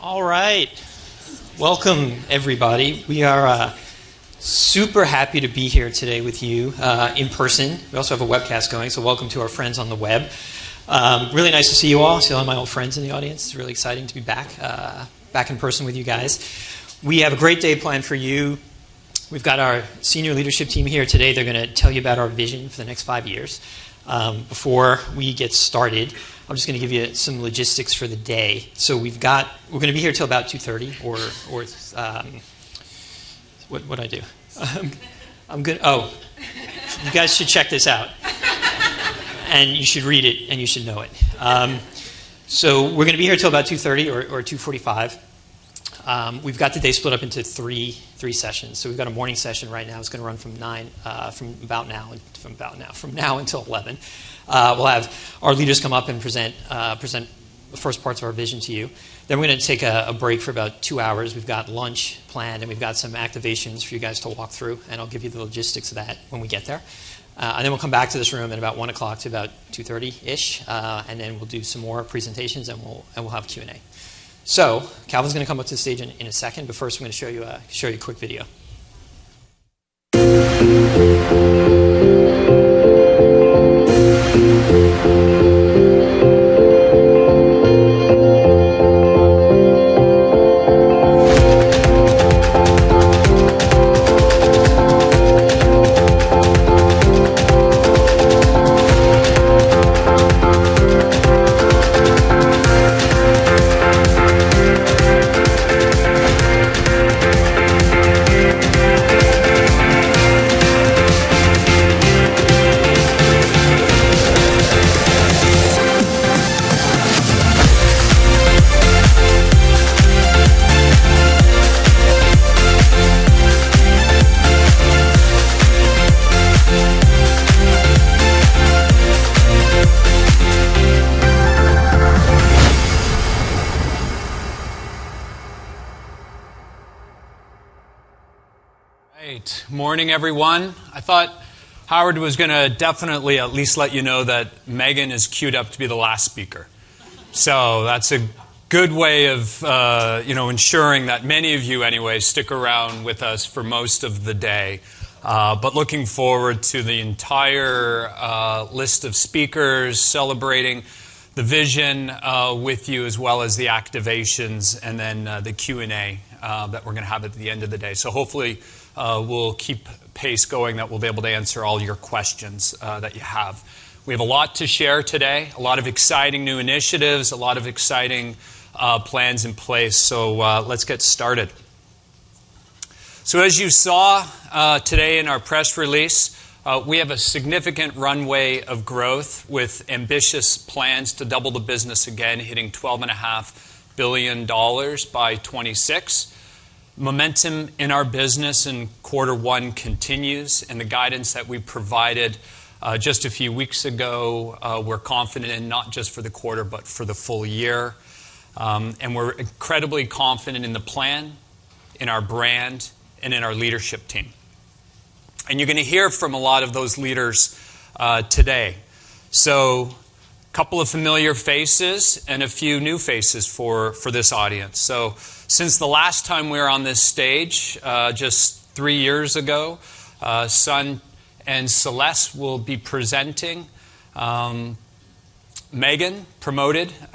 All right. Welcome everybody. We are super happy to be here today with you in person. We also have a webcast going, so welcome to our friends on the web. Really nice to see you all. I see all my old friends in the audience. It's really exciting to be back in person with you guys. We have a great day planned for you. We've got our senior leadership team here today. They're gonna tell you about our vision for the next five years. Before we get started, I'm just gonna give you some logistics for the day. We're gonna be here till about 2:30 P.M. or so. What'd I do? It's okay. I'm good. Oh. You guys should check this out. You should read it, and you should know it. We're gonna be here till about 2:30 P.M. or 2:45 P.M. We've got the day split up into three sessions. We've got a morning session right now. It's gonna run from now until 11:00 A.M. We'll have our leaders come up and present the first parts of our vision to you. We're gonna take a break for about two hours. We've got lunch planned, and we've got some activations for you guys to walk through, and I'll give you the logistics of that when we get there. We'll come back to this room at about 1:00 P.M. to about 2:30 P.M.-ish, and then we'll do some more presentations, and we'll have a Q&A. Calvin's gonna come up to the stage in a second, but first I'm gonna show you a quick video. Great. Morning, everyone. I thought Howard was gonna definitely at least let you know that Meghan is queued up to be the last speaker. That's a good way of, you know, ensuring that many of you anyway stick around with us for most of the day. Looking forward to the entire list of speakers celebrating the vision with you as well as the activations and then the Q&A that we're gonna have at the end of the day. Hopefully, we'll keep pace going that we'll be able to answer all your questions that you have. We have a lot to share today. A lot of exciting new initiatives. A lot of exciting plans in place. Let's get started. As you saw today in our press release, we have a significant runway of growth with ambitious plans to double the business again, hitting $12.5 billion by 2026. Momentum in our business in quarter one continues, and the guidance that we provided just a few weeks ago, we're confident in not just for the quarter but for the full year. We're incredibly confident in the plan, in our brand, and in our leadership team. You're gonna hear from a lot of those leaders today. Couple of familiar faces and a few new faces for this audience. Since the last time we were on this stage, just three years ago, Sun and Celeste will be presenting. Megan, promoted to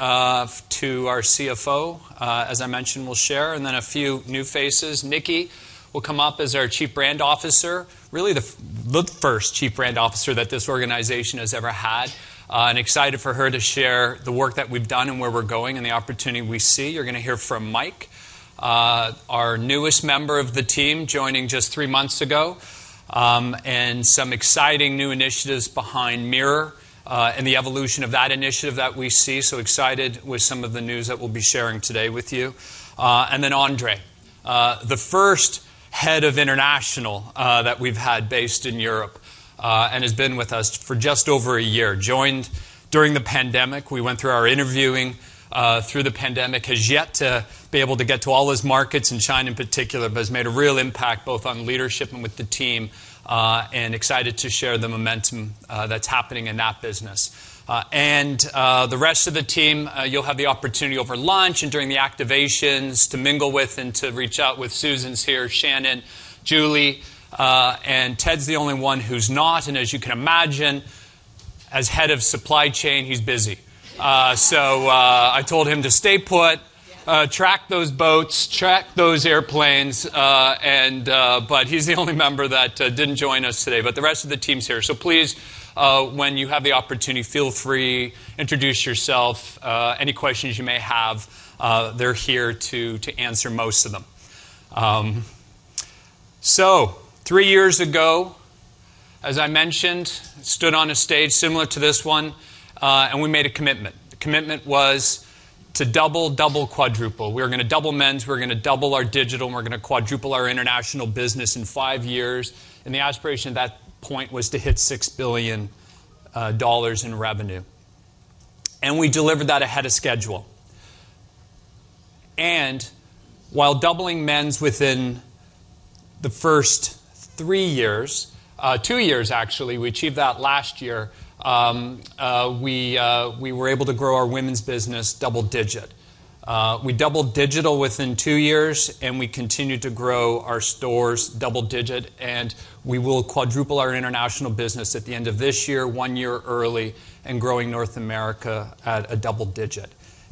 our CFO, as I mentioned, will share, and then a few new faces. Nikki will come up as our Chief Brand Officer, really the first Chief Brand Officer that this organization has ever had, and excited for her to share the work that we've done and where we're going and the opportunity we see. You're gonna hear from Mike, our newest member of the team, joining just three months ago, and some exciting new initiatives behind Mirror, and the evolution of that initiative that we see. Excited with some of the news that we'll be sharing today with you. André, the first head of international that we've had based in Europe, and has been with us for just over a year. Joined during the pandemic. We went through our interviewing through the pandemic. Has yet to be able to get to all his markets in China in particular, but has made a real impact both on leadership and with the team, and excited to share the momentum that's happening in that business. The rest of the team, you'll have the opportunity over lunch and during the activations to mingle with and to reach out with. Susan's here, Shannon, Julie, and Ted's the only one who's not, and as you can imagine, as head of supply chain, he's busy. I told him to stay put. Yeah. He's the only member that didn't join us today. The rest of the team's here. Please, when you have the opportunity, feel free, introduce yourself, any questions you may have, they're here to answer most of them. Three years ago, as I mentioned, I stood on a stage similar to this one, and we made a commitment. The commitment was to double, quadruple. We were gonna double men's, we were gonna double our digital, and we're gonna quadruple our international business in five years, and the aspiration at that point was to hit $6 billion in revenue. We delivered that ahead of schedule. While doubling men's within the first three years, two years actually, we achieved that last year, we were able to grow our women's business double digit. We doubled digital within two years, and we continued to grow our stores double digit, and we will quadruple our international business at the end of this year, one year early, and growing North America at a double digit.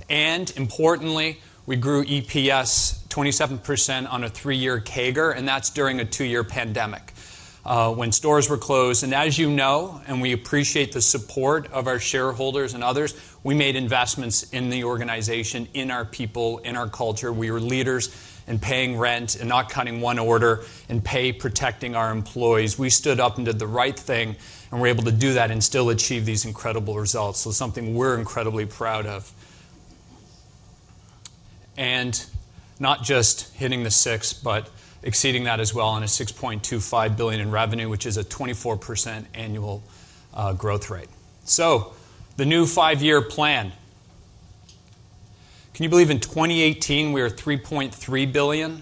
Importantly, we grew EPS 27% on a three-year CAGR, and that's during a two-year pandemic, when stores were closed. As you know, we appreciate the support of our shareholders and others, we made investments in the organization, in our people, in our culture. We were leaders in paying rent and not cutting one order and pay protecting our employees. We stood up and did the right thing, and we're able to do that and still achieve these incredible results. Something we're incredibly proud of. Not just hitting the six, but exceeding that as well on a $6.25 billion in revenue, which is a 24% annual growth rate. The new five-year plan. Can you believe in 2018 we were $3.3 billion?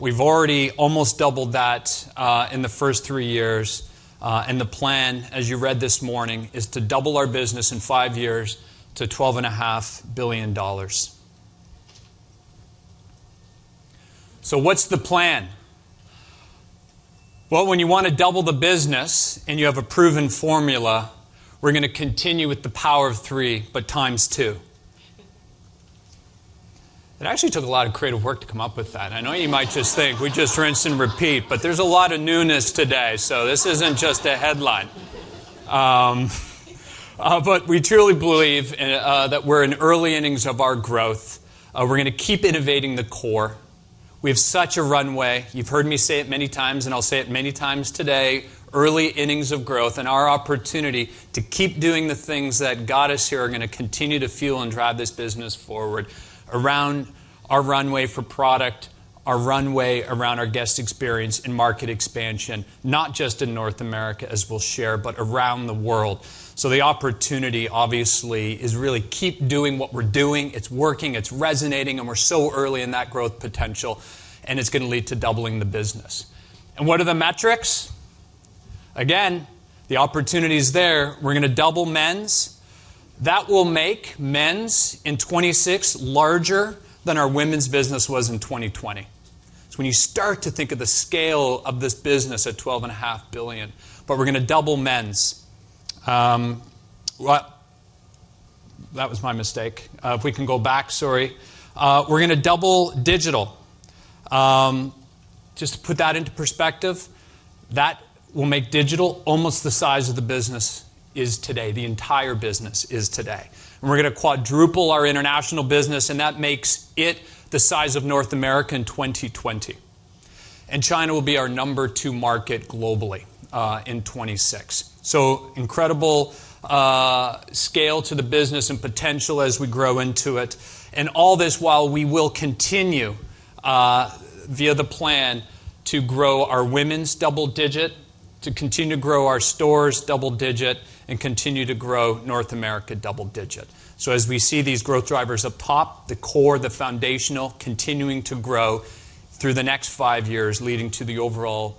We've already almost doubled that, in the first three years, and the plan, as you read this morning, is to double our business in five years to $12.5 billion. What's the plan? Well, when you wanna double the business and you have a proven formula, we're gonna continue with the Power of Three ×2. It actually took a lot of creative work to come up with that. I know you might just think we just rinse and repeat, but there's a lot of newness today, so this isn't just a headline. We truly believe in that we're in early innings of our growth. We're gonna keep innovating the core. We have such a runway. You've heard me say it many times, and I'll say it many times today, early innings of growth, and our opportunity to keep doing the things that got us here are gonna continue to fuel and drive this business forward around our runway for product, our runway around our guest experience and market expansion, not just in North America, as we'll share, but around the world. The opportunity, obviously, is really keep doing what we're doing. It's working, it's resonating, and we're so early in that growth potential, and it's gonna lead to doubling the business. What are the metrics? Again, the opportunity is there. We're gonna double men's. That will make men's in 2026 larger than our women's business was in 2020. When you start to think of the scale of this business at $12.5 billion, we're gonna double digital. Just to put that into perspective, that will make digital almost the size of the business today, the entire business today. We're gonna quadruple our international business, and that makes it the size of North America in 2020. China will be our number two market globally in 2026. Incredible scale to the business and potential as we grow into it. All this while we will continue via the plan to grow our women's double-digit, to continue to grow our stores double-digit, and continue to grow North America double-digit. As we see these growth drivers up top, the core, the foundational continuing to grow through the next five years, leading to the overall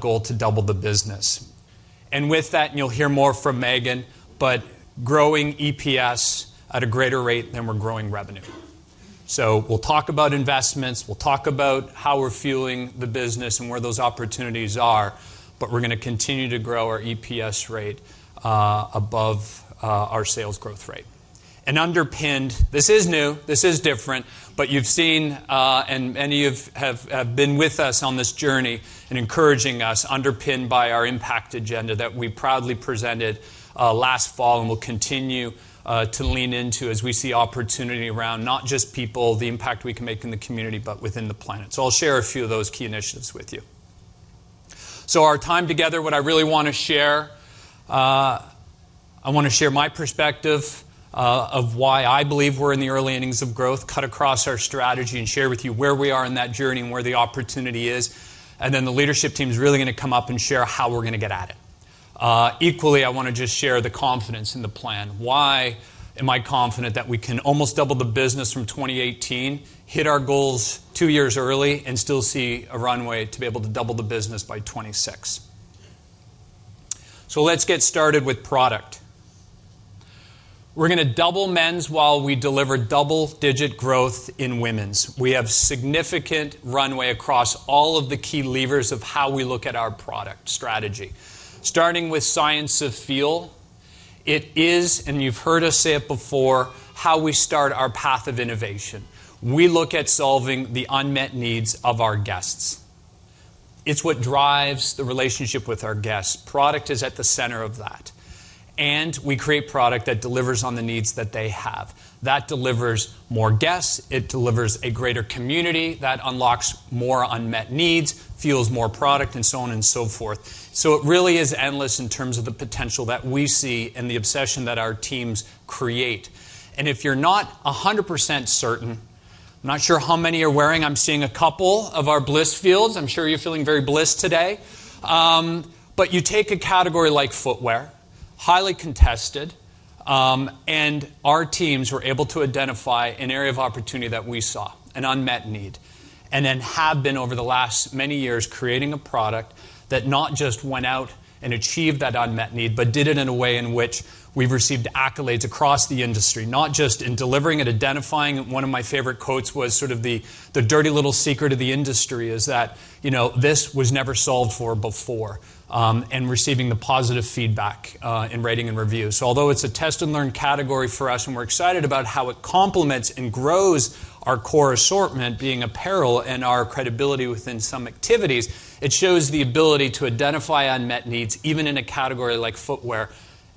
goal to double the business. With that, you'll hear more from Megan, but growing EPS at a greater rate than we're growing revenue. We'll talk about investments. We'll talk about how we're fueling the business and where those opportunities are, but we're gonna continue to grow our EPS rate above our sales growth rate. Underpinned, this is new, this is different, but you've seen, and many of you have been with us on this journey and encouraging us, underpinned by our Impact Agenda that we proudly presented last fall and will continue to lean into as we see opportunity around not just people, the impact we can make in the community, but within the planet. I'll share a few of those key initiatives with you. Our time together, what I really wanna share, I wanna share my perspective of why I believe we're in the early innings of growth, cut across our strategy, and share with you where we are in that journey and where the opportunity is. Then the leadership team is really gonna come up and share how we're gonna get at it. Equally, I wanna just share the confidence in the plan. Why am I confident that we can almost double the business from 2018, hit our goals two years early, and still see a runway to be able to double the business by 2026? Let's get started with product. We're gonna double men's while we deliver double-digit growth in women's. We have significant runway across all of the key levers of how we look at our product strategy. Starting with Science of Feel, it is, and you've heard us say it before, how we start our path of innovation. We look at solving the unmet needs of our guests. It's what drives the relationship with our guests. Product is at the center of that. We create product that delivers on the needs that they have. That delivers more guests. It delivers a greater community. That unlocks more unmet needs, fuels more product, and so on and so forth. It really is endless in terms of the potential that we see and the obsession that our teams create. If you're not 100% certain, I'm not sure how many are wearing, I'm seeing a couple of our Blissfeels. I'm sure you're feeling very bliss today. You take a category like footwear. Highly contested, and our teams were able to identify an area of opportunity that we saw, an unmet need. Have been over the last many years creating a product that not just went out and achieved that unmet need, but did it in a way in which we've received accolades across the industry, not just in delivering and identifying. One of my favorite quotes was sort of the dirty little secret of the industry is that, you know, this was never solved for before, and receiving the positive feedback in ratings and reviews. Although it's a test and learn category for us, and we're excited about how it complements and grows our core assortment being apparel and our credibility within some activities, it shows the ability to identify unmet needs even in a category like footwear,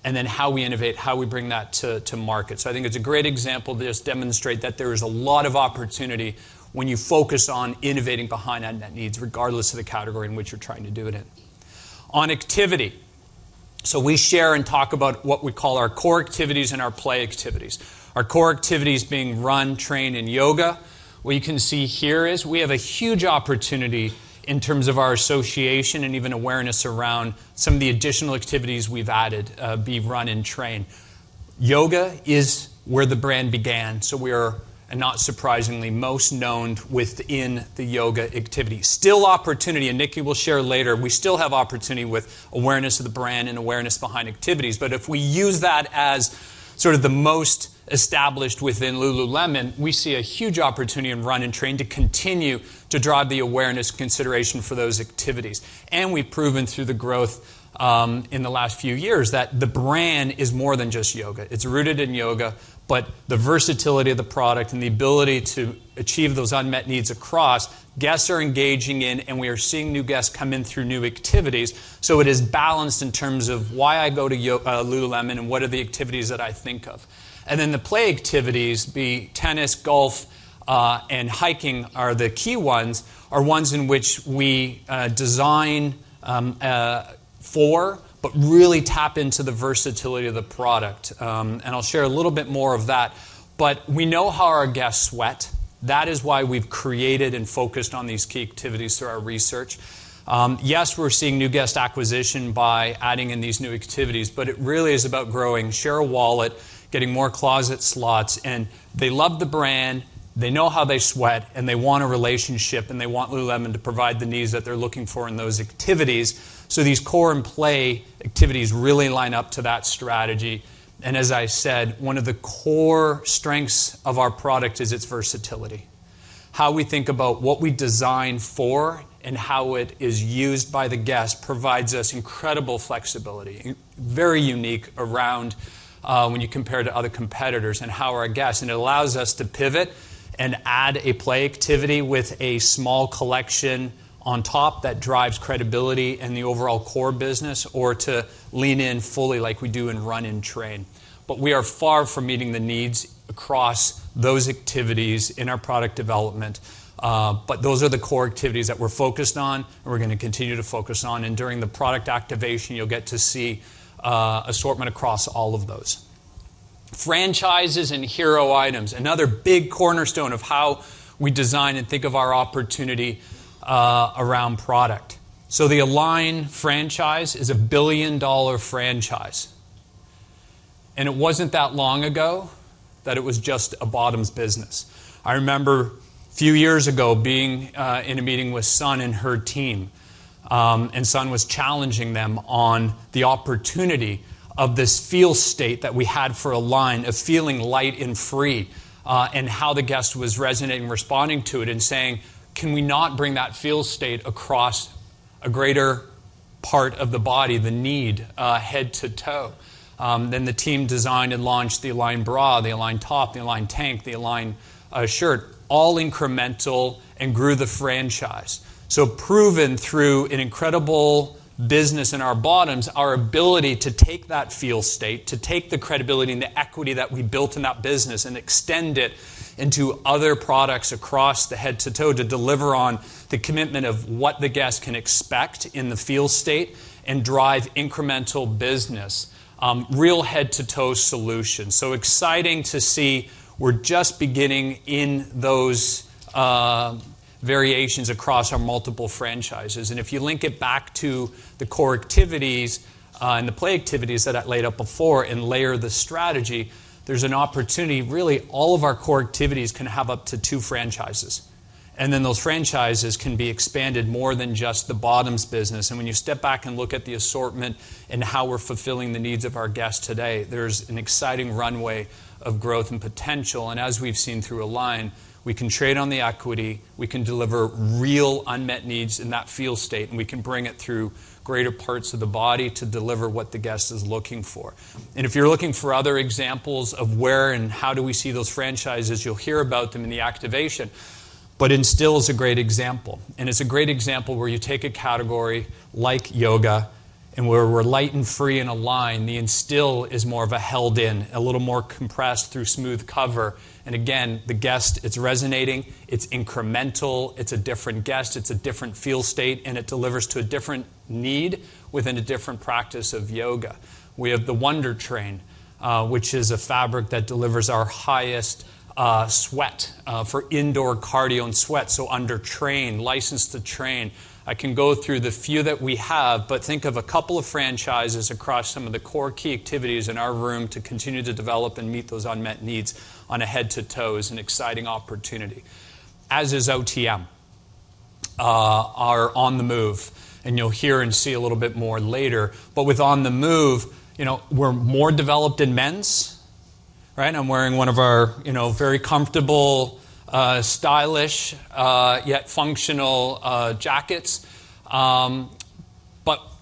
and then how we innovate, how we bring that to market. I think it's a great example to just demonstrate that there is a lot of opportunity when you focus on innovating behind unmet needs, regardless of the category in which you're trying to do it in. On activity. We share and talk about what we call our core activities and our play activities. Our core activities being run, train, and yoga. What you can see here is we have a huge opportunity in terms of our association and even awareness around some of the additional activities we've added, e.g., run and train. Yoga is where the brand began, so we are, not surprisingly, most known within the yoga activity. Still opportunity, and Nikki will share later. We still have opportunity with awareness of the brand and awareness behind activities. If we use that as sort of the most established within lululemon, we see a huge opportunity in run and train to continue to drive the awareness consideration for those activities. We've proven through the growth in the last few years that the brand is more than just yoga. It's rooted in yoga, but the versatility of the product and the ability to achieve those unmet needs across guests are engaging in, and we are seeing new guests come in through new activities. It is balanced in terms of why I go to Lululemon and what are the activities that I think of. The play activities, tennis, golf, and hiking are the key ones in which we design for, but really tap into the versatility of the product. I'll share a little bit more of that. We know how our guests sweat. That is why we've created and focused on these key activities through our research. Yes, we're seeing new guest acquisition by adding in these new activities, but it really is about growing share of wallet, getting more closet slots, and they love the brand, they know how they sweat, and they want a relationship, and they want Lululemon to provide the needs that they're looking for in those activities. These core and play activities really line up to that strategy. As I said, one of the core strengths of our product is its versatility. How we think about what we design for and how it is used by the guest provides us incredible flexibility. Very unique around, when you compare to other competitors and how our guests... It allows us to pivot and add a play activity with a small collection on top that drives credibility in the overall core business or to lean in fully like we do in run and train. We are far from meeting the needs across those activities in our product development. Those are the core activities that we're focused on and we're gonna continue to focus on. During the product activation, you'll get to see assortment across all of those franchises and hero items. Another big cornerstone of how we design and think of our opportunity around product. The Align franchise is a billion-dollar franchise. It wasn't that long ago that it was just a bottoms business. I remember a few years ago being in a meeting with Sun and her team. Sun was challenging them on the opportunity of this feel state that we had for Align of feeling light and free, and how the guest was resonating and responding to it and saying, "Can we not bring that feel state across a greater part of the body from head to toe?" The team designed and launched the Align bra, the Align top, the Align tank, the Align shirt, all incremental and grew the franchise. Proven through an incredible business in our bottoms, our ability to take that feel state, to take the credibility and the equity that we built in that business and extend it into other products across the head to toe to deliver on the commitment of what the guest can expect in the feel state and drive incremental business. Real head to toe solution. Exciting to see we're just beginning in those variations across our multiple franchises. If you link it back to the core activities and the play activities that I laid up before and layer the strategy, there's an opportunity. Really, all of our core activities can have up to two franchises. Then those franchises can be expanded more than just the bottoms business. When you step back and look at the assortment and how we're fulfilling the needs of our guests today, there's an exciting runway of growth and potential. As we've seen through Align, we can trade on the equity, we can deliver real unmet needs in that feel state, and we can bring it through greater parts of the body to deliver what the guest is looking for. If you're looking for other examples of where and how do we see those franchises, you'll hear about them in the activation. Instill is a great example, and it's a great example where you take a category like yoga and where we're light and free in Align, the Instill is more of a held in, a little more compressed through SmoothCover. Again, the guest, it's resonating, it's incremental, it's a different guest, it's a different feel state, and it delivers to a different need within a different practice of yoga. We have the Wunder Train, which is a fabric that delivers our highest sweat for indoor cardio and sweat, so Wunder Train, License to Train. I can go through the few that we have, but think of a couple of franchises across some of the core key activities in our room to continue to develop and meet those unmet needs on a head to toe is an exciting opportunity. As is OTM, On the Move, and you'll hear and see a little bit more later. With On the Move, you know, we're more developed in men's, right? I'm wearing one of our, you know, very comfortable, stylish, yet functional jackets.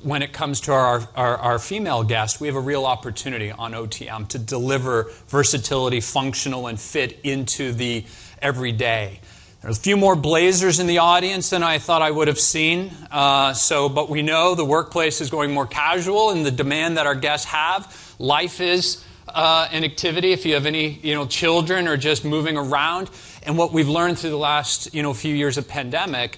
When it comes to our female guests, we have a real opportunity on OTM to deliver versatility, functionality, and fit into the everyday. There's a few more blazers in the audience than I thought I would have seen. We know the workplace is going more casual, and the demand that our guests have, life is an activity. If you have any, you know, children or just moving around. What we've learned through the last, you know, few years of pandemic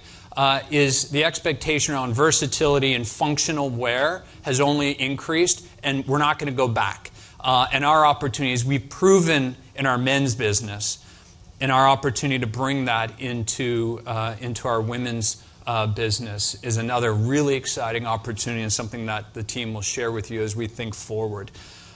is the expectation around versatility and functional wear has only increased, and we're not gonna go back. Our opportunities, we've proven in our men's business and our opportunity to bring that into our women's business is another really exciting opportunity and something that the team will share with you as we think forward.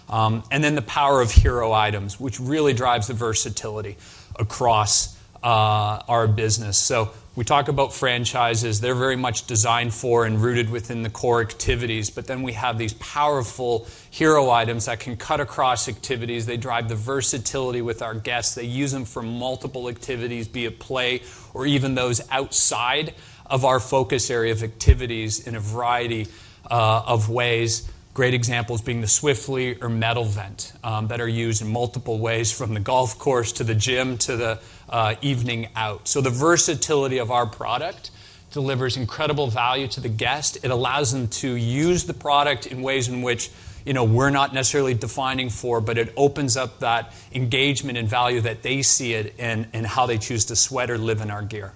The power of hero items, which really drives the versatility across our business. We talk about franchises. They're very much designed for and rooted within the core activities, but then we have these powerful hero items that can cut across activities. They drive the versatility with our guests. They use them for multiple activities, be it play or even those outside of our focus area of activities in a variety of ways. Great examples being the Swiftly or Metal Vent that are used in multiple ways from the golf course to the gym to the evening out. The versatility of our product delivers incredible value to the guest. It allows them to use the product in ways in which, you know, we're not necessarily defining for, but it opens up that engagement and value that they see it in how they choose to sweat or live in our gear.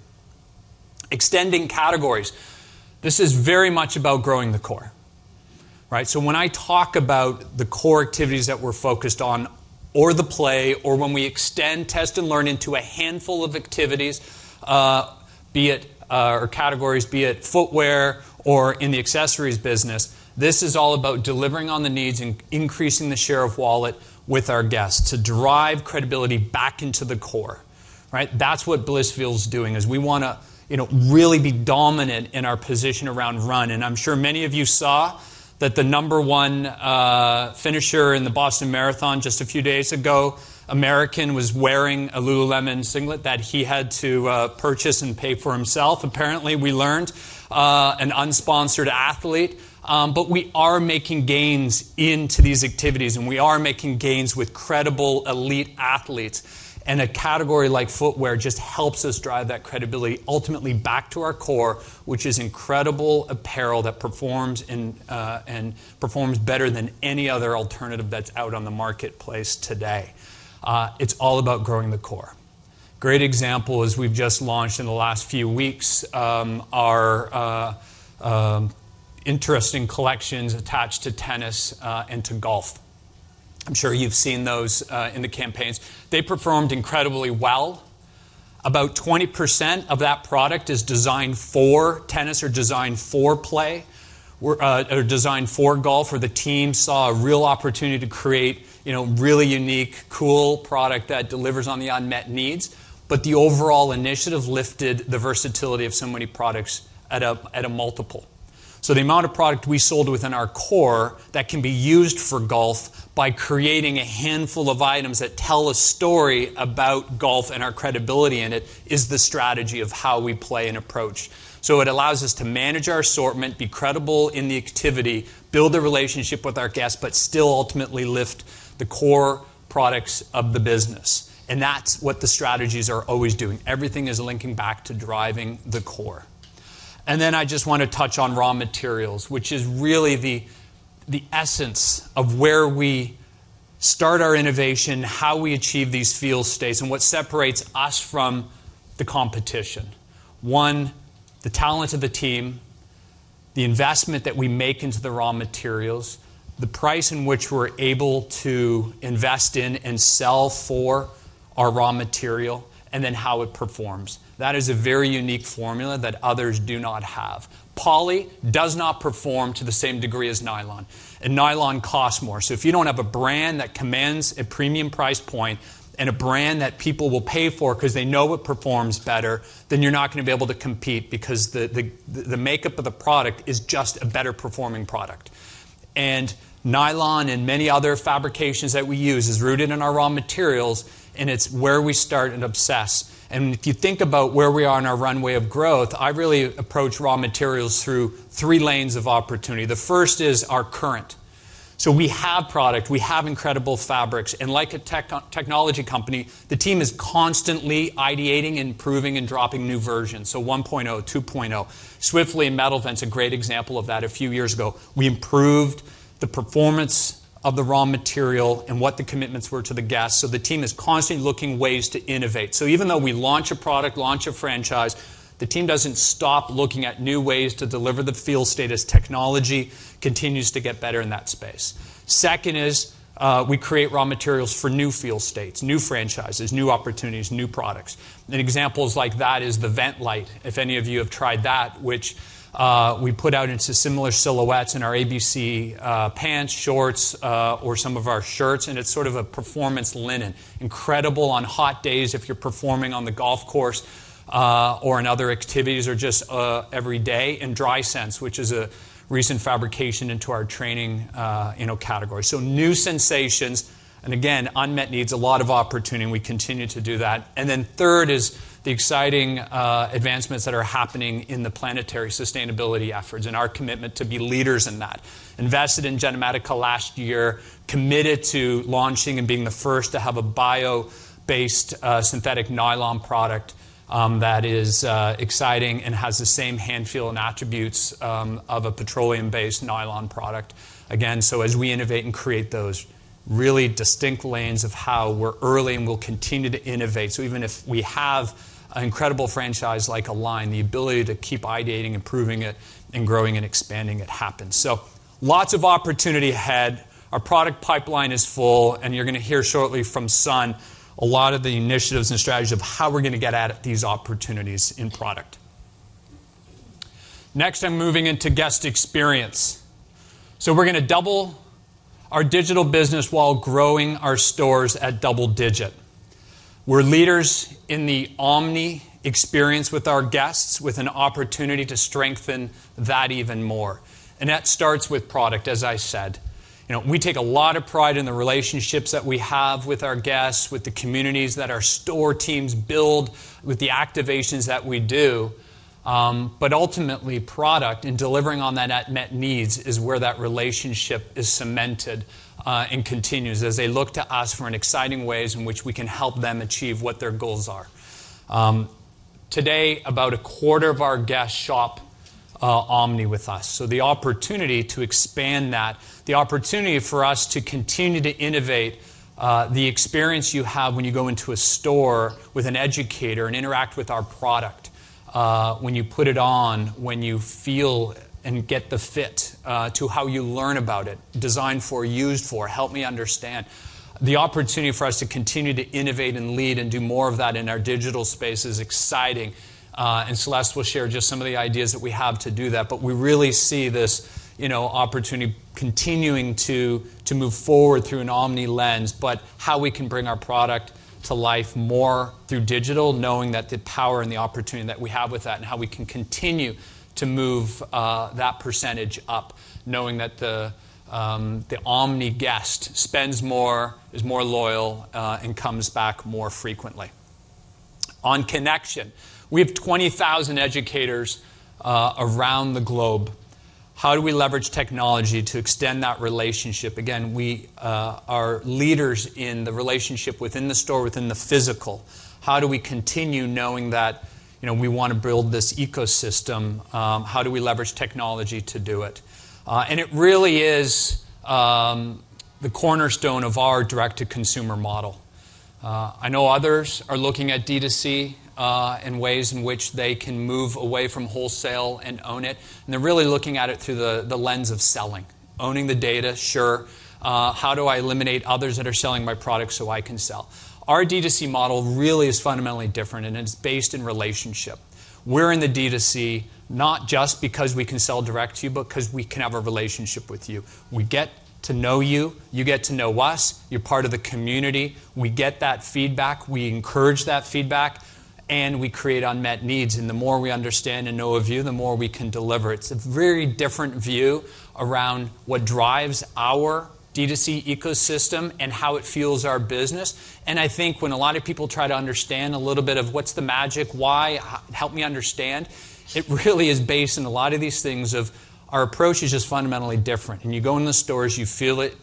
Extending categories. This is very much about growing the core, right? So when I talk about the core activities that we're focused on or the play, or when we extend test and learn into a handful of activities, be it footwear or in the accessories business, this is all about delivering on the needs and increasing the share of wallet with our guests to drive credibility back into the core, right? That's what Blissfeel is doing, is we wanna, you know, really be dominant in our position around run. I'm sure many of you saw that the number one finisher in the Boston Marathon just a few days ago, American, was wearing a Lululemon singlet that he had to purchase and pay for himself. Apparently, we learned an unsponsored athlete. But we are making gains into these activities, and we are making gains with credible elite athletes. A category like footwear just helps us drive that credibility ultimately back to our core, which is incredible apparel that performs and performs better than any other alternative that's out on the marketplace today. It's all about growing the core. Great example is we've just launched in the last few weeks our interesting collections attached to tennis and to golf. I'm sure you've seen those in the campaigns. They performed incredibly well. About 20% of that product is designed for tennis or designed for play or designed for golf, where the team saw a real opportunity to create, you know, really unique, cool product that delivers on the unmet needs. The overall initiative lifted the versatility of so many products at a multiple. The amount of product we sold within our core that can be used for golf by creating a handful of items that tell a story about golf and our credibility in it is the strategy of how we play and approach. It allows us to manage our assortment, be credible in the activity, build the relationship with our guests, but still ultimately lift the core products of the business. That's what the strategies are always doing. Everything is linking back to driving the core. I just want to touch on raw materials, which is really the essence of where we start our innovation, how we achieve these feel states, and what separates us from the competition. One, the talent of the team, the investment that we make into the raw materials, the price in which we're able to invest in and sell for our raw material, and then how it performs. That is a very unique formula that others do not have. Poly does not perform to the same degree as nylon, and nylon costs more. So if you don't have a brand that commands a premium price point and a brand that people will pay for because they know it performs better, then you're not gonna be able to compete because the makeup of the product is just a better-performing product. Nylon and many other fabrications that we use is rooted in our raw materials, and it's where we start and obsess. If you think about where we are in our runway of growth, I really approach raw materials through three lanes of opportunity. The first is our current. We have product, we have incredible fabrics, and like a technology company, the team is constantly ideating, improving and dropping new versions. 1.0, 2.0. Swiftly and Metal Vent is a great example of that. A few years ago, we improved the performance of the raw material and what the commitments were to the guests. The team is constantly looking ways to innovate. Even though we launch a product, launch a franchise, the team doesn't stop looking at new ways to deliver the feel state as technology continues to get better in that space. Second is, we create raw materials for new feel states, new franchises, new opportunities, new products. An example like that is the Ventlight, if any of you have tried that, which we put out into similar silhouettes in our ABC pants, shorts, or some of our shirts, and it's sort of a performance linen, incredible on hot days if you're performing on the golf course, or in other activities or just every day. Drysense, which is a recent fabrication into our training, you know, category. New sensations and again, unmet needs, a lot of opportunity, and we continue to do that. Third is the exciting advancements that are happening in the planetary sustainability efforts and our commitment to be leaders in that. Invested in Genomatica last year, committed to launching and being the first to have a bio-based synthetic nylon product that is exciting and has the same hand feel and attributes of a petroleum-based nylon product. Again, as we innovate and create those really distinct lanes of how we're early and will continue to innovate. Even if we have an incredible franchise like Align, the ability to keep ideating, improving it and growing and expanding it happens. Lots of opportunity ahead. Our product pipeline is full, and you're gonna hear shortly from Sun a lot of the initiatives and strategies of how we're gonna get at these opportunities in product. Next, I'm moving into guest experience. We're gonna double our digital business while growing our stores at double digit. We're leaders in the omni experience with our guests, with an opportunity to strengthen that even more. That starts with product, as I said. You know, we take a lot of pride in the relationships that we have with our guests, with the communities that our store teams build, with the activations that we do. But ultimately product and delivering on that unmet needs is where that relationship is cemented, and continues as they look to us for an exciting ways in which we can help them achieve what their goals are. Today, about a quarter of our guests shop omni with us. The opportunity to expand that, the opportunity for us to continue to innovate, the experience you have when you go into a store with an educator and interact with our product, when you put it on, when you feel and get the fit, to how you learn about it, designed for, used for, help me understand. The opportunity for us to continue to innovate and lead and do more of that in our digital space is exciting. Celeste will share just some of the ideas that we have to do that. We really see this, you know, opportunity continuing to move forward through an omni lens, but how we can bring our product to life more through digital, knowing that the power and the opportunity that we have with that and how we can continue to move that percentage up knowing that the omni guest spends more, is more loyal, and comes back more frequently. On connection, we have 20,000 educators around the globe. How do we leverage technology to extend that relationship? Again, we are leaders in the relationship within the store, within the physical. How do we continue knowing that, you know, we wanna build this ecosystem? How do we leverage technology to do it? And it really is the cornerstone of our direct-to-consumer model. I know others are looking at D2C, and ways in which they can move away from wholesale and own it, and they're really looking at it through the lens of selling. Owning the data, sure. How do I eliminate others that are selling my product so I can sell? Our D2C model really is fundamentally different, and it's based in relationship. We're in the D2C not just because we can sell direct to you, but because we can have a relationship with you. We get to know you get to know us, you're part of the community. We get that feedback, we encourage that feedback, and we create unmet needs. The more we understand and know of you, the more we can deliver. It's a very different view around what drives our D2C ecosystem and how it fuels our business. I think when a lot of people try to understand a little bit of what's the magic, help me understand, it really is based in a lot of these things of our approach is just fundamentally different. You go in the stores, you feel it,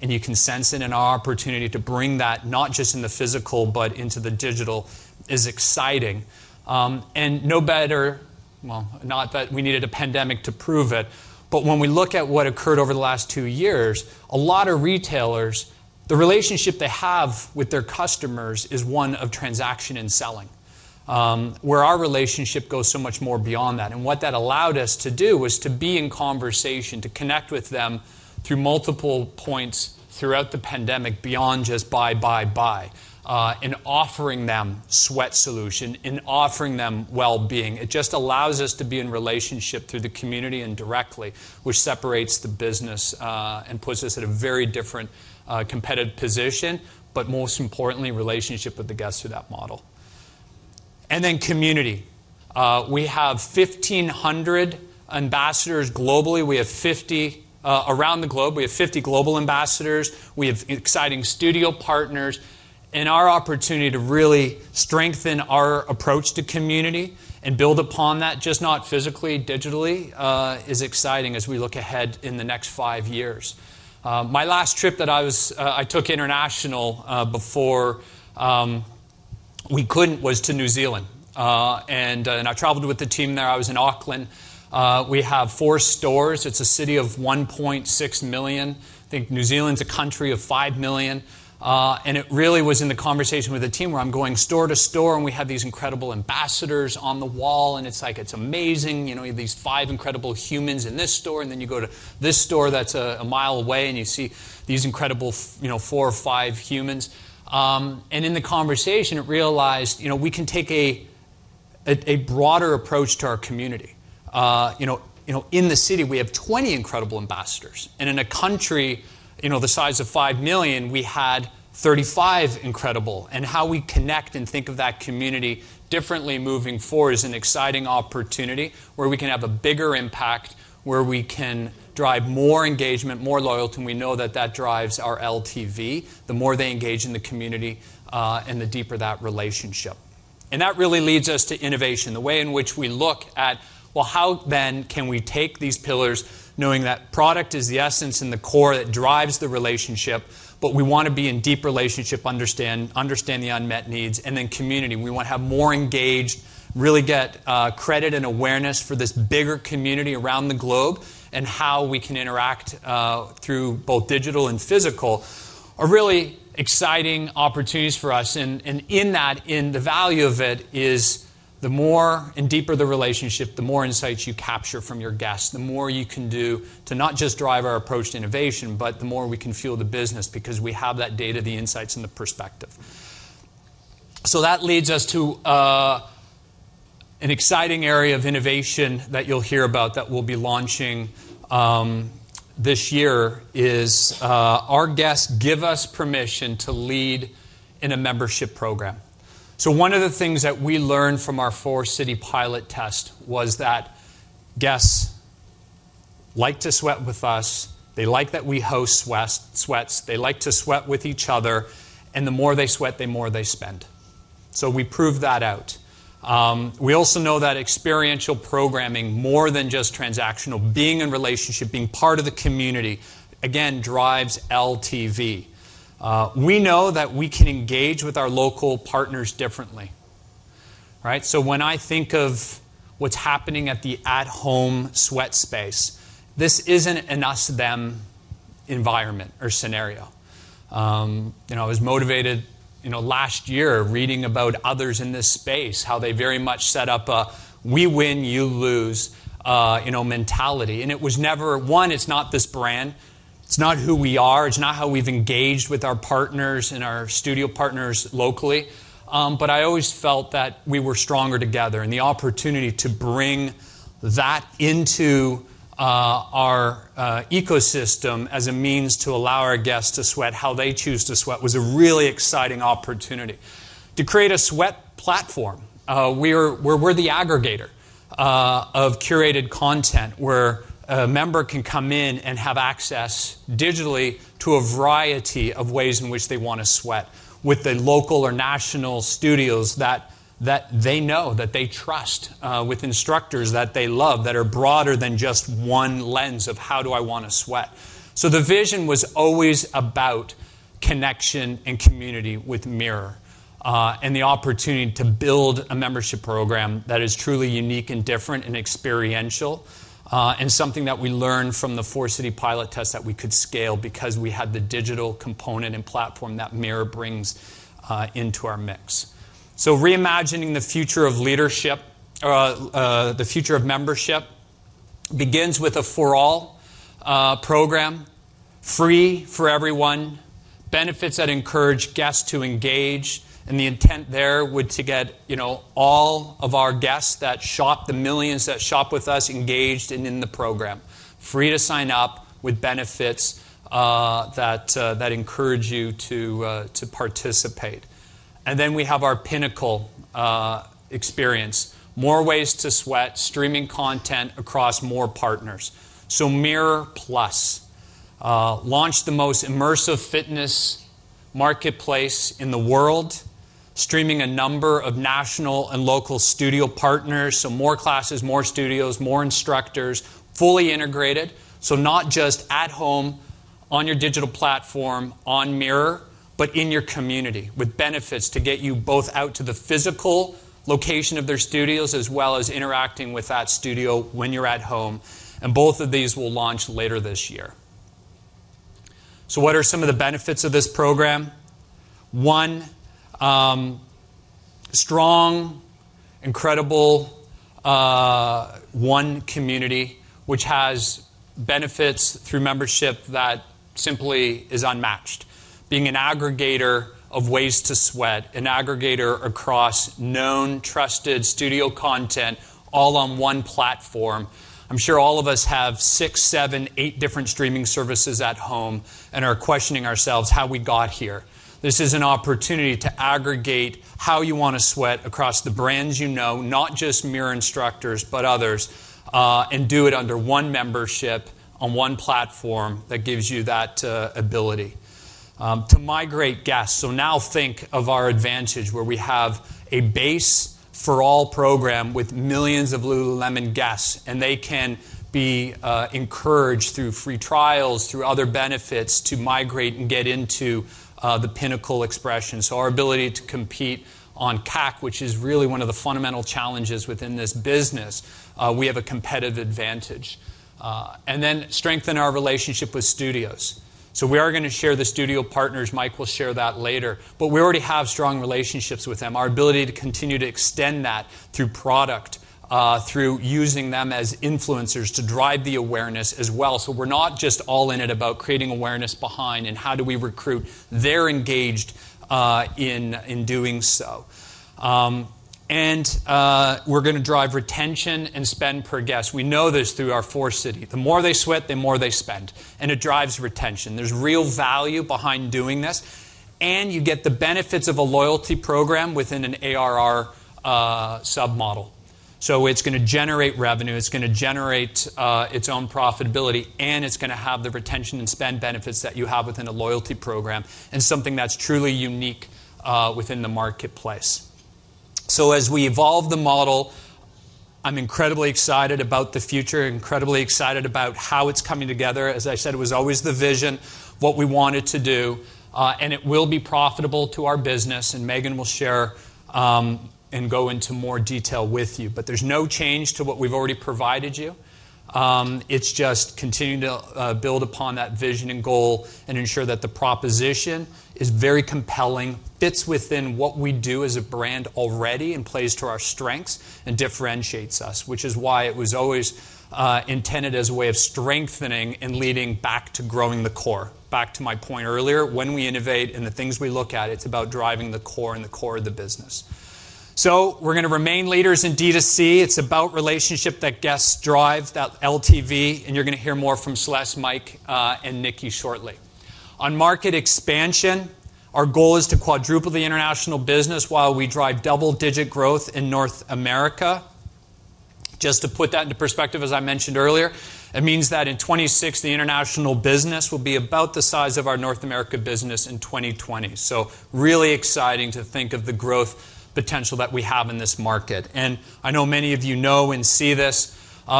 and you can sense it. Our opportunity to bring that not just in the physical but into the digital is exciting. No better. Well, not that we needed a pandemic to prove it, but when we look at what occurred over the last two years, a lot of retailers, the relationship they have with their customers is one of transaction and selling. Where our relationship goes so much more beyond that. What that allowed us to do was to be in conversation, to connect with them through multiple points throughout the pandemic beyond just buy, buy. In offering them sweat solution, in offering them wellbeing. It just allows us to be in relationship through the community and directly, which separates the business, and puts us at a very different, competitive position, but most importantly, relationship with the guests through that model. Then community. We have 1,500 ambassadors globally. Around the globe, we have 50 global ambassadors. We have exciting studio partners. Our opportunity to really strengthen our approach to community and build upon that, just not physically, digitally, is exciting as we look ahead in the next five years. My last trip that I took internationally before we couldn't was to New Zealand. I traveled with the team there. I was in Auckland. We have four stores. It's a city of 1.6 million. I think New Zealand's a country of 5 million. It really was in the conversation with the team where I'm going store to store, and we have these incredible ambassadors on the wall, and it's like, it's amazing. You know, you have these five incredible humans in this store, and then you go to this store that's a mile away, and you see these incredible, you know, four or five humans. In the conversation, I realized, you know, we can take a broader approach to our community. You know, in the city, we have 20 incredible ambassadors. In a country, you know, the size of 5 million, we had 35 incredible. How we connect and think of that community differently moving forward is an exciting opportunity where we can have a bigger impact, where we can drive more engagement, more loyalty, and we know that that drives our LTV, the more they engage in the community, and the deeper that relationship. That really leads us to innovation, the way in which we look at, well, how then can we take these pillars knowing that product is the essence and the core that drives the relationship, but we wanna be in deep relationship, understand the unmet needs, and then community. We want to have more engaged, really get credit and awareness for this bigger community around the globe and how we can interact through both digital and physical are really exciting opportunities for us. In that, in the value of it is the more and deeper the relationship, the more insights you capture from your guests, the more you can do to not just drive our approach to innovation, but the more we can fuel the business because we have that data, the insights, and the perspective. That leads us to an exciting area of innovation that you'll hear about that we'll be launching this year is our guests give us permission to lead in a membership program. One of the things that we learned from our four-city pilot test was that guests like to sweat with us. They like that we host sweats. They like to sweat with each other, and the more they sweat, the more they spend. We proved that out. We also know that experiential programming, more than just transactional, being in relationship, being part of the community, again, drives LTV. We know that we can engage with our local partners differently. Right? When I think of what's happening at the at-home sweat space, this isn't an us-them environment or scenario. You know, I was motivated last year reading about others in this space, how they very much set up a we win, you lose, you know, mentality. It was never this brand. It's not who we are. It's not how we've engaged with our partners and our studio partners locally. I always felt that we were stronger together, and the opportunity to bring that into our ecosystem as a means to allow our guests to sweat how they choose to sweat was a really exciting opportunity. To create a sweat platform, we're the aggregator of curated content, where a member can come in and have access digitally to a variety of ways in which they wanna sweat with the local or national studios that they know, that they trust, with instructors that they love, that are broader than just one lens of how do I wanna sweat. The vision was always about connection and community with Mirror, and the opportunity to build a membership program that is truly unique and different and experiential, and something that we learned from the four-city pilot test that we could scale because we had the digital component and platform that Mirror brings into our mix. Reimagining the future of membership begins with a for all program, free for everyone, benefits that encourage guests to engage, and the intent there were to get, you know, all of our guests that shop, the millions that shop with us engaged and in the program, free to sign up with benefits that encourage you to participate. Then we have our pinnacle experience, more ways to sweat, streaming content across more partners. Mirror Plus launched the most immersive fitness marketplace in the world, streaming a number of national and local studio partners, so more classes, more studios, more instructors, fully integrated, so not just at home on your digital platform on Mirror, but in your community with benefits to get you both out to the physical location of their studios as well as interacting with that studio when you're at home. Both of these will launch later this year. What are some of the benefits of this program? One strong, incredible community which has benefits through membership that simply is unmatched. Being an aggregator of ways to sweat, an aggregator across known, trusted studio content all on one platform. I'm sure all of us have six, seven, eight different streaming services at home and are questioning ourselves how we got here. This is an opportunity to aggregate how you wanna sweat across the brands you know, not just Mirror instructors, but others, and do it under one membership on one platform that gives you that ability. To migrate guests. Now think of our advantage where we have a base for all program with millions of Lululemon guests, and they can be encouraged through free trials, through other benefits to migrate and get into the pinnacle expression. Our ability to compete on CAC, which is really one of the fundamental challenges within this business, we have a competitive advantage. Strengthen our relationship with studios. We are gonna share the studio partners. Mike will share that later. We already have strong relationships with them. Our ability to continue to extend that through product, through using them as influencers to drive the awareness as well. We're not just all in it about creating awareness behind and how do we recruit. They're engaged in doing so. We're gonna drive retention and spend per guest. We know this through our four-city. The more they sweat, the more they spend, and it drives retention. There's real value behind doing this, and you get the benefits of a loyalty program within an ARR sub-model. It's gonna generate revenue, it's gonna generate its own profitability, and it's gonna have the retention and spend benefits that you have within a loyalty program, and something that's truly unique within the marketplace. As we evolve the model, I'm incredibly excited about the future, incredibly excited about how it's coming together. As I said, it was always the vision, what we wanted to do, and it will be profitable to our business, and Meghan will share and go into more detail with you. There's no change to what we've already provided you. It's just continuing to build upon that vision and goal and ensure that the proposition is very compelling, fits within what we do as a brand already and plays to our strengths and differentiates us, which is why it was always intended as a way of strengthening and leading back to growing the core. Back to my point earlier, when we innovate and the things we look at, it's about driving the core of the business. We're gonna remain leaders in D2C. It's about relationship that guests drive, that LTV, and you're gonna hear more from Celeste, Mike, and Nikki shortly. On market expansion, our goal is to quadruple the international business while we drive double-digit growth in North America. Just to put that into perspective, as I mentioned earlier, it means that in 2026, the international business will be about the size of our North America business in 2020. Really exciting to think of the growth potential that we have in this market. I know many of you know and see this,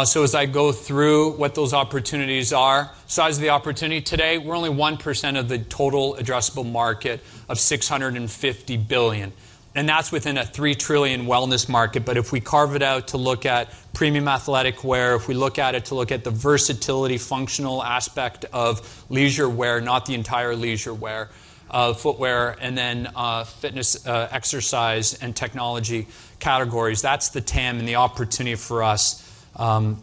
so as I go through what those opportunities are, size of the opportunity today, we're only 1% of the total addressable market of $650 billion, and that's within a $3 trillion wellness market. If we carve it out to look at premium athletic wear, the versatility, functional aspect of leisure wear, not the entire leisure wear, footwear, and then, fitness, exercise and technology categories, that's the TAM, and the opportunity for us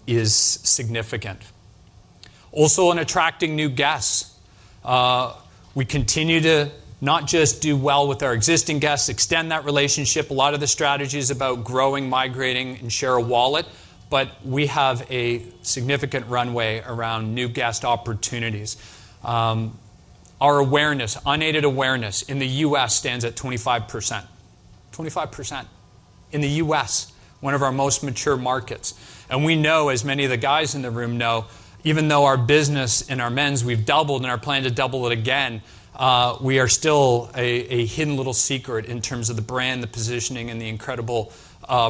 is significant. Also on attracting new guests, we continue to not just do well with our existing guests, extend that relationship. A lot of the strategy is about growing, migrating, and share of wallet, but we have a significant runway around new guest opportunities. Our awareness, unaided awareness in the U.S. stands at 25%. 25% in the U.S., one of our most mature markets. We know, as many of the guys in the room know, even though our business in our men's, we've doubled and are planning to double it again, we are still a hidden little secret in terms of the brand, the positioning, and the incredible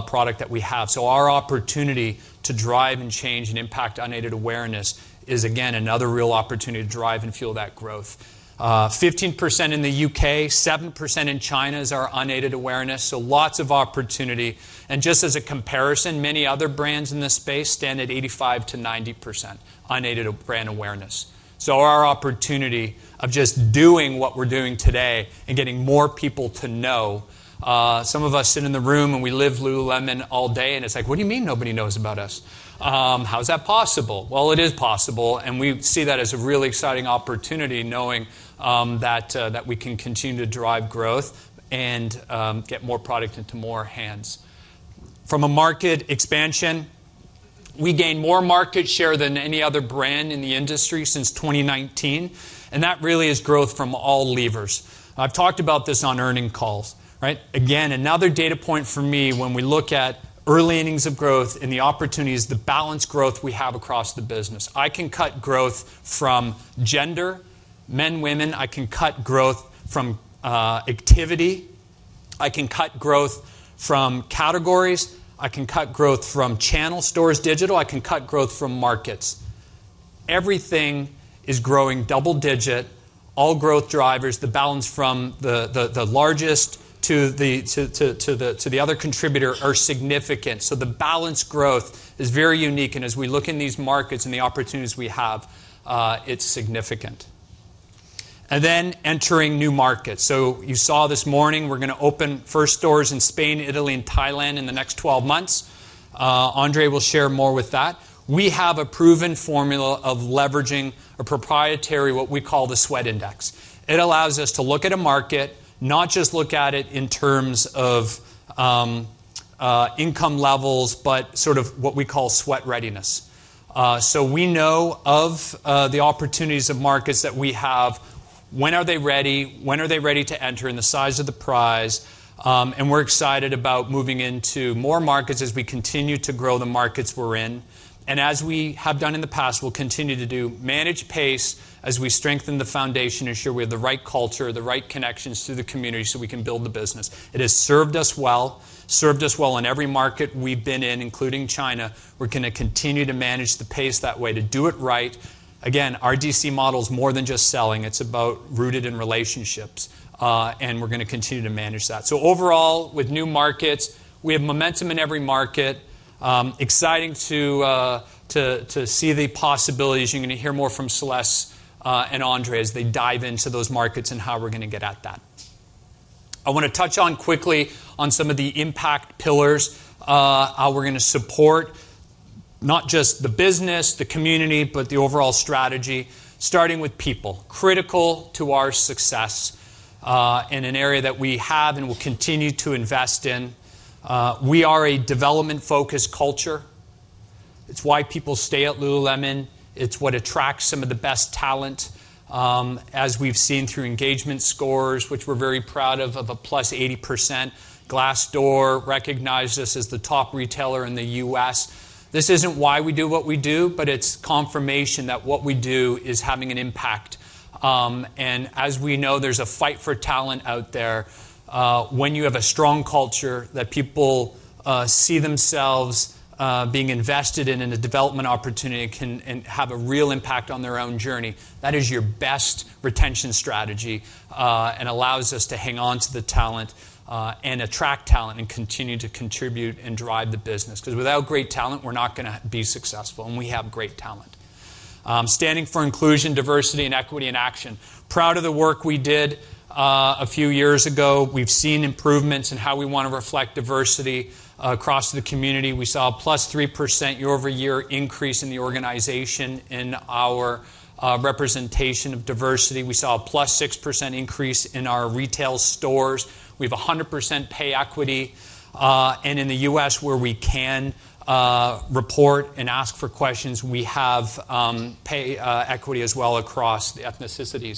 product that we have. Our opportunity to drive and change and impact unaided awareness is, again, another real opportunity to drive and fuel that growth. 15% in the U.K., 7% in China is our unaided awareness, so lots of opportunity. Just as a comparison, many other brands in this space stand at 85%-90% unaided brand awareness. Our opportunity of just doing what we're doing today and getting more people to know, some of us sit in the room and we live Lululemon all day, and it's like, "What do you mean nobody knows about us? How is that possible?" Well, it is possible, and we see that as a really exciting opportunity knowing that we can continue to drive growth and get more product into more hands. From a market expansion, we gain more market share than any other brand in the industry since 2019, and that really is growth from all levers. I've talked about this on earnings calls, right? Again, another data point for me when we look at early innings of growth and the opportunities, the balanced growth we have across the business. I can cut growth from gender, men, women. I can cut growth from activity. I can cut growth from categories. I can cut growth from channels, stores, digital. I can cut growth from markets. Everything is growing double-digit. All growth drivers, the balance from the largest to the other contributors are significant. The balanced growth is very unique, and as we look in these markets and the opportunities we have, it's significant. Then entering new markets. You saw this morning we're gonna open first stores in Spain, Italy, and Thailand in the next 12 months. André will share more with that. We have a proven formula of leveraging a proprietary, what we call the Sweat Index. It allows us to look at a market, not just look at it in terms of income levels, but sort of what we call sweat readiness. So we know of the opportunities of markets that we have, when are they ready to enter, and the size of the prize, and we're excited about moving into more markets as we continue to grow the markets we're in. We'll continue to do managed pace as we strengthen the foundation, ensure we have the right culture, the right connections to the community, so we can build the business. It has served us well in every market we've been in, including China. We're gonna continue to manage the pace that way to do it right. Again, our D2C model is more than just selling. It's about rooted in relationships, and we're gonna continue to manage that. Overall, with new markets, we have momentum in every market. Exciting to see the possibilities. You're gonna hear more from Celeste and Andre as they dive into those markets and how we're gonna get at that. I wanna touch on quickly on some of the impact pillars, how we're gonna support not just the business, the community, but the overall strategy, starting with people. Critical to our success, in an area that we have and will continue to invest in. We are a development-focused culture. It's why people stay at lululemon. It's what attracts some of the best talent, as we've seen through engagement scores, which we're very proud of plus 80%. Glassdoor recognized us as the top retailer in the U.S. This isn't why we do what we do, but it's confirmation that what we do is having an impact. As we know, there's a fight for talent out there. When you have a strong culture that people see themselves being invested in and a development opportunity and have a real impact on their own journey, that is your best retention strategy, and allows us to hang on to the talent, and attract talent and continue to contribute and drive the business. 'Cause without great talent, we're not gonna be successful, and we have great talent. Standing for inclusion, diversity, and equity in action. Proud of the work we did a few years ago. We've seen improvements in how we wanna reflect diversity across the community. We saw a +3% year-over-year increase in the organization in our representation of diversity. We saw a +6% increase in our retail stores. We have 100% pay equity, and in the U.S. where we can report and ask for questions, we have pay equity as well across ethnicities.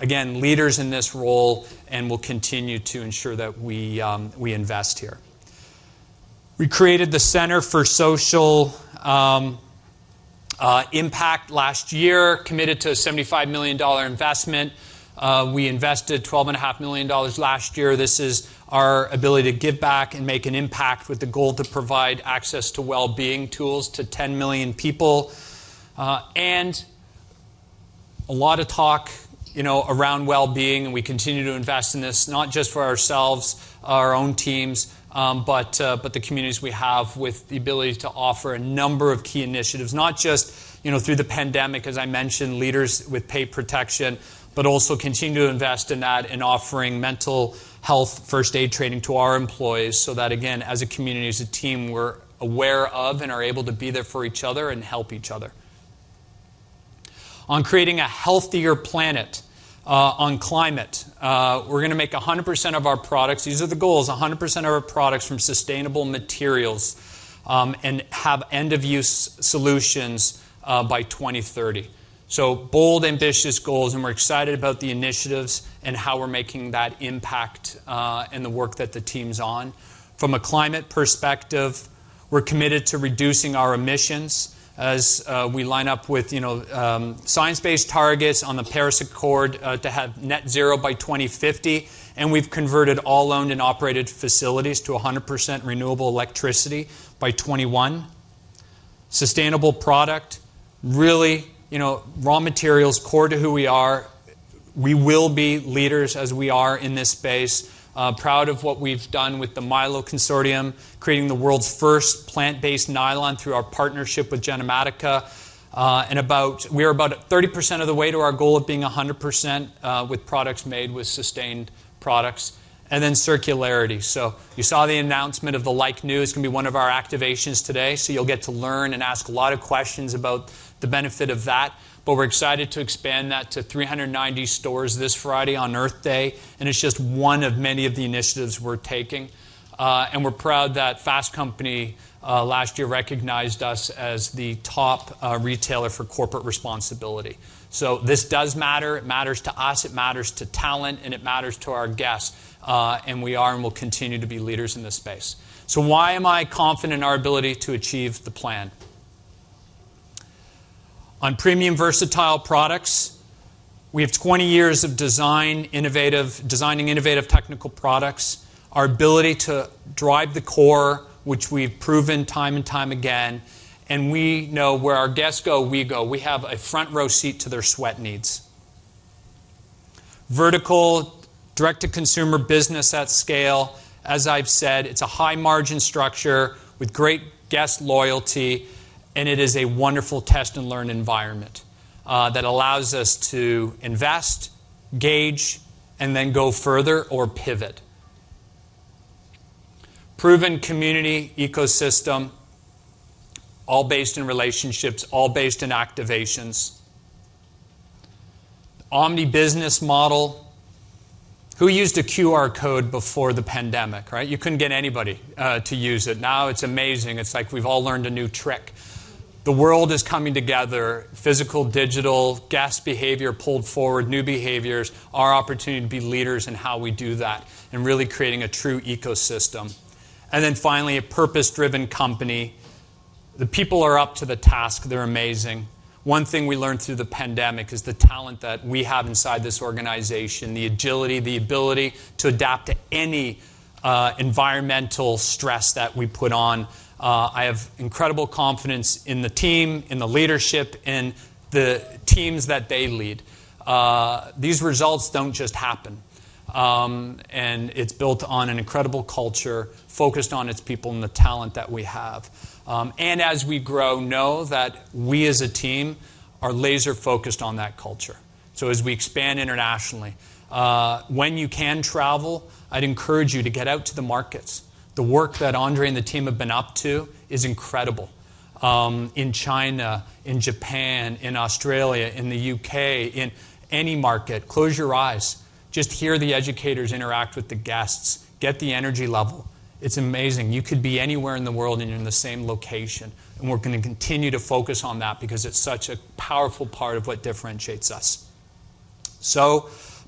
Again, leaders in this role and will continue to ensure that we invest here. We created the Centre for Social Impact last year, committed to a $75 million investment. We invested $12.5 million last year. This is our ability to give back and make an impact with the goal to provide access to well-being tools to 10 million people. A lot of talk, you know, around well-being, and we continue to invest in this, not just for ourselves, our own teams, but the communities we have with the ability to offer a number of key initiatives. Not just, you know, through the pandemic, as I mentioned, leaders with paid protection, but also continue to invest in that in offering mental health first aid training to our employees so that, again, as a community, as a team, we're aware of and are able to be there for each other and help each other. On creating a healthier planet, on climate. We're gonna make 100% of our products. These are the goals. 100% of our products from sustainable materials, and have end-of-use solutions, by 2030. Bold, ambitious goals, and we're excited about the initiatives and how we're making that impact, and the work that the team's on. From a climate perspective, we're committed to reducing our emissions as we line up with, you know, science-based targets on the Paris Agreement to have net zero by 2050, and we've converted all owned and operated facilities to 100% renewable electricity by 2021. Sustainable product, really, you know, raw materials core to who we are. We will be leaders as we are in this space. Proud of what we've done with the Mylo Consortium, creating the world's first plant-based nylon through our partnership with Genomatica. We are about 30% of the way to our goal of being 100% with products made with sustainable products. Then circularity. You saw the announcement of the Like New. It's gonna be one of our activations today, so you'll get to learn and ask a lot of questions about the benefit of that. We're excited to expand that to 390 stores this Friday on Earth Day, and it's just one of many of the initiatives we're taking. We're proud that Fast Company last year recognized us as the top retailer for corporate responsibility. This does matter. It matters to us, it matters to talent, and it matters to our guests. We are and will continue to be leaders in this space. Why am I confident in our ability to achieve the plan? On premium versatile products, we have 20 years of designing innovative technical products. Our ability to drive the core, which we've proven time and time again, and we know where our guests go, we go. We have a front row seat to their sweat needs. Vertical direct-to-consumer business at scale. As I've said, it's a high margin structure with great guest loyalty, and it is a wonderful test and learn environment, that allows us to invest, gauge, and then go further or pivot. Proven community ecosystem, all based in relationships, all based in activations. Omni business model. Who used a QR code before the pandemic, right? You couldn't get anybody to use it. Now it's amazing. It's like we've all learned a new trick. The world is coming together, physical, digital, guest behavior pulled forward, new behaviors, our opportunity to be leaders in how we do that and really creating a true ecosystem. Finally, a purpose-driven company. The people are up to the task. They're amazing. One thing we learned through the pandemic is the talent that we have inside this organization, the agility, the ability to adapt to any environmental stress that we put on. I have incredible confidence in the team, in the leadership, in the teams that they lead. These results don't just happen. It's built on an incredible culture focused on its people and the talent that we have. As we grow, know that we as a team are laser-focused on that culture. As we expand internationally, when you can travel, I'd encourage you to get out to the markets. The work that André and the team have been up to is incredible. In China, in Japan, in Australia, in the U.K., in any market, close your eyes, just hear the educators interact with the guests, get the energy level. It's amazing. You could be anywhere in the world, and you're in the same location. We're gonna continue to focus on that because it's such a powerful part of what differentiates us.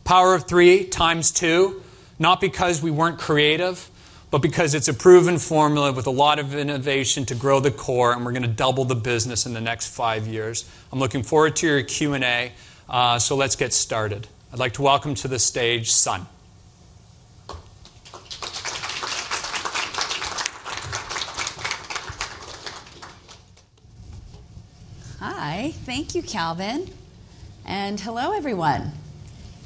Power of Three ×2, not because we weren't creative, but because it's a proven formula with a lot of innovation to grow the core, and we're gonna double the business in the next five years. I'm looking forward to your Q&A, so let's get started. I'd like to welcome to the stage, Sun. Hi. Thank you, Calvin. Hello, everyone.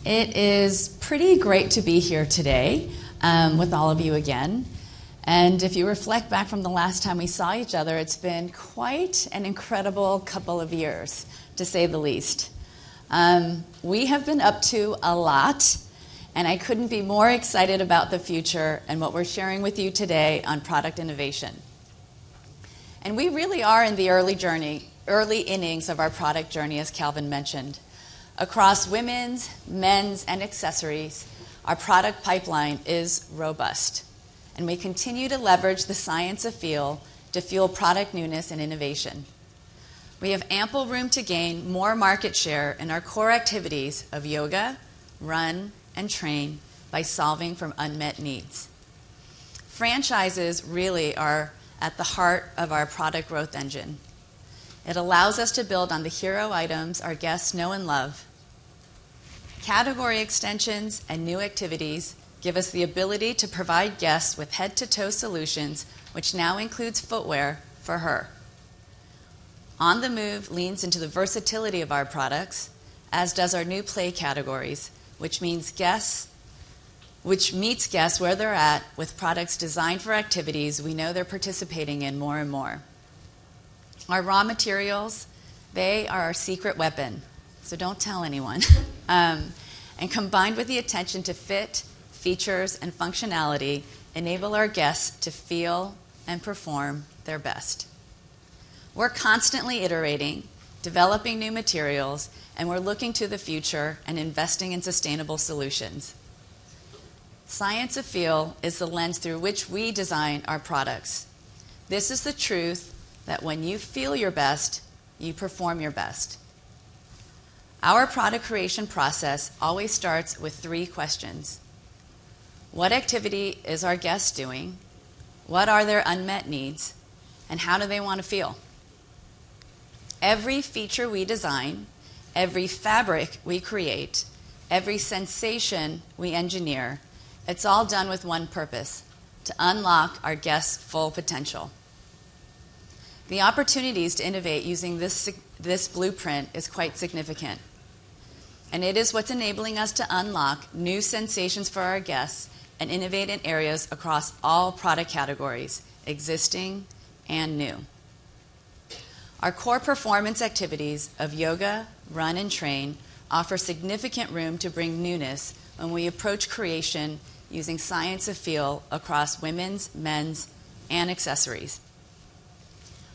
It is pretty great to be here today with all of you again. If you reflect back from the last time we saw each other, it's been quite an incredible couple of years, to say the least. We have been up to a lot, and I couldn't be more excited about the future and what we're sharing with you today on product innovation. We really are in the early innings of our product journey, as Calvin mentioned. Across women's, men's, and accessories, our product pipeline is robust, and we continue to leverage the Science of Feel to fuel product newness and innovation. We have ample room to gain more market share in our core activities of yoga, run, and train by solving from unmet needs. Franchises really are at the heart of our product growth engine. It allows us to build on the hero items our guests know and love. Category extensions and new activities give us the ability to provide guests with head-to-toe solutions, which now includes footwear for her. On The Move leans into the versatility of our products, as does our new play categories, which meets guests where they're at with products designed for activities we know they're participating in more and more. Our raw materials, they are our secret weapon, so don't tell anyone. Combined with the attention to fit, features, and functionality, enable our guests to feel and perform their best. We're constantly iterating, developing new materials, and we're looking to the future and investing in sustainable solutions. Science of Feel is the lens through which we design our products. This is the truth that when you feel your best, you perform your best. Our product creation process always starts with three questions. What activity is our guest doing? What are their unmet needs? And how do they wanna feel? Every feature we design, every fabric we create, every sensation we engineer, it's all done with one purpose, to unlock our guests' full potential. The opportunities to innovate using this blueprint is quite significant, and it is what's enabling us to unlock new sensations for our guests and innovate in areas across all product categories, existing and new. Our core performance activities of yoga, run, and train offer significant room to bring newness when we approach creation using Science of Feel across women's, men's, and accessories.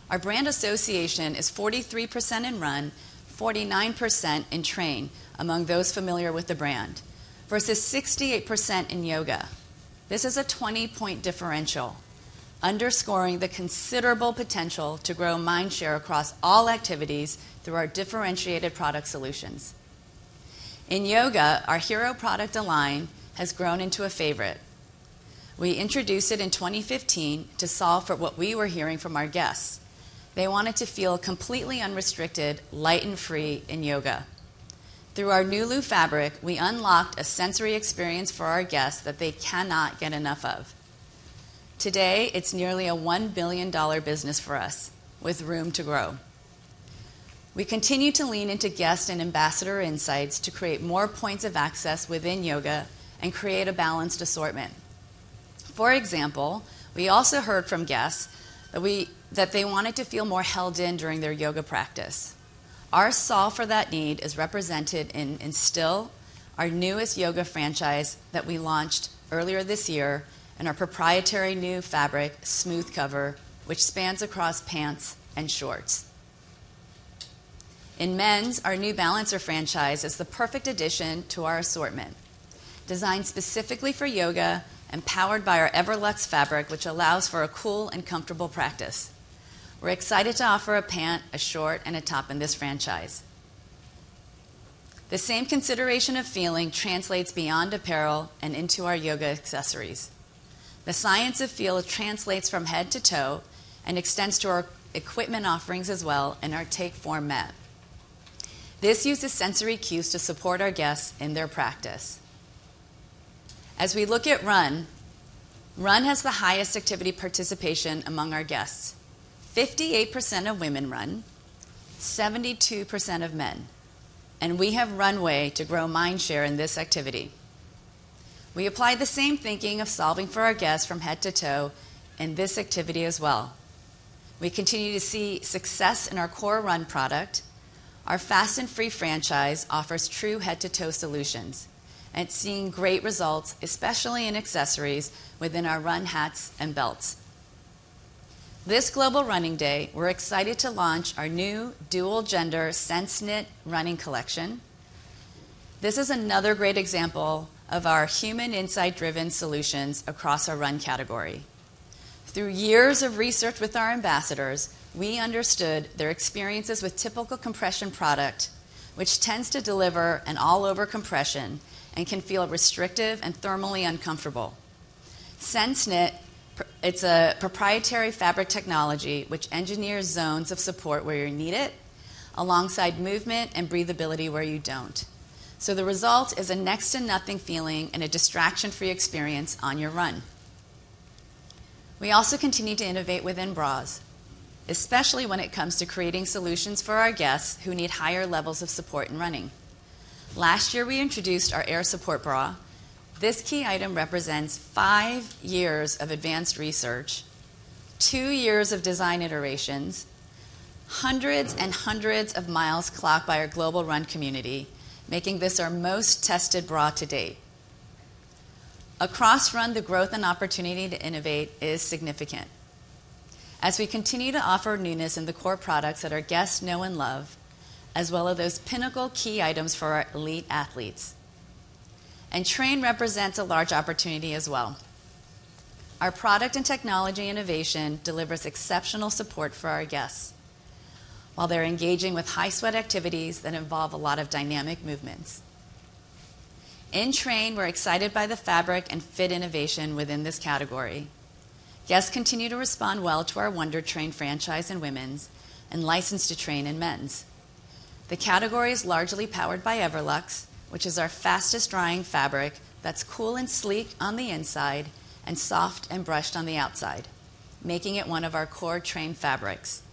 Our brand association is 43% in run, 49% in train among those familiar with the brand, versus 68% in yoga. This is a 20-point differential, underscoring the considerable potential to grow mind share across all activities through our differentiated product solutions. In yoga, our hero product Align has grown into a favorite. We introduced it in 2015 to solve for what we were hearing from our guests. They wanted to feel completely unrestricted, light and free in yoga. Through our Nulu fabric, we unlocked a sensory experience for our guests that they cannot get enough of. Today, it's nearly a $1 billion business for us, with room to grow. We continue to lean into guest and ambassador insights to create more points of access within yoga and create a balanced assortment. For example, we also heard from guests that they wanted to feel more held in during their yoga practice. Our solve for that need is represented in Instill, our newest yoga franchise that we launched earlier this year, and our proprietary new fabric, SmoothCover, which spans across pants and shorts. In men's, our New Balancer franchise is the perfect addition to our assortment, designed specifically for yoga and powered by our Everlux fabric, which allows for a cool and comfortable practice. We're excited to offer a pant, a short, and a top in this franchise. The same consideration of feeling translates beyond apparel and into our yoga accessories. The Science of Feel translates from head to toe and extends to our equipment offerings as well in our Take Form mat. This uses sensory cues to support our guests in their practice. As we look at run has the highest activity participation among our guests. 58% of women run, 72% of men, and we have runway to grow mind share in this activity. We applied the same thinking of solving for our guests from head to toe in this activity as well. We continue to see success in our core run product. Our Fast and Free franchise offers true head-to-toe solutions and seeing great results, especially in accessories within our run hats and belts. This Global Running Day, we're excited to launch our new dual-gender SenseKnit running collection. This is another great example of our human insight-driven solutions across our run category. Through years of research with our ambassadors, we understood their experiences with typical compression product, which tends to deliver an all-over compression and can feel restrictive and thermally uncomfortable. SenseKnit, it's a proprietary fabric technology which engineers zones of support where you need it, alongside movement and breathability where you don't. The result is a next to nothing feeling and a distraction-free experience on your run. We also continue to innovate within bras, especially when it comes to creating solutions for our guests who need higher levels of support in running. Last year, we introduced our AirSupport Bra. This key item represents five years of advanced research, two years of design iterations, hundreds and hundreds of miles clocked by our global run community, making this our most tested bra to date. Across run, the growth and opportunity to innovate is significant. As we continue to offer newness in the core products that our guests know and love, as well as those pinnacle key items for our elite athletes. Train represents a large opportunity as well. Our product and technology innovation delivers exceptional support for our guests while they're engaging with high-sweat activities that involve a lot of dynamic movements. In train, we're excited by the fabric and fit innovation within this category. Guests continue to respond well to our Wunder Train franchise in women's and License to Train in men's. The category is largely powered by Everlux, which is our fastest drying fabric that's cool and sleek on the inside and soft and brushed on the outside, making it one of our core train fabrics.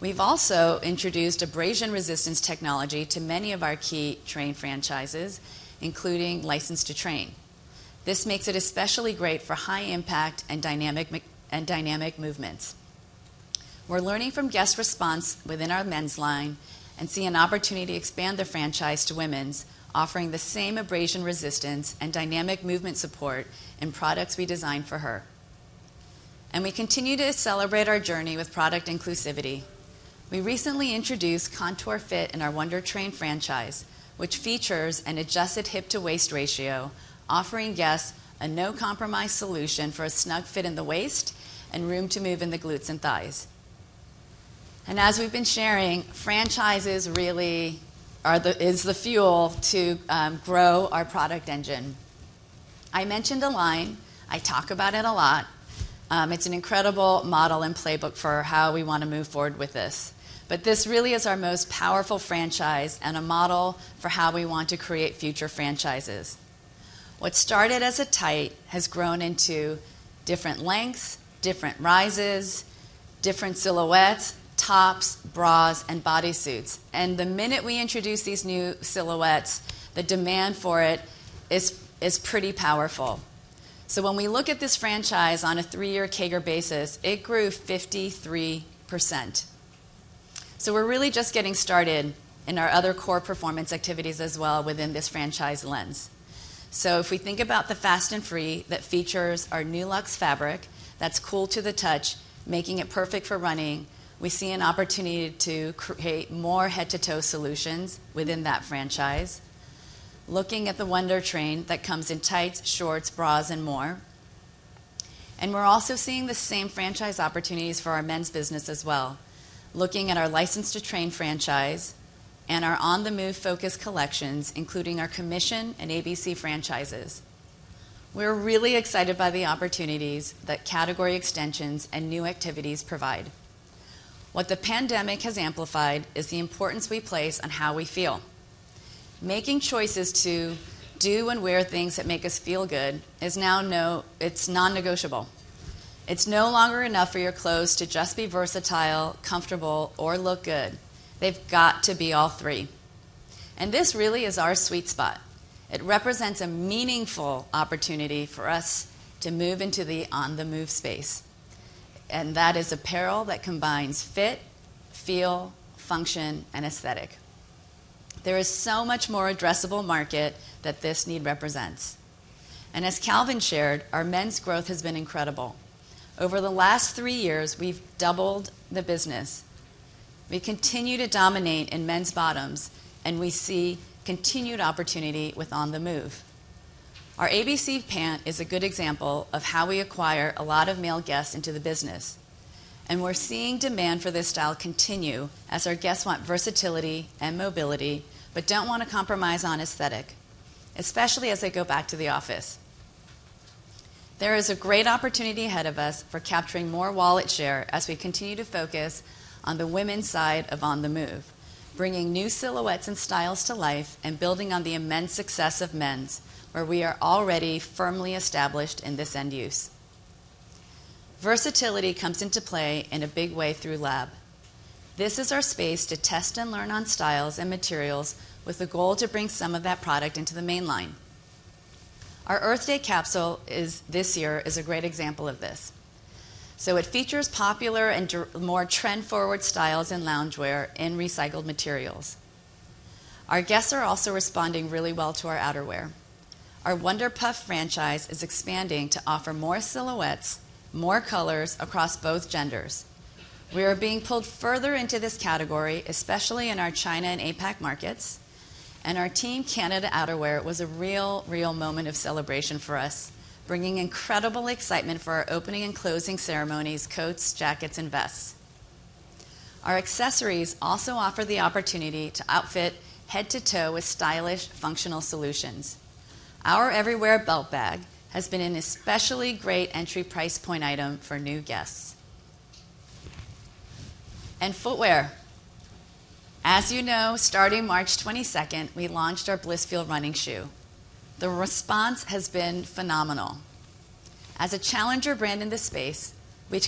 We've also introduced abrasion resistance technology to many of our key train franchises, including License to Train. This makes it especially great for high impact and dynamic movements. We're learning from guest response within our men's line and see an opportunity to expand the franchise to women's, offering the same abrasion resistance and dynamic movement support in products we design for her. We continue to celebrate our journey with product inclusivity. We recently introduced Contour Fit in our Wunder Train franchise, which features an adjusted hip-to-waist ratio, offering guests a no-compromise solution for a snug fit in the waist and room to move in the glutes and thighs. As we've been sharing, franchises really is the fuel to grow our product engine. I mentioned Align. I talk about it a lot. It's an incredible model and playbook for how we wanna move forward with this. This really is our most powerful franchise and a model for how we want to create future franchises. What started as a tights has grown into different lengths, different rises, different silhouettes, tops, bras, and bodysuits. The minute we introduce these new silhouettes, the demand for it is pretty powerful. When we look at this franchise on a three-year CAGR basis, it grew 53%. We're really just getting started in our other core performance activities as well within this franchise lens. If we think about the Fast and Free that features our new luxe fabric that's cool to the touch, making it perfect for running, we see an opportunity to create more head-to-toe solutions within that franchise. Looking at the Wunder Train that comes in tights, shorts, bras, and more. We're also seeing the same franchise opportunities for our men's business as well. Looking at our License to Train franchise and our On The Move focus collections, including our Commission and ABC franchises. We're really excited by the opportunities that category extensions and new activities provide. What the pandemic has amplified is the importance we place on how we feel. Making choices to do and wear things that make us feel good is now it's non-negotiable. It's no longer enough for your clothes to just be versatile, comfortable, or look good. They've got to be all three. This really is our sweet spot. It represents a meaningful opportunity for us to move into the On The Move space. That is apparel that combines fit, feel, function, and aesthetic. There is so much more addressable market that this need represents. As Calvin shared, our men's growth has been incredible. Over the last three years, we've doubled the business. We continue to dominate in men's bottoms, and we see continued opportunity with On The Move. Our ABC pant is a good example of how we acquire a lot of male guests into the business, and we're seeing demand for this style continue as our guests want versatility and mobility, but don't wanna compromise on aesthetic, especially as they go back to the office. There is a great opportunity ahead of us for capturing more wallet share as we continue to focus on the women's side of On The Move, bringing new silhouettes and styles to life and building on the immense success of men's, where we are already firmly established in this end use. Versatility comes into play in a big way through Lab. This is our space to test and learn on styles and materials with the goal to bring some of that product into the main line. Our Earth Day capsule this year is a great example of this. It features popular and more trend-forward styles and loungewear in recycled materials. Our guests are also responding really well to our outerwear. Our Wunder Puff franchise is expanding to offer more silhouettes, more colors across both genders. We are being pulled further into this category, especially in our China and APAC markets, and our Team Canada outerwear was a real moment of celebration for us, bringing incredible excitement for our opening and closing ceremonies, coats, jackets, and vests. Our accessories also offer the opportunity to outfit head to toe with stylish, functional solutions. Our Everywhere Belt Bag has been an especially great entry price point item for new guests. Footwear. As you know, starting March 22, we launched our Blissfeel running shoe. The response has been phenomenal. As a challenger brand in this space, we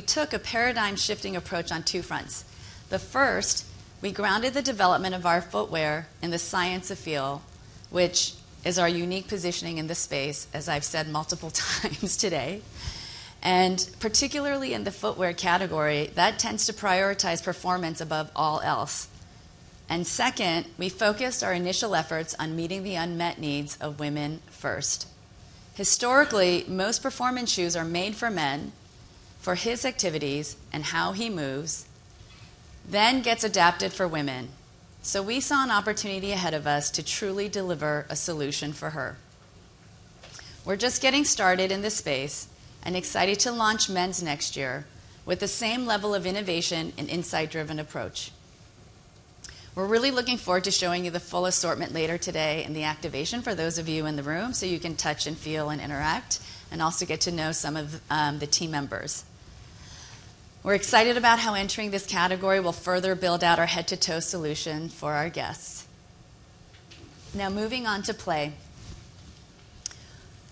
took a paradigm-shifting approach on two fronts. The first, we grounded the development of our footwear in the Science of Feel, which is our unique positioning in this space, as I've said multiple times today. Particularly in the footwear category, that tends to prioritize performance above all else. Second, we focused our initial efforts on meeting the unmet needs of women first. Historically, most performance shoes are made for men, for his activities and how he moves, then gets adapted for women. We saw an opportunity ahead of us to truly deliver a solution for her. We're just getting started in this space and excited to launch men's next year with the same level of innovation and insight-driven approach. We're really looking forward to showing you the full assortment later today in the activation for those of you in the room, so you can touch and feel and interact, and also get to know some of the team members. We're excited about how entering this category will further build out our head-to-toe solution for our guests. Now moving on to play.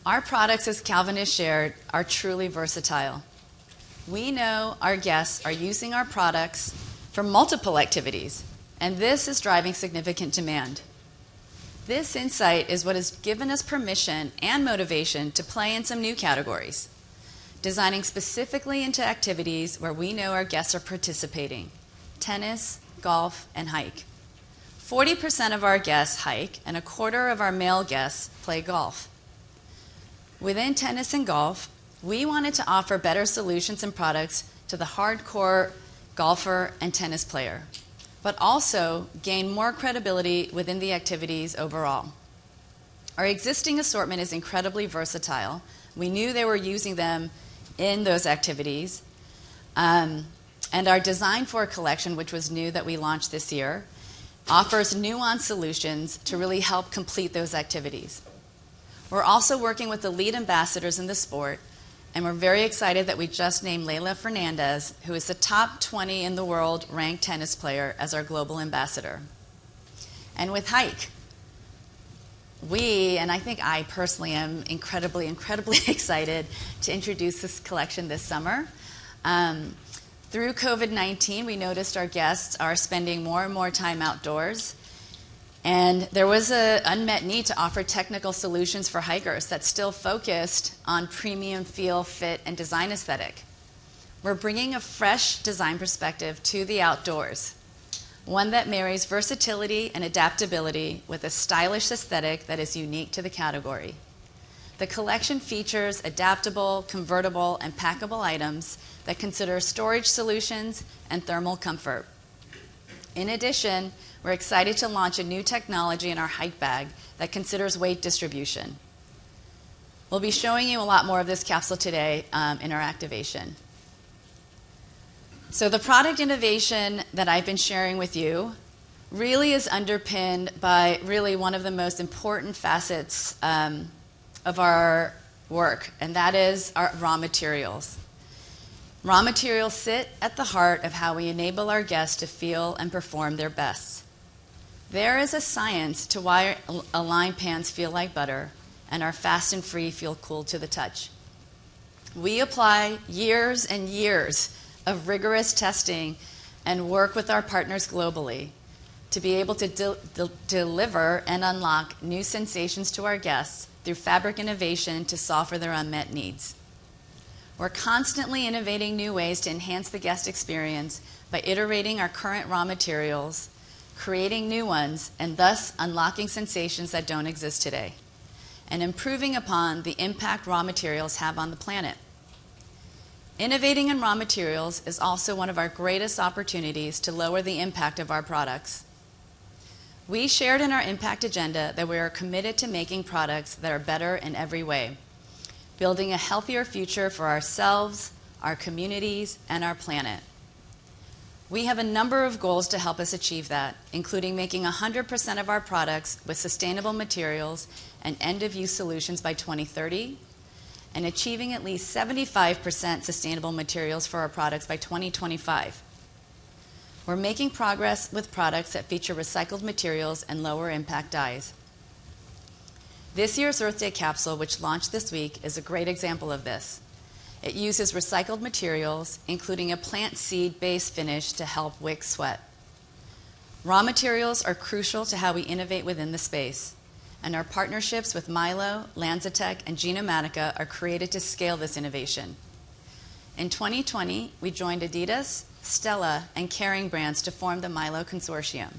Our products, as Calvin has shared, are truly versatile. We know our guests are using our products for multiple activities, and this is driving significant demand. This insight is what has given us permission and motivation to play in some new categories, designing specifically into activities where we know our guests are participating, tennis, golf, and hike. 40% of our guests hike, and 25% of our male guests play golf. Within tennis and golf, we wanted to offer better solutions and products to the hardcore golfer and tennis player, but also gain more credibility within the activities overall. Our existing assortment is incredibly versatile. We knew they were using them in those activities. Our Design For collection, which was new that we launched this year, offers nuanced solutions to really help complete those activities. We're also working with the lead ambassadors in the sport, and we're very excited that we just named Leylah Fernandez, who is a top 20 in the world ranked tennis player, as our global ambassador. With hike, I think I personally am incredibly excited to introduce this collection this summer. Through COVID-19, we noticed our guests are spending more and more time outdoors, and there was an unmet need to offer technical solutions for hikers that still focused on premium feel, fit, and design aesthetic. We're bringing a fresh design perspective to the outdoors, one that marries versatility and adaptability with a stylish aesthetic that is unique to the category. The collection features adaptable, convertible, and packable items that consider storage solutions and thermal comfort. In addition, we're excited to launch a new technology in our hike bag that considers weight distribution. We'll be showing you a lot more of this capsule today in our activation. The product innovation that I've been sharing with you really is underpinned by really one of the most important facets of our work, and that is our raw materials. Raw materials sit at the heart of how we enable our guests to feel and perform their best. There is a science to why Align pants feel like butter and our Fast and Free feel cool to the touch. We apply years and years of rigorous testing and work with our partners globally to be able to deliver and unlock new sensations to our guests through fabric innovation to solve for their unmet needs. We're constantly innovating new ways to enhance the guest experience by iterating our current raw materials, creating new ones, and thus unlocking sensations that don't exist today, and improving upon the impact raw materials have on the planet. Innovating in raw materials is also one of our greatest opportunities to lower the impact of our products. We shared in our impact agenda that we are committed to making products that are better in every way, building a healthier future for ourselves, our communities, and our planet. We have a number of goals to help us achieve that, including making 100% of our products with sustainable materials and end-of-use solutions by 2030 and achieving at least 75% sustainable materials for our products by 2025. We're making progress with products that feature recycled materials and lower-impact dyes. This year's Earth Day capsule, which launched this week, is a great example of this. It uses recycled materials, including a plant seed-based finish to help wick sweat. Raw materials are crucial to how we innovate within the space, and our partnerships with Mylo, LanzaTech, and Genomatica are created to scale this innovation. In 2020, we joined Adidas, Stella McCartney, and Kering to form the Mylo Consortium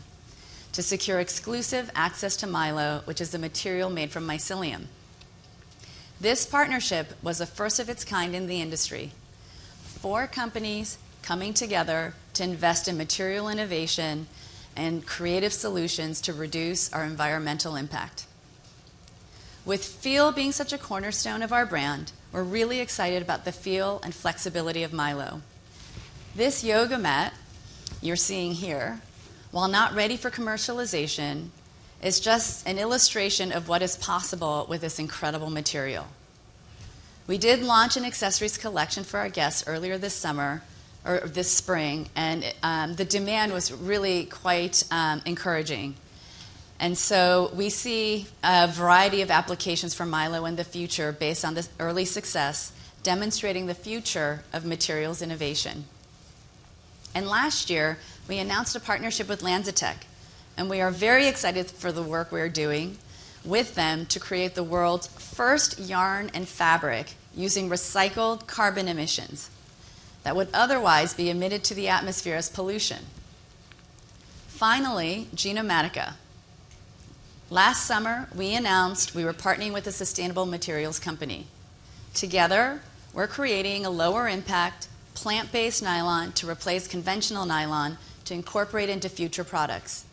to secure exclusive access to Mylo, which is the material made from mycelium. This partnership was the first of its kind in the industry, four companies coming together to invest in material innovation and creative solutions to reduce our environmental impact. With feel being such a cornerstone of our brand, we're really excited about the feel and flexibility of Mylo. This yoga mat you're seeing here, while not ready for commercialization, is just an illustration of what is possible with this incredible material. We did launch an accessories collection for our guests earlier this summer or this spring, and the demand was really quite encouraging. We see a variety of applications for Mylo in the future based on this early success, demonstrating the future of materials innovation. Last year, we announced a partnership with LanzaTech, and we are very excited for the work we are doing with them to create the world's first yarn and fabric using recycled carbon emissions that would otherwise be emitted to the atmosphere as pollution. Finally, Genomatica. Last summer, we announced we were partnering with a sustainable materials company. Together, we're creating a lower impact, plant-based nylon to replace conventional nylon to incorporate into future products.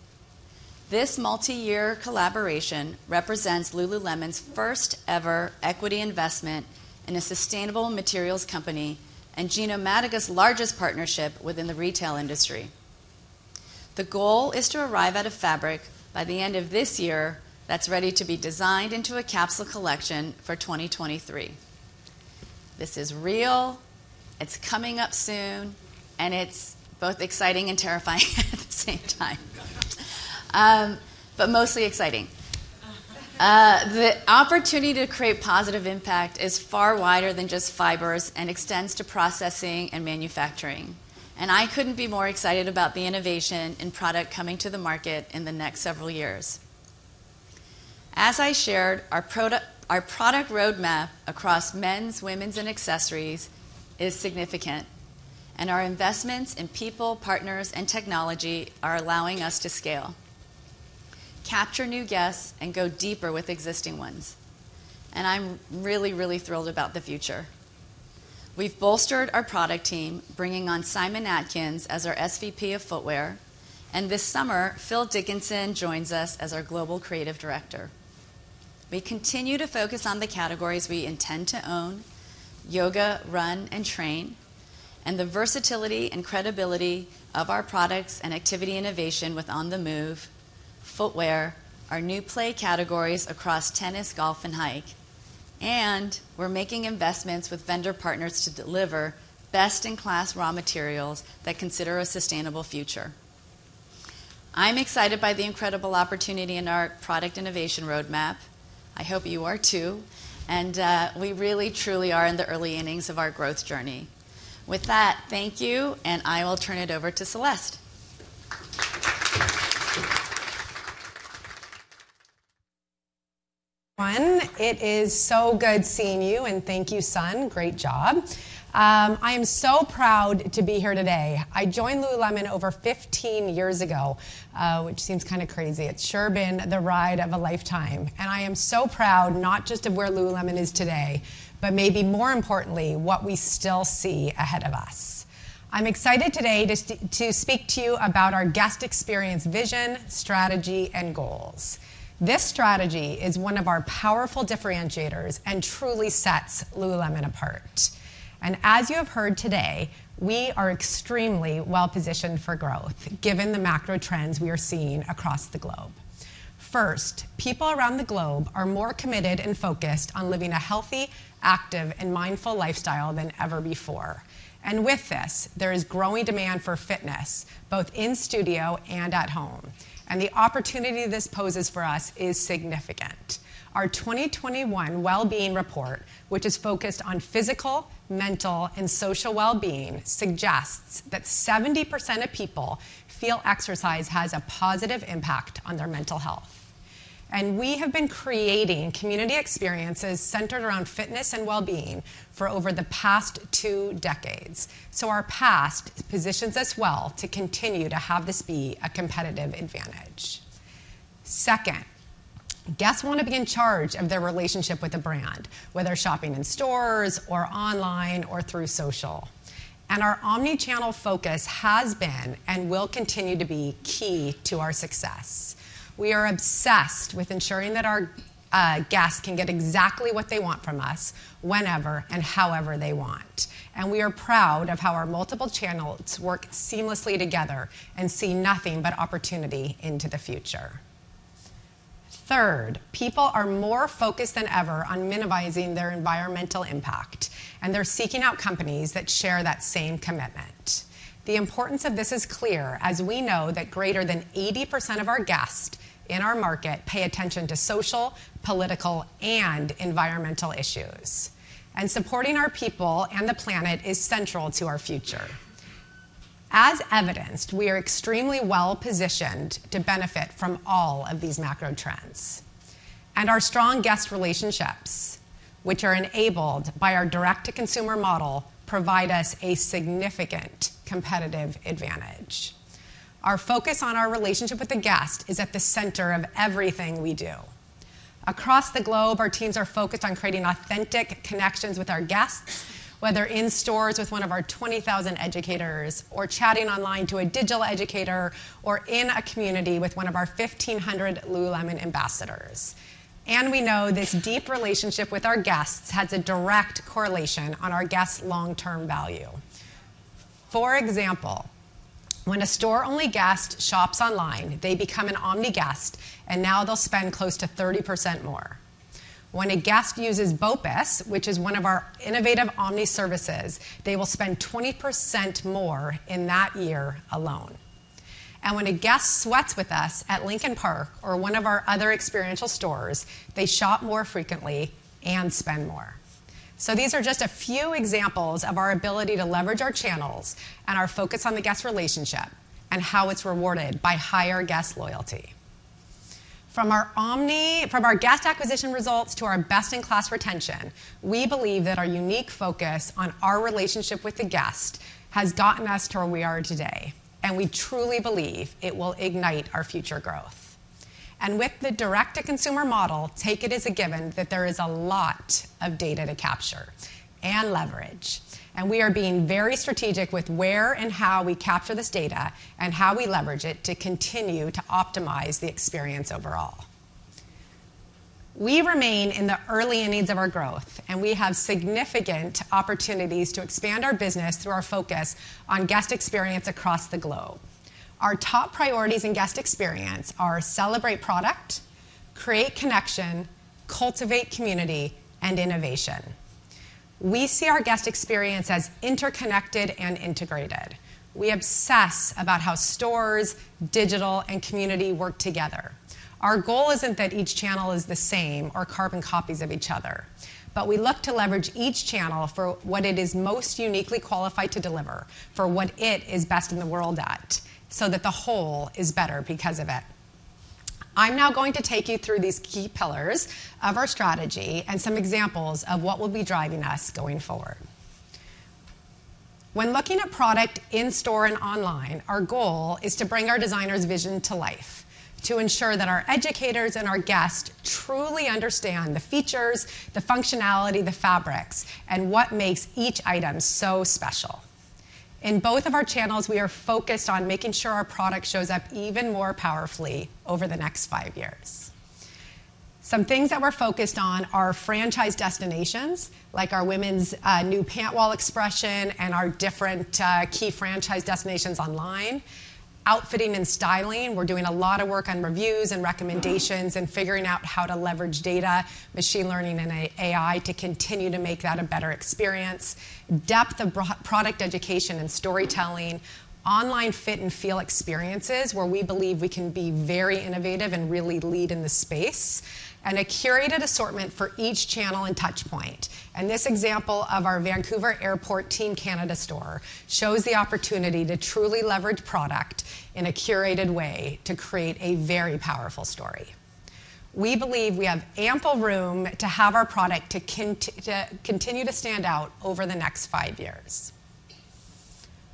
This multi-year collaboration represents lululemon's first-ever equity investment in a sustainable materials company and Genomatica's largest partnership within the retail industry. The goal is to arrive at a fabric by the end of this year that's ready to be designed into a capsule collection for 2023. This is real, it's coming up soon, and it's both exciting and terrifying at the same time. Mostly exciting. The opportunity to create positive impact is far wider than just fibers and extends to processing and manufacturing. I couldn't be more excited about the innovation and product coming to the market in the next several years. As I shared, our product roadmap across men's, women's, and accessories is significant, and our investments in people, partners, and technology are allowing us to scale, capture new guests, and go deeper with existing ones. I'm really thrilled about the future. We've bolstered our product team, bringing on Simon Atkins as our SVP of footwear. This summer, Phil Dickinson joins us as our Global Creative Director. We continue to focus on the categories we intend to own, yoga, run, and train, and the versatility and credibility of our products and activity innovation with On The Move, footwear, our new play categories across tennis, golf, and hike. We're making investments with vendor partners to deliver best-in-class raw materials that consider a sustainable future. I'm excited by the incredible opportunity in our product innovation roadmap. I hope you are too, and we really truly are in the early innings of our growth journey. With that, thank you, and I will turn it over to Celeste. Oh, it is so good seeing you, and thank you, Sun. Great job. I am so proud to be here today. I joined lululemon over 15 years ago, which seems kinda crazy. It's sure been the ride of a lifetime, and I am so proud not just of where lululemon is today, but maybe more importantly, what we still see ahead of us. I'm excited today to speak to you about our guest experience, vision, strategy, and goals. This strategy is one of our powerful differentiators and truly sets lululemon apart. As you have heard today, we are extremely well-positioned for growth given the macro trends we are seeing across the globe. First, people around the globe are more committed and focused on living a healthy, active, and mindful lifestyle than ever before. With this, there is growing demand for fitness, both in studio and at home, and the opportunity this poses for us is significant. Our 2021 Wellbeing Report, which is focused on physical, mental, and social wellbeing, suggests that 70% of people feel exercise has a positive impact on their mental health. We have been creating community experiences centered around fitness and wellbeing for over the past two decades, so our past positions us well to continue to have this be a competitive advantage. Second, guests wanna be in charge of their relationship with a brand, whether shopping in stores or online or through social. Our omnichannel focus has been and will continue to be key to our success. We are obsessed with ensuring that our guests can get exactly what they want from us whenever and however they want, and we are proud of how our multiple channels work seamlessly together and see nothing but opportunity into the future. Third, people are more focused than ever on minimizing their environmental impact, and they're seeking out companies that share that same commitment. The importance of this is clear, as we know that greater than 80% of our guests in our market pay attention to social, political, and environmental issues. Supporting our people and the planet is central to our future. As evidenced, we are extremely well-positioned to benefit from all of these macro trends. Our strong guest relationships, which are enabled by our direct-to-consumer model, provide us a significant competitive advantage. Our focus on our relationship with the guest is at the center of everything we do. Across the globe, our teams are focused on creating authentic connections with our guests, whether in stores with one of our 20,000 educators or chatting online to a digital educator or in a community with one of our 1,500 Lululemon ambassadors. We know this deep relationship with our guests has a direct correlation on our guests' long-term value. For example, when a store-only guest shops online, they become an omni guest, and now they'll spend close to 30% more. When a guest uses BOPUS, which is one of our innovative omni services, they will spend 20% more in that year alone. When a guest sweats with us at Lincoln Park or one of our other experiential stores, they shop more frequently and spend more. These are just a few examples of our ability to leverage our channels and our focus on the guest relationship and how it's rewarded by higher guest loyalty. From our guest acquisition results to our best-in-class retention, we believe that our unique focus on our relationship with the guest has gotten us to where we are today, and we truly believe it will ignite our future growth. With the direct-to-consumer model, take it as a given that there is a lot of data to capture and leverage, and we are being very strategic with where and how we capture this data and how we leverage it to continue to optimize the experience overall. We remain in the early innings of our growth, and we have significant opportunities to expand our business through our focus on guest experience across the globe. Our top priorities in guest experience are celebrate product, create connection, cultivate community, and innovation. We see our guest experience as interconnected and integrated. We obsess about how stores, digital, and community work together. Our goal isn't that each channel is the same or carbon copies of each other, but we look to leverage each channel for what it is most uniquely qualified to deliver, for what it is best in the world at, so that the whole is better because of it. I'm now going to take you through these key pillars of our strategy and some examples of what will be driving us going forward. When looking at product in-store and online, our goal is to bring our designer's vision to life, to ensure that our educators and our guests truly understand the features, the functionality, the fabrics, and what makes each item so special. In both of our channels, we are focused on making sure our product shows up even more powerfully over the next five years. Some things that we're focused on are franchise destinations, like our women's new pant wall expression and our different key franchise destinations online. Outfitting and styling, we're doing a lot of work on reviews and recommendations and figuring out how to leverage data, machine learning, and AI to continue to make that a better experience. Depth of product education and storytelling. Online fit and feel experiences, where we believe we can be very innovative and really lead in the space. A curated assortment for each channel and touch point. This example of our Vancouver Airport Team Canada store shows the opportunity to truly leverage product in a curated way to create a very powerful story. We believe we have ample room to have our product to continue to stand out over the next five years.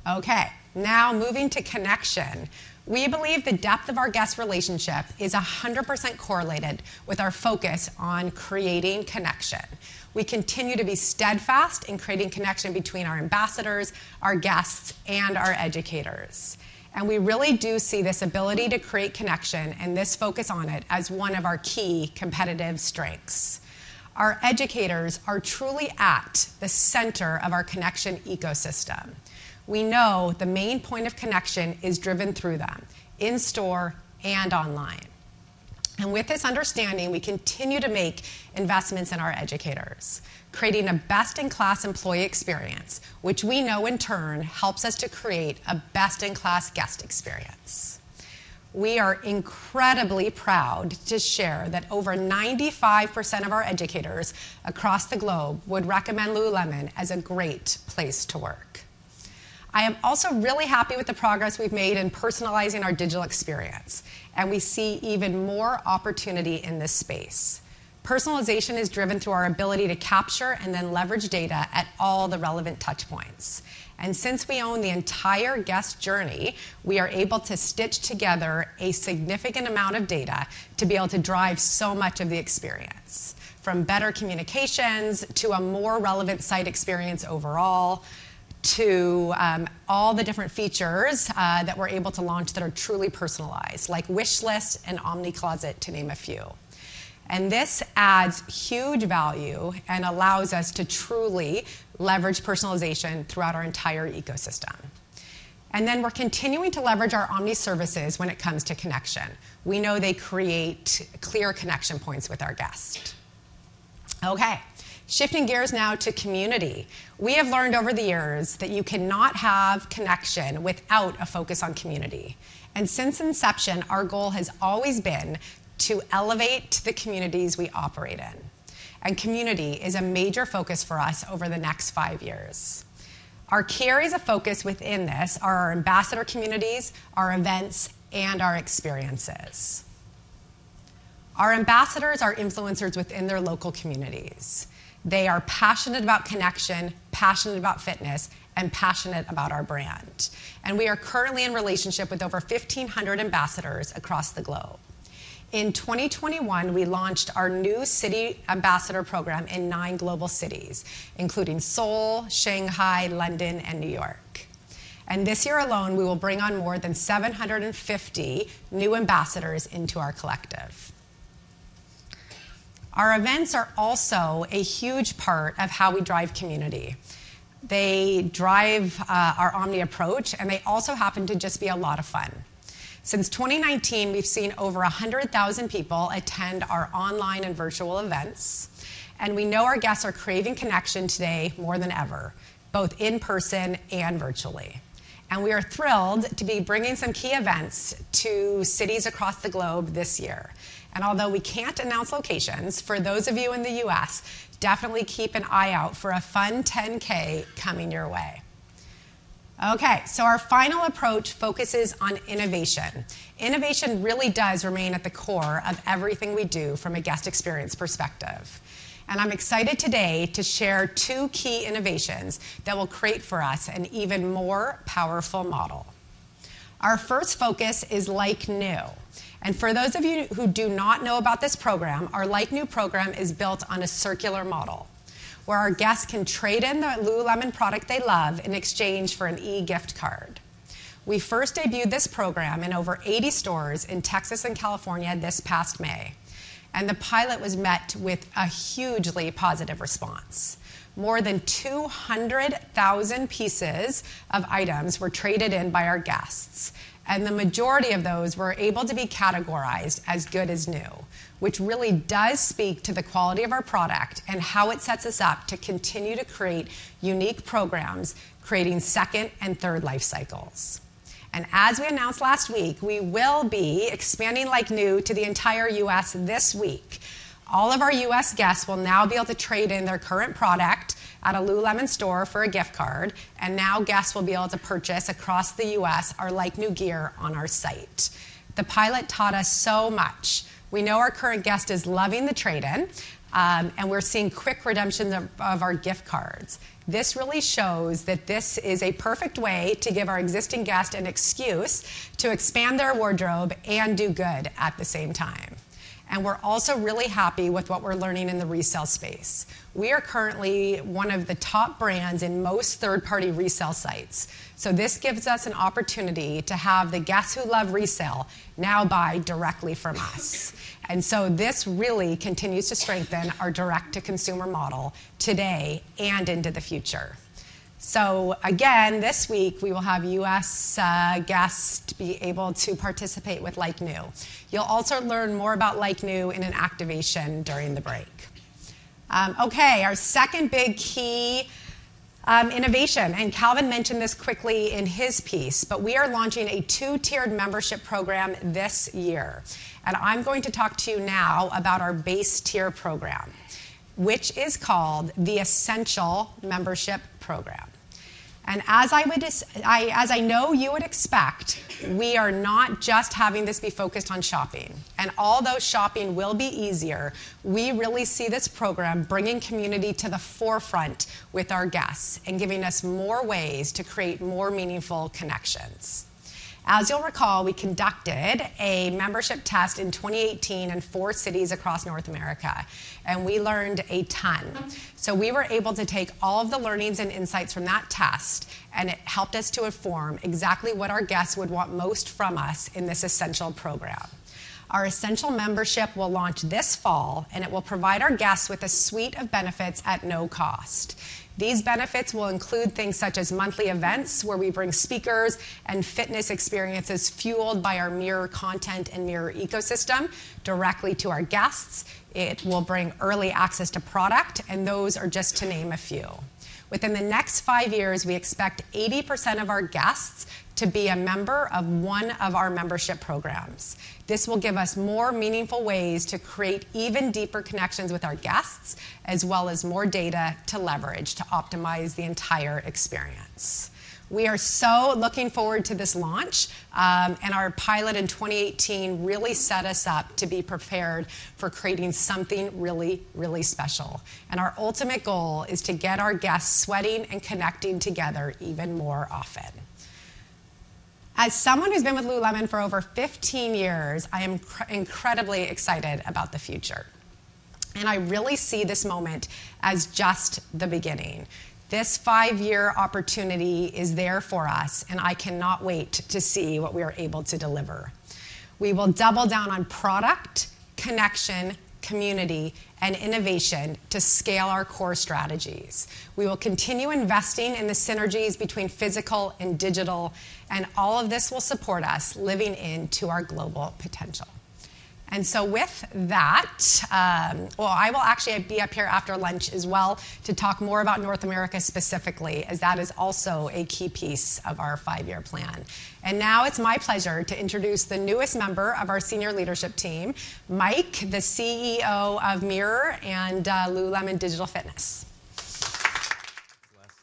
Okay. Now moving to connection. We believe the depth of our guest relationship is 100% correlated with our focus on creating connection. We continue to be steadfast in creating connection between our ambassadors, our guests, and our educators, and we really do see this ability to create connection and this focus on it as one of our key competitive strengths. Our educators are truly at the center of our connection ecosystem. We know the main point of connection is driven through them in-store and online. With this understanding, we continue to make investments in our educators, creating a best-in-class employee experience, which we know in turn helps us to create a best-in-class guest experience. We are incredibly proud to share that over 95% of our educators across the globe would recommend lululemon as a great place to work. I am also really happy with the progress we've made in personalizing our digital experience, and we see even more opportunity in this space. Personalization is driven through our ability to capture and then leverage data at all the relevant touch points. Since we own the entire guest journey, we are able to stitch together a significant amount of data to be able to drive so much of the experience from better communications to a more relevant site experience overall to all the different features that we're able to launch that are truly personalized, like wish lists and omni closet, to name a few. This adds huge value and allows us to truly leverage personalization throughout our entire ecosystem. Then we're continuing to leverage our omni services when it comes to connection. We know they create clear connection points with our guests. Okay. Shifting gears now to community. We have learned over the years that you cannot have connection without a focus on community. Since inception, our goal has always been to elevate the communities we operate in, and community is a major focus for us over the next five years. Our care is a focus within this, our ambassador communities, our events, and our experiences. Our ambassadors are influencers within their local communities. They are passionate about connection, passionate about fitness, and passionate about our brand. We are currently in relationship with over 1,500 ambassadors across the globe. In 2021, we launched our new city ambassador program in nine global cities, including Seoul, Shanghai, London, and New York. This year alone, we will bring on more than 750 new ambassadors into our collective. Our events are also a huge part of how we drive community. They drive our omni approach, and they also happen to just be a lot of fun. Since 2019, we've seen over 100,000 people attend our online and virtual events. We know our guests are craving connection today more than ever, both in person and virtually. We are thrilled to be bringing some key events to cities across the globe this year. Although we can't announce locations, for those of you in the U.S., definitely keep an eye out for a fun 10K coming your way. Okay, our final approach focuses on innovation. Innovation really does remain at the core of everything we do from a guest experience perspective. I'm excited today to share two key innovations that will create for us an even more powerful model. Our first focus is Like New. For those of you who do not know about this program, our Like New program is built on a circular model where our guests can trade in the Lululemon product they love in exchange for an e-gift card. We first debuted this program in over 80 stores in Texas and California this past May, and the pilot was met with a hugely positive response. More than 200,000 pieces of items were traded in by our guests, and the majority of those were able to be categorized as good as new, which really does speak to the quality of our product and how it sets us up to continue to create unique programs, creating second and third life cycles. As we announced last week, we will be expanding Like New to the entire U.S. this week. All of our U.S. guests will now be able to trade in their current product at a Lululemon store for a gift card, and now guests will be able to purchase across the U.S. our Like New gear on our site. The pilot taught us so much. We know our current guest is loving the trade-in, and we're seeing quick redemption of our gift cards. This really shows that this is a perfect way to give our existing guest an excuse to expand their wardrobe and do good at the same time. We're also really happy with what we're learning in the resell space. We are currently one of the top brands in most third-party resell sites, so this gives us an opportunity to have the guests who love resell now buy directly from us. This really continues to strengthen our direct-to-consumer model today and into the future. Again, this week we will have U.S. guests be able to participate with Like New. You'll also learn more about Like New in an activation during the break. Okay, our second big key innovation, and Calvin mentioned this quickly in his piece, but we are launching a two-tiered membership program this year. I'm going to talk to you now about our base tier program, which is called the Essential Membership Program. As I know you would expect, we are not just having this be focused on shopping. Although shopping will be easier, we really see this program bringing community to the forefront with our guests and giving us more ways to create more meaningful connections. As you'll recall, we conducted a membership test in 2018 in four cities across North America, and we learned a ton. We were able to take all of the learnings and insights from that test, and it helped us to inform exactly what our guests would want most from us in this Essential program. Our Essential membership will launch this fall, and it will provide our guests with a suite of benefits at no cost. These benefits will include things such as monthly events where we bring speakers and fitness experiences fueled by our Mirror content and Mirror ecosystem directly to our guests. It will bring early access to product, and those are just to name a few. Within the next five years, we expect 80% of our guests to be a member of one of our membership programs. This will give us more meaningful ways to create even deeper connections with our guests, as well as more data to leverage to optimize the entire experience. We are so looking forward to this launch, and our pilot in 2018 really set us up to be prepared for creating something really, really special. Our ultimate goal is to get our guests sweating and connecting together even more often. As someone who's been with Lululemon for over 15 years, I am incredibly excited about the future, and I really see this moment as just the beginning. This five-year opportunity is there for us, and I cannot wait to see what we are able to deliver. We will double down on product, connection, community, and innovation to scale our core strategies. We will continue investing in the synergies between physical and digital, and all of this will support us living into our global potential. With that, well, I will actually be up here after lunch as well to talk more about North America specifically as that is also a key piece of our five-year plan. Now it's my pleasure to introduce the newest member of our senior leadership team, Michael, the CEO of Mirror and lululemon Digital Fitness. Thanks, Celeste.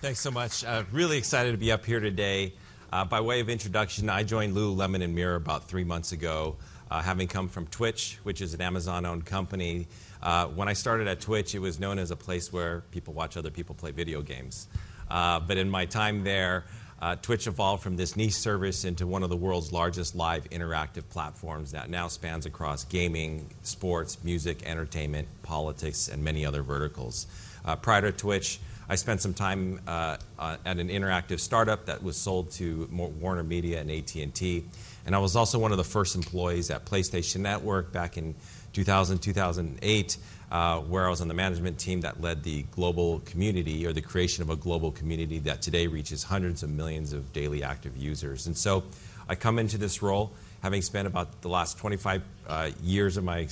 Thanks so much. Really excited to be up here today. By way of introduction, I joined lululemon and Mirror about three months ago, having come from Twitch, which is an Amazon-owned company. When I started at Twitch, it was known as a place where people watch other people play video games. In my time there, Twitch evolved from this niche service into one of the world's largest live interactive platforms that now spans across gaming, sports, music, entertainment, politics, and many other verticals. Prior to Twitch, I spent some time at an interactive startup that was sold to WarnerMedia and AT&T, and I was also one of the first employees at PlayStation Network back in 2008, where I was on the management team that led the global community or the creation of a global community that today reaches hundreds of millions of daily active users. I come into this role having spent about the last 25 years of my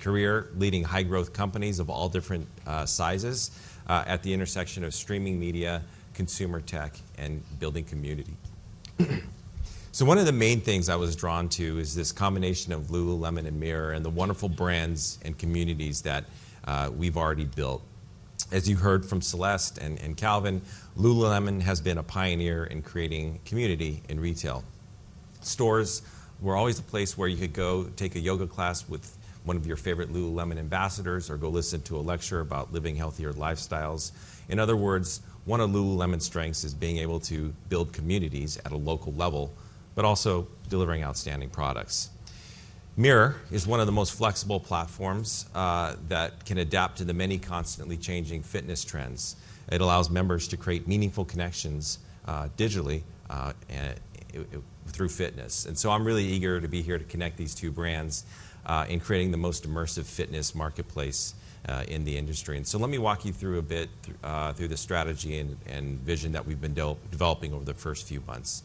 career leading high-growth companies of all different sizes at the intersection of streaming media, consumer tech, and building community. One of the main things I was drawn to is this combination of lululemon and Mirror and the wonderful brands and communities that we've already built. As you heard from Celeste and Calvin, lululemon has been a pioneer in creating community in retail. Stores were always a place where you could go take a yoga class with one of your favorite lululemon ambassadors or go listen to a lecture about living healthier lifestyles. In other words, one of lululemon's strengths is being able to build communities at a local level, but also delivering outstanding products. Mirror is one of the most flexible platforms that can adapt to the many constantly changing fitness trends. It allows members to create meaningful connections digitally through fitness. I'm really eager to be here to connect these two brands in creating the most immersive fitness marketplace in the industry. Let me walk you through a bit through the strategy and vision that we've been developing over the first few months.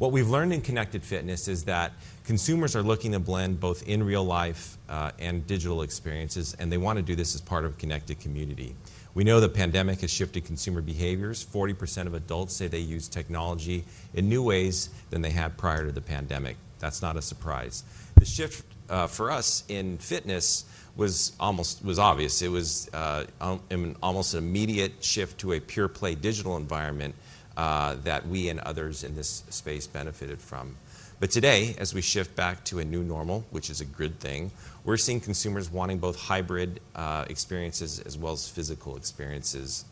What we've learned in connected fitness is that consumers are looking to blend both in real life and digital experiences, and they wanna do this as part of a connected community. We know the pandemic has shifted consumer behaviors. 40% of adults say they use technology in new ways than they have prior to the pandemic. That's not a surprise. The shift for us in fitness was obvious. It was an almost immediate shift to a pure play digital environment that we and others in this space benefited from. Today, as we shift back to a new normal, which is a good thing, we're seeing consumers wanting both hybrid experiences as well as physical experiences.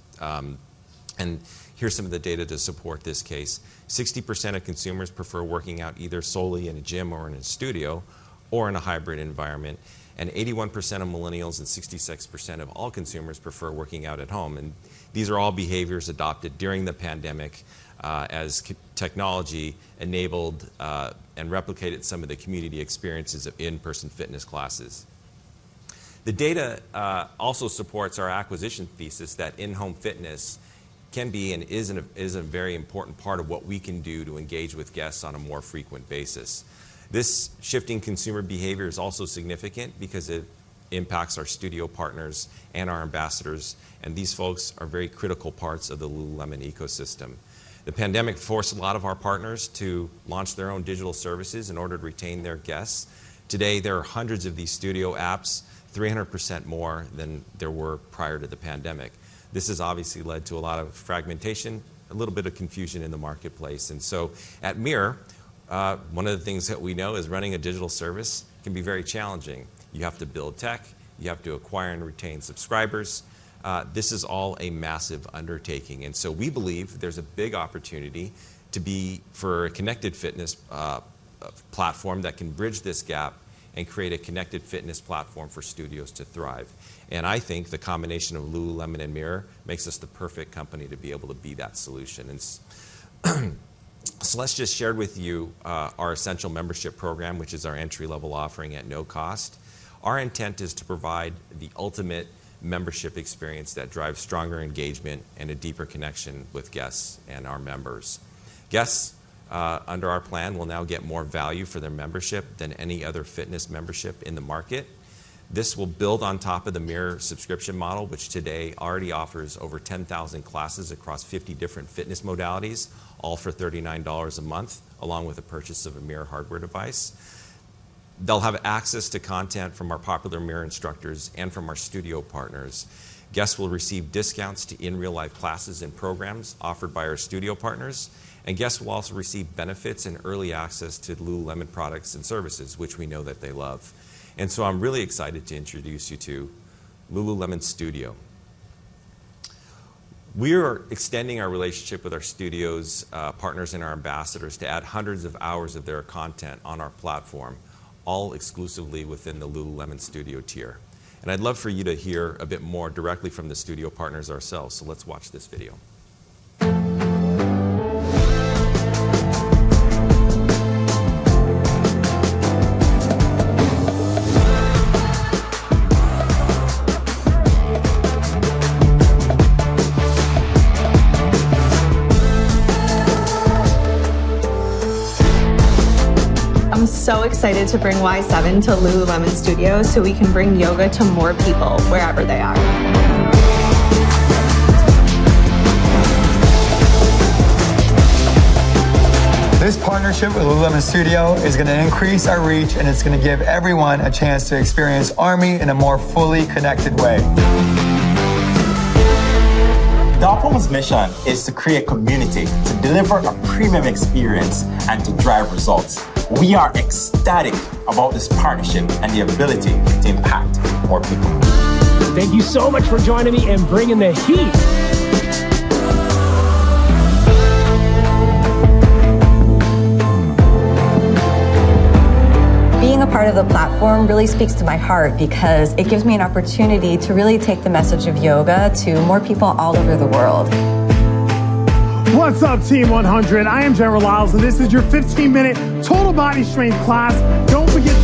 Here's some of the data to support this case. 60% of consumers prefer working out either solely in a gym or in a studio or in a hybrid environment, and 81% of millennials and 66% of all consumers prefer working out at home. These are all behaviors adopted during the pandemic, as technology enabled and replicated some of the community experiences of in-person fitness classes. The data also supports our acquisition thesis that in-home fitness can be and is a very important part of what we can do to engage with guests on a more frequent basis. This shifting consumer behavior is also significant because it impacts our studio partners and our ambassadors, and these folks are very critical parts of the lululemon ecosystem. The pandemic forced a lot of our partners to launch their own digital services in order to retain their guests. Today, there are hundreds of these studio apps, 300% more than there were prior to the pandemic. This has obviously led to a lot of fragmentation, a little bit of confusion in the marketplace. At Mirror, one of the things that we know is running a digital service can be very challenging. You have to build tech. You have to acquire and retain subscribers. This is all a massive undertaking. We believe there's a big opportunity to be... For a connected fitness platform that can bridge this gap and create a connected fitness platform for studios to thrive. I think the combination of Lululemon and Mirror makes us the perfect company to be able to be that solution. Celeste just shared with you our Essential Membership program, which is our entry-level offering at no cost. Our intent is to provide the ultimate membership experience that drives stronger engagement and a deeper connection with guests and our members. Guests under our plan will now get more value for their membership than any other fitness membership in the market. This will build on top of the Mirror subscription model, which today already offers over 10,000 classes across 50 different fitness modalities, all for $39 a month, along with the purchase of a Mirror hardware device. They'll have access to content from our popular Mirror instructors and from our studio partners. Guests will receive discounts to in real life classes and programs offered by our studio partners, and guests will also receive benefits and early access to lululemon products and services, which we know that they love. I'm really excited to introduce you to lululemon Studio. We are extending our relationship with our studios, partners, and our ambassadors to add hundreds of hours of their content on our platform, all exclusively within the lululemon Studio tier. I'd love for you to hear a bit more directly from the studio partners ourselves, so let's watch this video. I'm so excited to bring Y7 to lululemon Studio so we can bring yoga to more people wherever they are. This partnership with lululemon Studio is gonna increase our reach, and it's gonna give everyone a chance to experience AARMY in a more fully connected way. Dogpound's mission is to create community, to deliver a premium experience, and to drive results. We are ecstatic about this partnership and the ability to impact more people. Thank you so much for joining me and bringing the heat. Being a part of the platform really speaks to my heart because it gives me an opportunity to really take the message of yoga to more people all over the world. What's up, Team 100? I am Gerren Liles, and this is your 15-minute total body strength class. Don't forget to.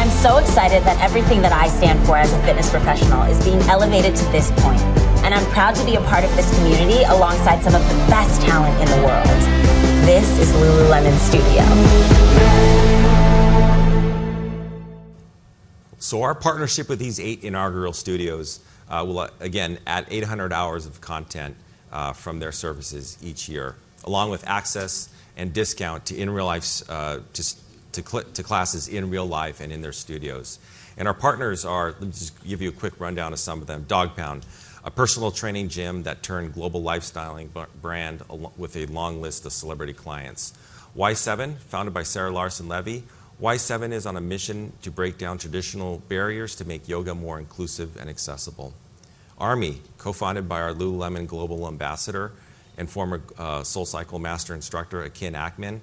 I'm so excited that everything that I stand for as a fitness professional is being elevated to this point, and I'm proud to be a part of this community alongside some of the best talent in the world. This is lululemon Studio. Our partnership with these eight inaugural studios will again add 800 hours of content from their services each year, along with access and discount to classes in real life and in their studios. Our partners are. Let me just give you a quick rundown of some of them. Dogpound, a personal training gym that turned global lifestyle brand along with a long list of celebrity clients. Y7, founded by Sarah Larson Levey. Y7 is on a mission to break down traditional barriers to make yoga more inclusive and accessible. AARMY, co-founded by our lululemon global ambassador and former SoulCycle master instructor, Akin Akman.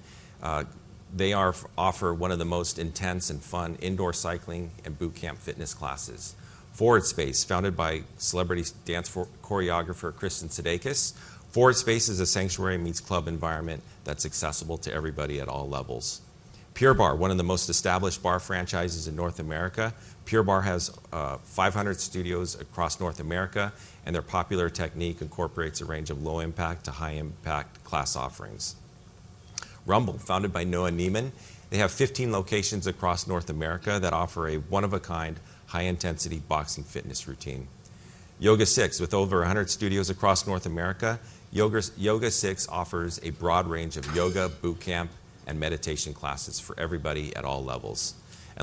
They offer one of the most intense and fun indoor cycling and boot camp fitness classes. Forward Space, founded by celebrity dance choreographer, Kristin Sudeikis. Forward Space is a sanctuary meets club environment that's accessible to everybody at all levels. Pure Barre, one of the most established barre franchises in North America. Pure Barre has 500 studios across North America, and their popular technique incorporates a range of low-impact to high-impact class offerings. Rumble, founded by Noah Neiman. They have 15 locations across North America that offer a one-of-a-kind high-intensity boxing fitness routine. YogaSix, with over 100 studios across North America. YogaSix offers a broad range of yoga, boot camp, and meditation classes for everybody at all levels.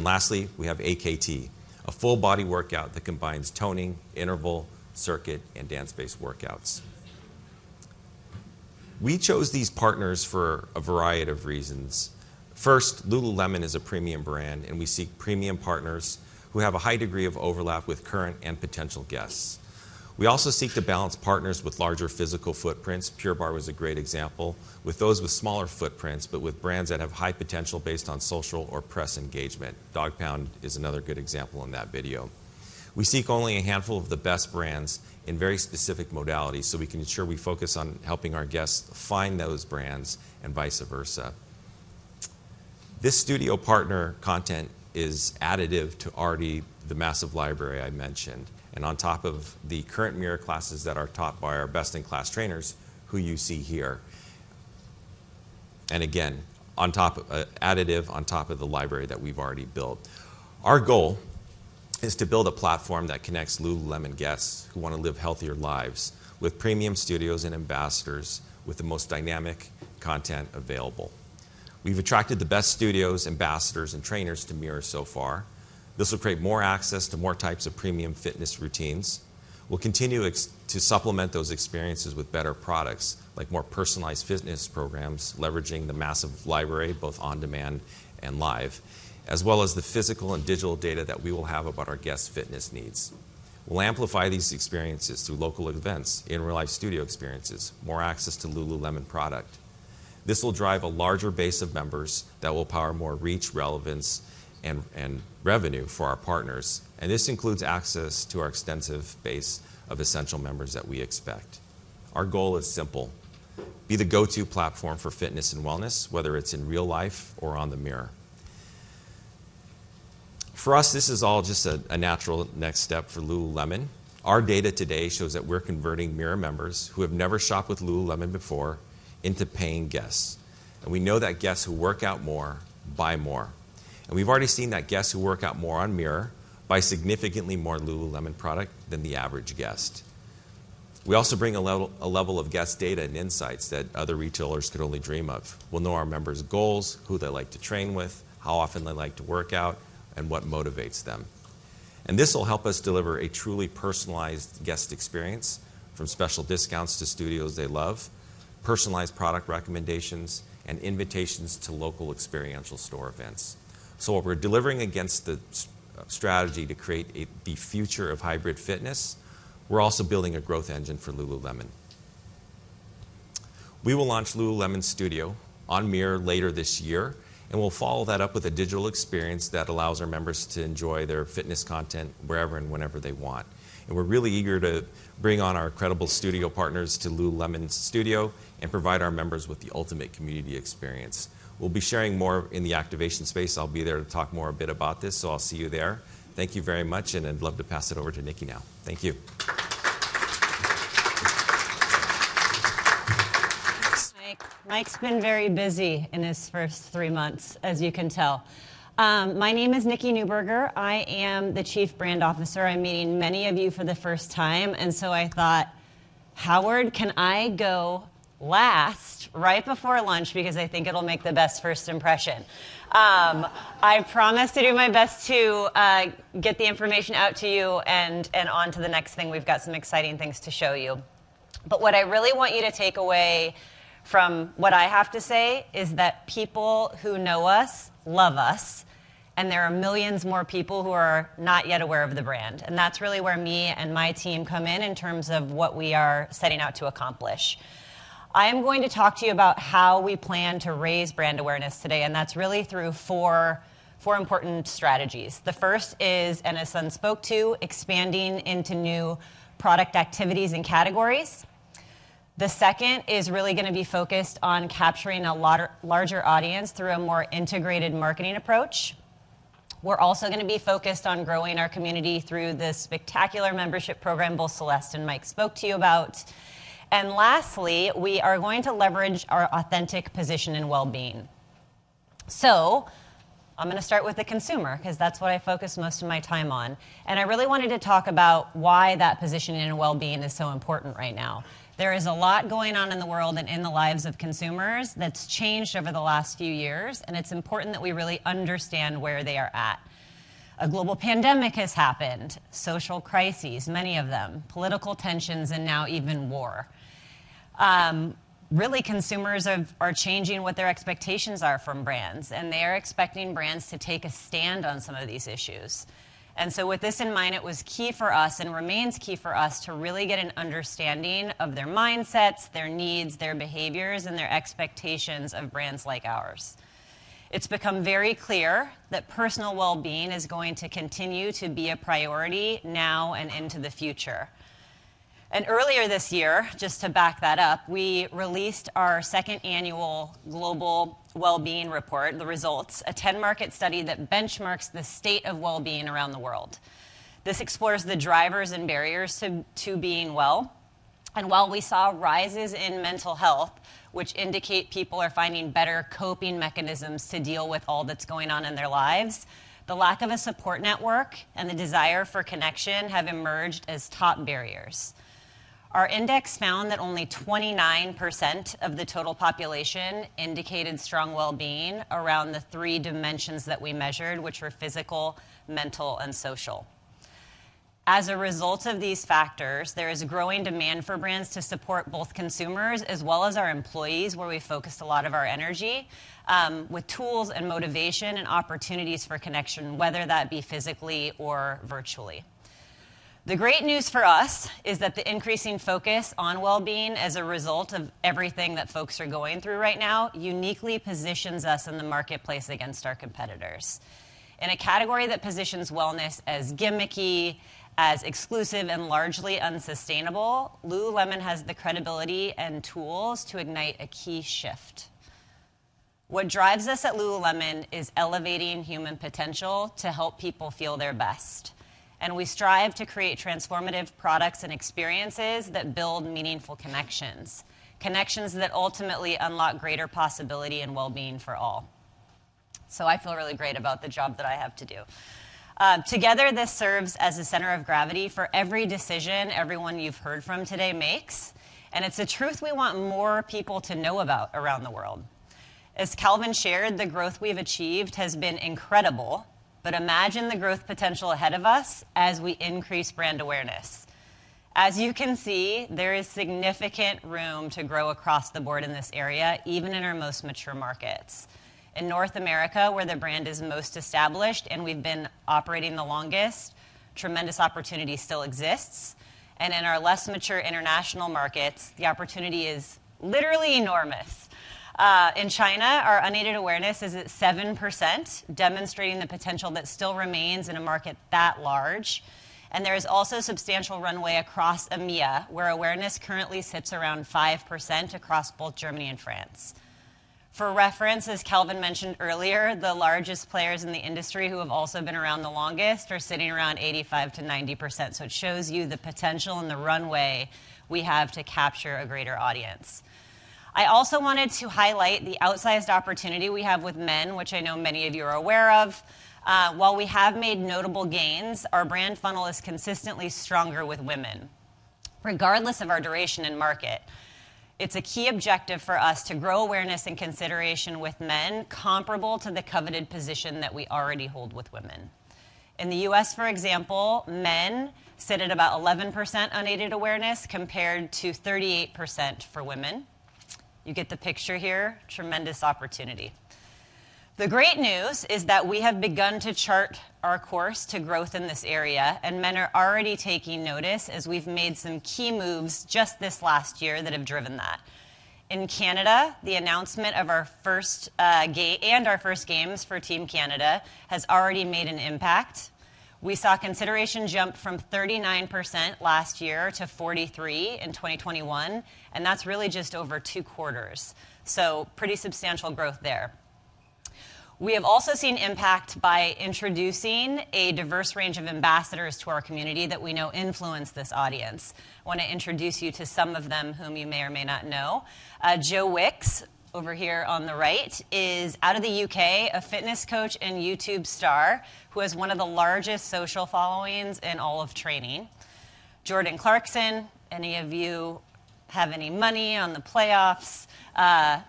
Lastly, we have AKT, a full-body workout that combines toning, interval, circuit, and dance-based workouts. We chose these partners for a variety of reasons. First, lululemon is a premium brand, and we seek premium partners who have a high degree of overlap with current and potential guests. We also seek to balance partners with larger physical footprints, Pure Barre was a great example, with those with smaller footprints, but with brands that have high potential based on social or press engagement. Dogpound is another good example in that video. We seek only a handful of the best brands in very specific modalities, so we can ensure we focus on helping our guests find those brands and vice versa. This studio partner content is additive to already the massive library I mentioned, and on top of the current Mirror classes that are taught by our best-in-class trainers, who you see here. Again, on top of additive on top of the library that we've already built. Our goal is to build a platform that connects lululemon guests who wanna live healthier lives with premium studios and ambassadors with the most dynamic content available. We've attracted the best studios, ambassadors, and trainers to Mirror so far. This will create more access to more types of premium fitness routines. We'll continue to supplement those experiences with better products, like more personalized fitness programs leveraging the massive library, both on-demand and live, as well as the physical and digital data that we will have about our guests' fitness needs. We'll amplify these experiences through local events, in-real-life studio experiences, more access to Lululemon product. This will drive a larger base of members that will power more reach, relevance, and revenue for our partners, and this includes access to our extensive base of Essential Members that we expect. Our goal is simple, be the go-to platform for fitness and wellness, whether it's in real life or on the Mirror. For us, this is all just a natural next step for Lululemon. Our data today shows that we're converting Mirror members who have never shopped with lululemon before into paying guests, and we know that guests who work out more buy more. We've already seen that guests who work out more on Mirror buy significantly more lululemon product than the average guest. We also bring a level of guest data and insights that other retailers could only dream of. We'll know our members' goals, who they like to train with, how often they like to work out, and what motivates them. This will help us deliver a truly personalized guest experience from special discounts to studios they love, personalized product recommendations, and invitations to local experiential store events. What we're delivering against the strategy to create the future of hybrid fitness, we're also building a growth engine for lululemon. We will launch lululemon Studio on Mirror later this year. We'll follow that up with a digital experience that allows our members to enjoy their fitness content wherever and whenever they want. We're really eager to bring on our incredible studio partners to lululemon Studio and provide our members with the ultimate community experience. We'll be sharing more in the activation space. I'll be there to talk more a bit about this, so I'll see you there. Thank you very much, and I'd love to pass it over to Nikki now. Thank you. Thanks, Mike. Mike's been very busy in his first three months, as you can tell. My name is Nikki Neuburger. I am the Chief Brand Officer. I'm meeting many of you for the first time, and so I thought, "Howard, can I go last right before lunch because I think it'll make the best first impression?" I promise to do my best to get the information out to you and on to the next thing. We've got some exciting things to show you. What I really want you to take away from what I have to say is that people who know us love us, and there are millions more people who are not yet aware of the brand, and that's really where me and my team come in in terms of what we are setting out to accomplish. I am going to talk to you about how we plan to raise brand awareness today, and that's really through four important strategies. The first is, and Sun spoke to, expanding into new product activities and categories. The second is really gonna be focused on capturing a larger audience through a more integrated marketing approach. We're also gonna be focused on growing our community through the spectacular membership program both Celeste and Mike spoke to you about. Lastly, we are going to leverage our authentic position in wellbeing. I'm gonna start with the consumer 'cause that's what I focus most of my time on, and I really wanted to talk about why that position in wellbeing is so important right now. There is a lot going on in the world and in the lives of consumers that's changed over the last few years, and it's important that we really understand where they are at. A global pandemic has happened, social crises, many of them, political tensions, and now even war. Really consumers are changing what their expectations are from brands, and they are expecting brands to take a stand on some of these issues. With this in mind, it was key for us and remains key for us to really get an understanding of their mindsets, their needs, their behaviors, and their expectations of brands like ours. It's become very clear that personal wellbeing is going to continue to be a priority now and into the future. Earlier this year, just to back that up, we released our second annual Global Wellbeing Report, the results, a 10-market study that benchmarks the state of wellbeing around the world. This explores the drivers and barriers to being well, and while we saw rises in mental health, which indicate people are finding better coping mechanisms to deal with all that's going on in their lives, the lack of a support network and the desire for connection have emerged as top barriers. Our index found that only 29% of the total population indicated strong wellbeing around the three dimensions that we measured, which were physical, mental, and social. As a result of these factors, there is a growing demand for brands to support both consumers as well as our employees, where we focused a lot of our energy, with tools and motivation and opportunities for connection, whether that be physically or virtually. The great news for us is that the increasing focus on wellbeing as a result of everything that folks are going through right now uniquely positions us in the marketplace against our competitors. In a category that positions wellness as gimmicky, as exclusive, and largely unsustainable, lululemon has the credibility and tools to ignite a key shift. What drives us at lululemon is elevating human potential to help people feel their best, and we strive to create transformative products and experiences that build meaningful connections that ultimately unlock greater possibility and wellbeing for all. I feel really great about the job that I have to do. Together, this serves as a center of gravity for every decision everyone you've heard from today makes, and it's a truth we want more people to know about around the world. As Calvin shared, the growth we've achieved has been incredible, but imagine the growth potential ahead of us as we increase brand awareness. As you can see, there is significant room to grow across the board in this area, even in our most mature markets. In North America, where the brand is most established and we've been operating the longest, tremendous opportunity still exists, and in our less mature international markets, the opportunity is literally enormous. In China, our unaided awareness is at 7%, demonstrating the potential that still remains in a market that large, and there is also substantial runway across EMEA, where awareness currently sits around 5% across both Germany and France. For reference, as Calvin mentioned earlier, the largest players in the industry who have also been around the longest are sitting around 85%-90%, so it shows you the potential and the runway we have to capture a greater audience. I also wanted to highlight the outsized opportunity we have with men, which I know many of you are aware of. While we have made notable gains, our brand funnel is consistently stronger with women regardless of our duration in market. It's a key objective for us to grow awareness and consideration with men comparable to the coveted position that we already hold with women. In the U.S., for example, men sit at about 11% unaided awareness compared to 38% for women. You get the picture here. Tremendous opportunity. The great news is that we have begun to chart our course to growth in this area, and men are already taking notice as we've made some key moves just this last year that have driven that. In Canada, the announcement of our first games for Team Canada has already made an impact. We saw consideration jump from 39% last year to 43% in 2021, and that's really just over two quarters. Pretty substantial growth there. We have also seen impact by introducing a diverse range of ambassadors to our community that we know influence this audience. Wanna introduce you to some of them whom you may or may not know. Joe Wicks, over here on the right, is out of the U.K., a fitness coach and YouTube star who has one of the largest social followings in all of training. Jordan Clarkson, any of you have any money on the playoffs,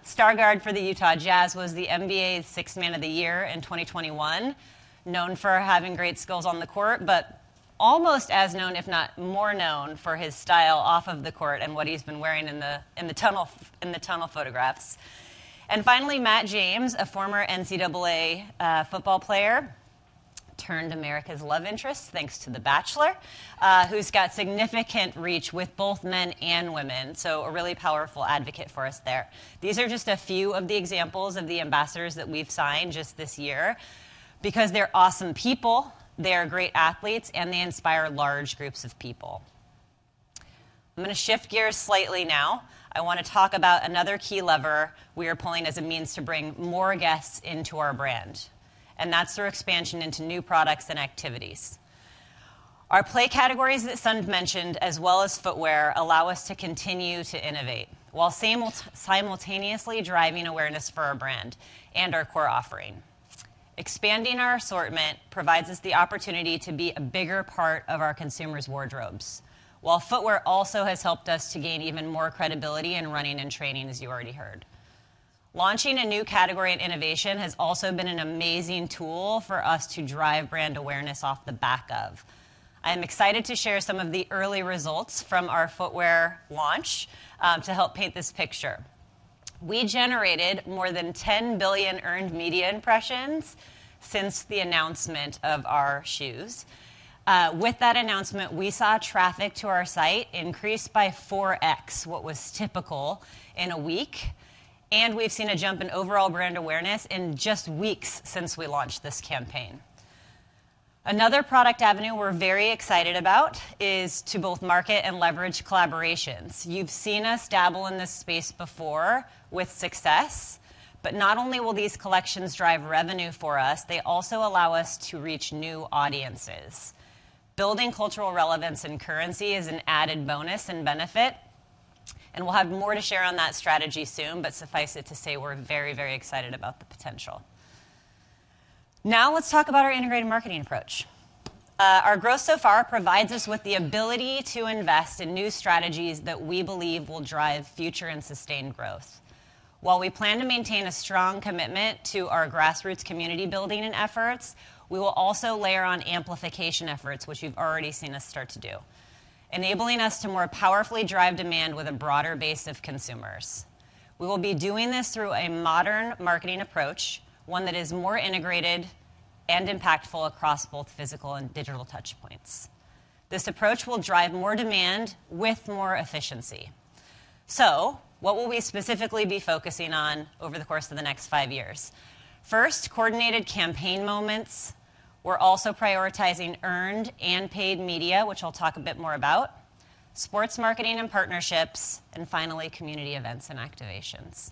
star guard for the Utah Jazz, was the NBA Sixth Man of the Year in 2021. Known for having great skills on the court, but almost as known, if not more known for his style off of the court and what he's been wearing in the tunnel photographs. Finally, Matt James, a former NCAA football player, turned America's love interest, thanks to The Bachelor, who's got significant reach with both men and women, so a really powerful advocate for us there. These are just a few of the examples of the ambassadors that we've signed just this year, because they're awesome people, they are great athletes, and they inspire large groups of people. I'm gonna shift gears slightly now. I wanna talk about another key lever we are pulling as a means to bring more guests into our brand, and that's through expansion into new products and activities. Our play categories that Sun mentioned, as well as footwear, allow us to continue to innovate while simultaneously driving awareness for our brand and our core offering. Expanding our assortment provides us the opportunity to be a bigger part of our consumers' wardrobes, while footwear also has helped us to gain even more credibility in running and training, as you already heard. Launching a new category and innovation has also been an amazing tool for us to drive brand awareness off the back of. I am excited to share some of the early results from our footwear launch, to help paint this picture. We generated more than 10 billion earned media impressions since the announcement of our shoes. With that announcement, we saw traffic to our site increase by 4x what was typical in a week, and we've seen a jump in overall brand awareness in just weeks since we launched this campaign. Another product avenue we're very excited about is to both market and leverage collaborations. You've seen us dabble in this space before with success, but not only will these collections drive revenue for us, they also allow us to reach new audiences. Building cultural relevance and currency is an added bonus and benefit, and we'll have more to share on that strategy soon, but suffice it to say, we're very, very excited about the potential. Now let's talk about our integrated marketing approach. Our growth so far provides us with the ability to invest in new strategies that we believe will drive future and sustained growth. While we plan to maintain a strong commitment to our grassroots community-building and efforts, we will also layer on amplification efforts, which you've already seen us start to do, enabling us to more powerfully drive demand with a broader base of consumers. We will be doing this through a modern marketing approach, one that is more integrated and impactful across both physical and digital touch points. This approach will drive more demand with more efficiency. What will we specifically be focusing on over the course of the next five years? First, coordinated campaign moments. We're also prioritizing earned and paid media, which I'll talk a bit more about, sports marketing and partnerships, and finally, community events and activations.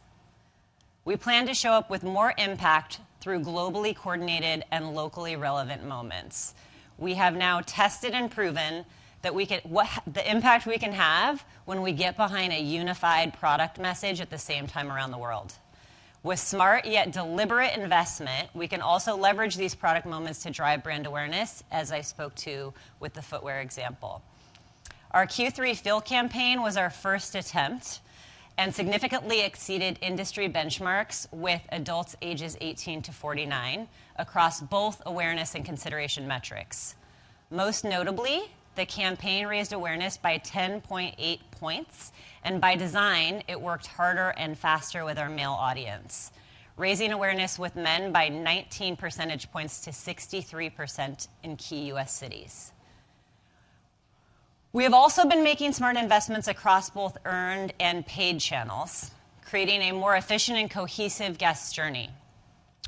We plan to show up with more impact through globally coordinated and locally relevant moments. We have now tested and proven that the impact we can have when we get behind a unified product message at the same time around the world. With smart yet deliberate investment, we can also leverage these product moments to drive brand awareness, as I spoke to with the footwear example. Our Q3 Feel campaign was our first attempt and significantly exceeded industry benchmarks with adults ages 18 to 49 across both awareness and consideration metrics. Most notably, the campaign raised awareness by 10.8 points, and by design, it worked harder and faster with our male audience, raising awareness with men by 19 percentage points to 63% in key U.S. cities. We have also been making smart investments across both earned and paid channels, creating a more efficient and cohesive guest journey.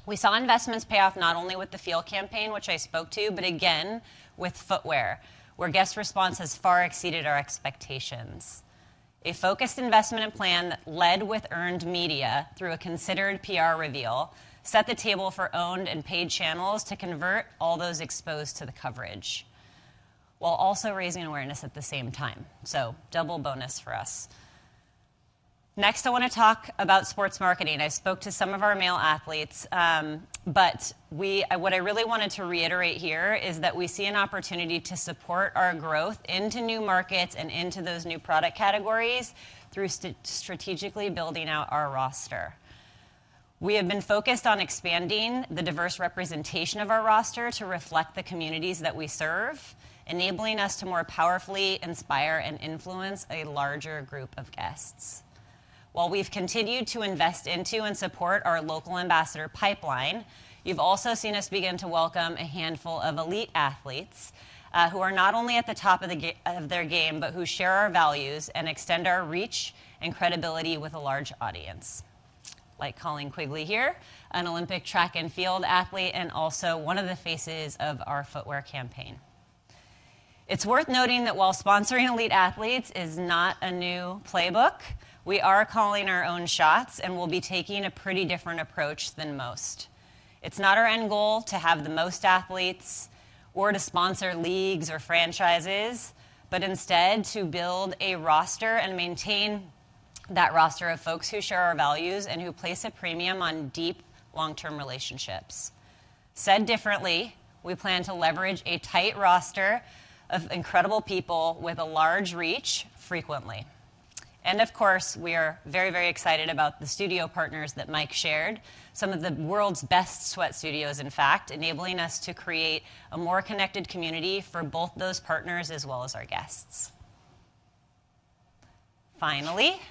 We saw investments pay off not only with the Feel campaign, which I spoke to, but again with footwear, where guest response has far exceeded our expectations. A focused investment and plan led with earned media through a considered PR reveal, set the table for owned and paid channels to convert all those exposed to the coverage while also raising awareness at the same time. Double bonus for us. Next, I wanna talk about sports marketing. I spoke to some of our male athletes, but what I really wanted to reiterate here is that we see an opportunity to support our growth into new markets and into those new product categories through strategically building out our roster. We have been focused on expanding the diverse representation of our roster to reflect the communities that we serve, enabling us to more powerfully inspire and influence a larger group of guests. While we've continued to invest into and support our local ambassador pipeline, you've also seen us begin to welcome a handful of elite athletes, who are not only at the top of their game, but who share our values and extend our reach and credibility with a large audience. Like Colleen Quigley here, an Olympic Track and Field Athlete, and also one of the faces of our footwear campaign. It's worth noting that while sponsoring elite athletes is not a new playbook, we are calling our own shots, and we'll be taking a pretty different approach than most. It's not our end goal to have the most athletes or to sponsor leagues or franchises, but instead to build a roster and maintain that roster of folks who share our values and who place a premium on deep, long-term relationships. Said differently, we plan to leverage a tight roster of incredible people with a large reach frequently. Of course, we are very, very excited about the studio partners that Mike shared, some of the world's best sweat studios, in fact, enabling us to create a more connected community for both those partners as well as our guests. Finally,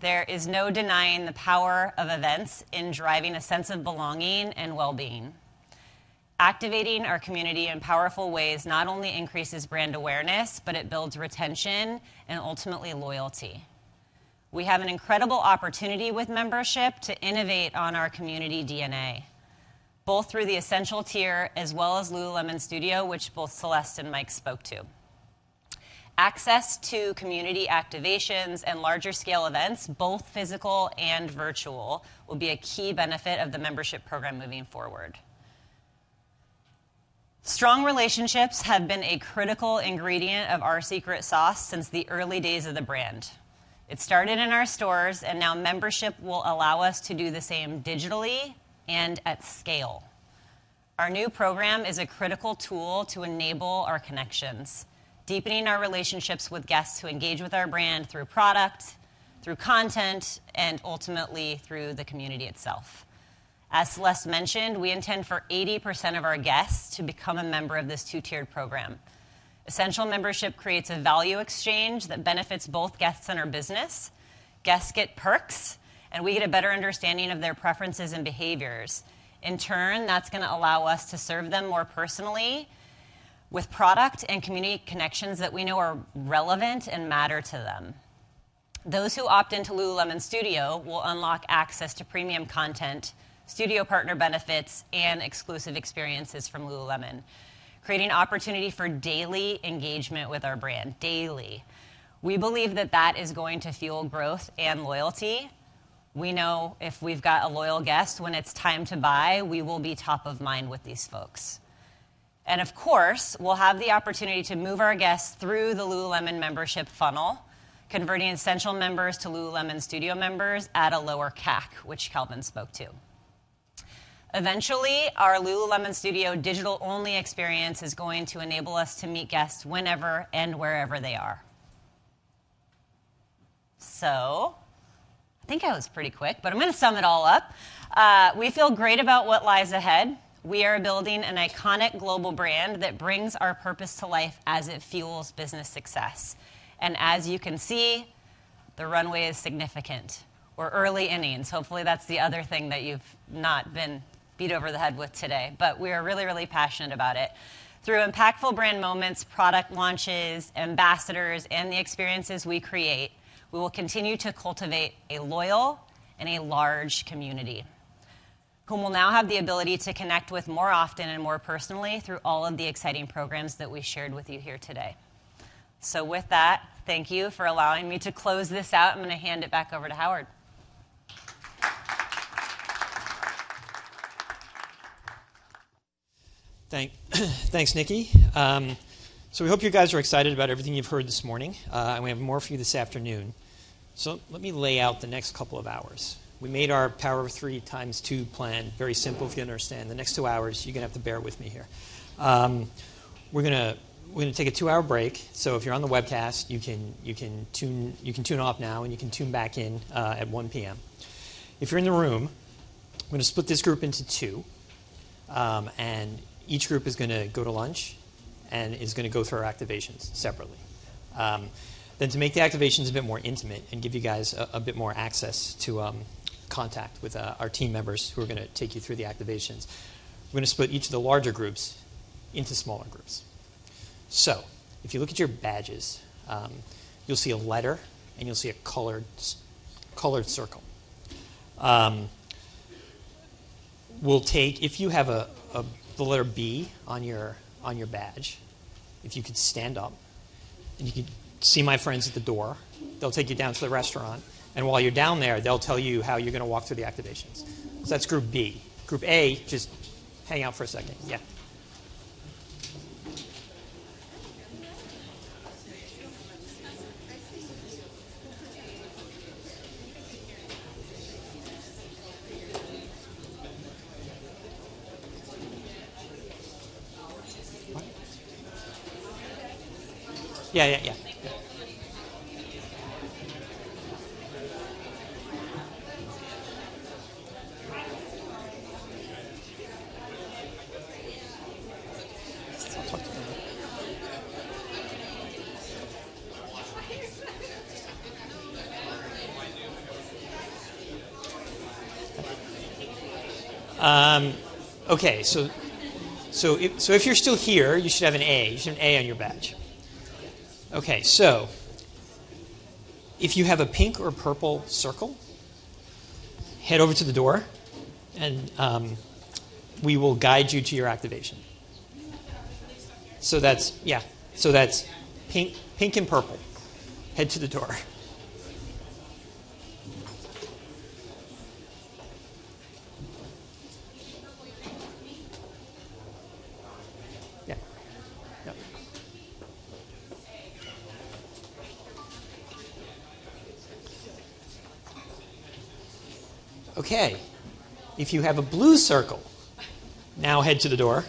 there is no denying the power of events in driving a sense of belonging and well-being. Activating our community in powerful ways not only increases brand awareness, but it builds retention and ultimately loyalty. We have an incredible opportunity with membership to innovate on our community DNA, both through the Essential tier as well as lululemon Studio, which both Celeste and Mike spoke to. Access to community activations and larger scale events, both physical and virtual, will be a key benefit of the membership program moving forward. Strong relationships have been a critical ingredient of our secret sauce since the early days of the brand. It started in our stores, and now membership will allow us to do the same digitally and at scale. Our new program is a critical tool to enable our connections, deepening our relationships with guests who engage with our brand through product, through content, and ultimately through the community itself. As Celeste mentioned, we intend for 80% of our guests to become a member of this two-tiered program. Essential Membership creates a value exchange that benefits both guests and our business. Guests get perks, and we get a better understanding of their preferences and behaviors. In turn, that's gonna allow us to serve them more personally with product and community connections that we know are relevant and matter to them. Those who opt into lululemon Studio will unlock access to premium content, Studio partner benefits, and exclusive experiences from lululemon, creating opportunity for daily engagement with our brand. We believe that that is going to fuel growth and loyalty. We know if we've got a loyal guest, when it's time to buy, we will be top of mind with these folks. Of course, we'll have the opportunity to move our guests through the lululemon membership funnel, converting Essential Members to lululemon Studio Members at a lower CAC, which Calvin spoke to. Eventually, our lululemon Studio digital-only experience is going to enable us to meet guests whenever and wherever they are. I think I was pretty quick, but I'm gonna sum it all up. We feel great about what lies ahead. We are building an iconic global brand that brings our purpose to life as it fuels business success. As you can see, the runway is significant. We're early innings. Hopefully, that's the other thing that you've not been beat over the head with today. We are really, really passionate about it. Through impactful brand moments, product launches, ambassadors, and the experiences we create, we will continue to cultivate a loyal and a large community whom we'll now have the ability to connect with more often and more personally through all of the exciting programs that we shared with you here today. With that, thank you for allowing me to close this out. I'm gonna hand it back over to Howard. Thanks, Nikki. We hope you guys are excited about everything you've heard this morning, and we have more for you this afternoon. Let me lay out the next couple of hours. We made our Power of Three ×2 plan very simple. If you understand the next two hours, you're gonna have to bear with me here. We're gonna take a two-hour break. If you're on the webcast, you can tune off now and you can tune back in at 1:00 P.M. If you're in the room, I'm gonna split this group into two, and each group is gonna go to lunch and is gonna go through our activations separately. To make the activations a bit more intimate and give you guys a bit more access to contact with our team members who are gonna take you through the activations, we're gonna split each of the larger groups into smaller groups. If you look at your badges, you'll see a letter and you'll see a colored circle. If you have the letter B on your badge, if you could stand up and you could see my friends at the door, they'll take you down to the restaurant, and while you're down there, they'll tell you how you're gonna walk through the activations. That's group B. Group A, just hang out for a second. Yeah. Yeah. Yeah. Yeah. Okay. If you're still here, you should have an A. You should have an A on your badge. Okay, if you have a pink or purple circle, head over to the door and we will guide you to your activation. You have the activation list up here? Yeah. That's pink and purple. Head to the door. Pink and purple. Yeah. Yep. Okay. If you have a blue circle, now head to the door.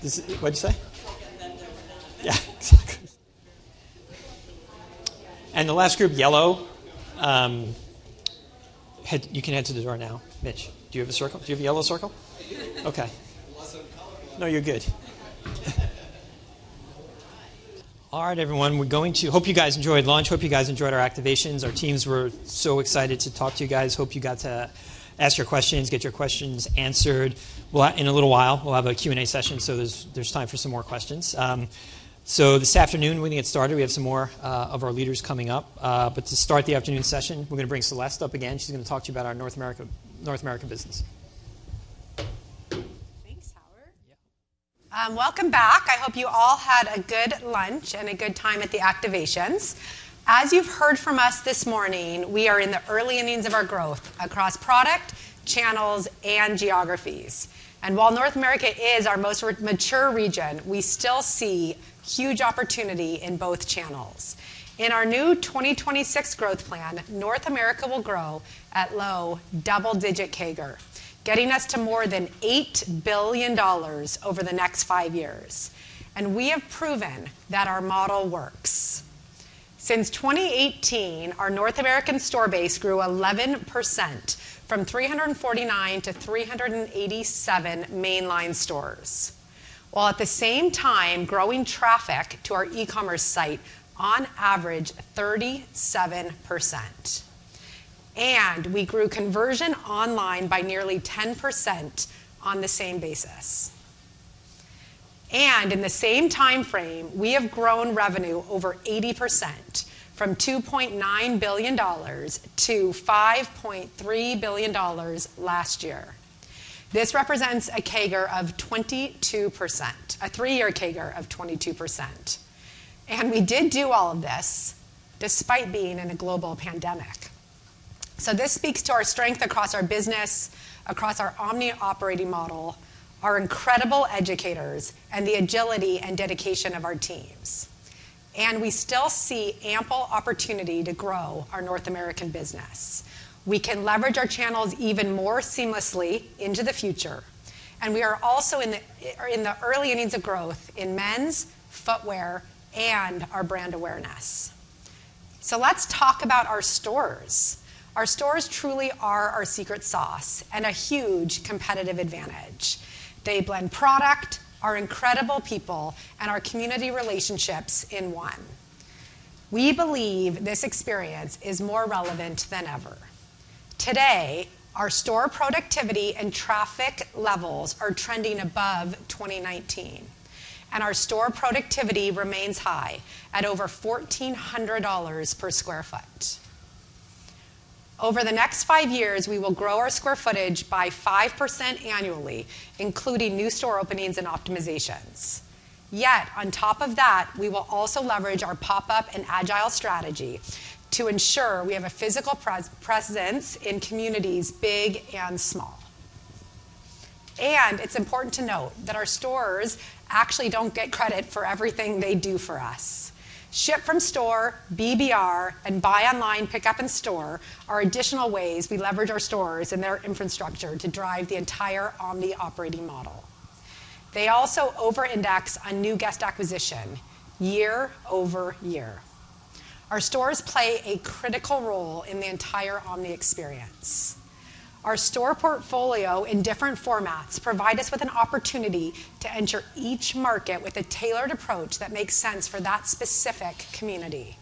This is why you said that they were done. What'd you say? Told them that they were done. Yeah, exactly. The last group, yellow, you can head to the door now. Mitch, do you have a circle? Do you have a yellow circle? I do. Okay. I lost some color though. No, you're good. All right, everyone, we're going to hope you guys enjoyed lunch. Hope you guys enjoyed our activations. Our teams were so excited to talk to you guys. Hope you got to ask your questions, get your questions answered. In a little while, we'll have a Q&A session, so there's time for some more questions. This afternoon when we get started, we have some more of our leaders coming up. To start the afternoon session, we're gonna bring Celeste up again. She's gonna talk to you about our North American business. Thanks, Howard. Yeah. Welcome back. I hope you all had a good lunch and a good time at the activations. As you've heard from us this morning, we are in the early innings of our growth across product, channels, and geographies. While North America is our most mature region, we still see huge opportunity in both channels. In our new 2026 growth plan, North America will grow at low double-digit CAGR, getting us to more than $8 billion over the next five years, and we have proven that our model works. Since 2018, our North American store base grew 11% from 349 to 387 mainline stores, while at the same time growing traffic to our e-commerce site on average 37%, and we grew conversion online by nearly 10% on the same basis. In the same timeframe, we have grown revenue over 80% from $2.9 billion to $5.3 billion last year. This represents a CAGR of 22%—a three-year CAGR of 22%. We did do all of this despite being in a global pandemic. This speaks to our strength across our business, across our omni-operating model, our incredible educators, and the agility and dedication of our teams. We still see ample opportunity to grow our North American business. We can leverage our channels even more seamlessly into the future, and we are also in the in the early innings of growth in men's footwear and our brand awareness. Let's talk about our stores. Our stores truly are our secret sauce and a huge competitive advantage. They blend product, our incredible people, and our community relationships in one. We believe this experience is more relevant than ever. Today, our store productivity and traffic levels are trending above 2019, and our store productivity remains high at over $1,400 per sq ft. Over the next five years, we will grow our square footage by 5% annually, including new store openings and optimizations. Yet on top of that, we will also leverage our pop-up and agile strategy to ensure we have a physical presence in communities big and small. It's important to note that our stores actually don't get credit for everything they do for us. Ship from store, BBR, and buy online, pick up in store are additional ways we leverage our stores and their infrastructure to drive the entire omni-operating model. They also over-index on new guest acquisition year-over-year. Our stores play a critical role in the entire omni experience. Our store portfolio in different formats provide us with an opportunity to enter each market with a tailored approach that makes sense for that specific community,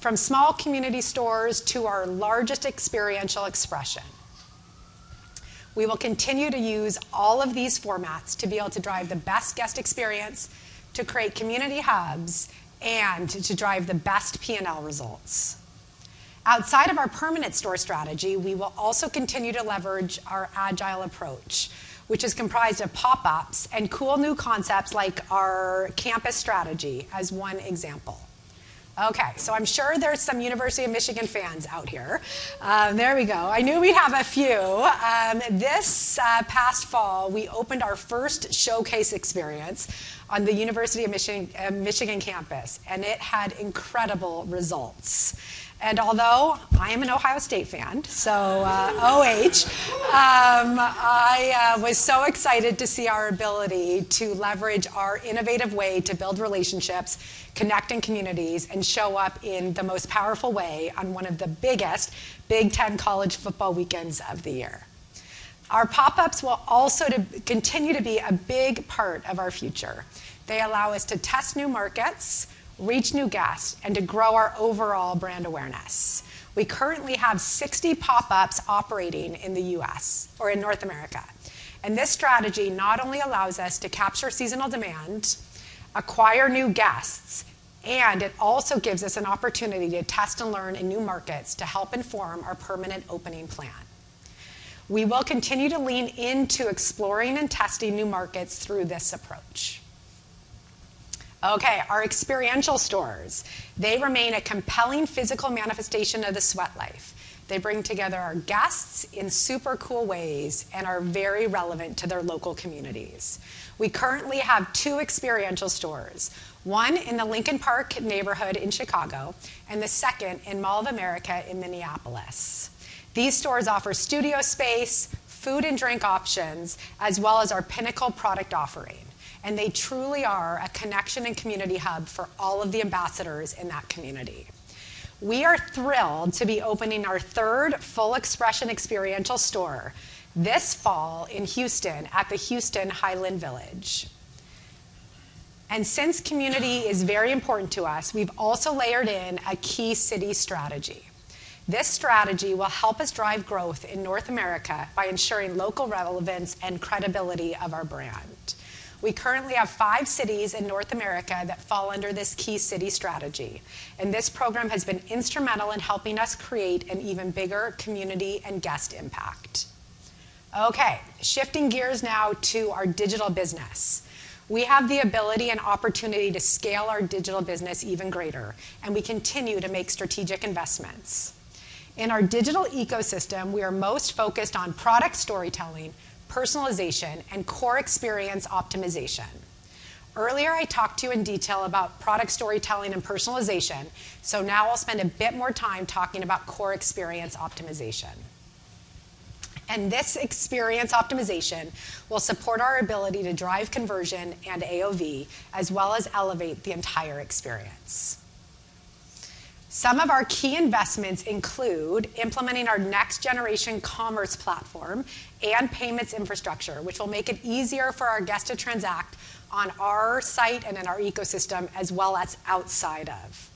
from small community stores to our largest experiential expression. We will continue to use all of these formats to be able to drive the best guest experience, to create community hubs, and to drive the best P&L results. Outside of our permanent store strategy, we will also continue to leverage our agile approach, which is comprised of pop-ups and cool new concepts like our campus strategy as one example. Okay, so I'm sure there's some University of Michigan fans out here. There we go. I knew we'd have a few. This past fall, we opened our first showcase experience on the University of Michigan campus, and it had incredible results. Although I am an Ohio State fan, I was so excited to see our ability to leverage our innovative way to build relationships, connecting communities, and show up in the most powerful way on one of the biggest Big Ten college football weekends of the year. Our pop-ups will also continue to be a big part of our future. They allow us to test new markets, reach new guests, and to grow our overall brand awareness. We currently have 60 pop-ups operating in the U.S. or in North America. This strategy not only allows us to capture seasonal demand, acquire new guests, and it also gives us an opportunity to test and learn in new markets to help inform our permanent opening plan. We will continue to lean into exploring and testing new markets through this approach. Okay, our experiential stores, they remain a compelling physical manifestation of the sweat life. They bring together our guests in super cool ways and are very relevant to their local communities. We currently have two experiential stores, one in the Lincoln Park neighborhood in Chicago, and the second in Mall of America in Minneapolis. These stores offer studio space, food and drink options, as well as our pinnacle product offering. They truly are a connection and community hub for all of the ambassadors in that community. We are thrilled to be opening our third full expression experiential store this fall in Houston at Highland Village. Since community is very important to us, we've also layered in a key city strategy. This strategy will help us drive growth in North America by ensuring local relevance and credibility of our brand. We currently have five cities in North America that fall under this key city strategy, and this program has been instrumental in helping us create an even bigger community and guest impact. Okay, shifting gears now to our digital business. We have the ability and opportunity to scale our digital business even greater, and we continue to make strategic investments. In our digital ecosystem, we are most focused on product storytelling, personalization, and core experience optimization. Earlier, I talked to you in detail about product storytelling and personalization, so now I'll spend a bit more time talking about core experience optimization. This experience optimization will support our ability to drive conversion and AOV, as well as elevate the entire experience. Some of our key investments include implementing our next-generation commerce platform and payments infrastructure, which will make it easier for our guests to transact on our site and in our ecosystem, as well as outside of.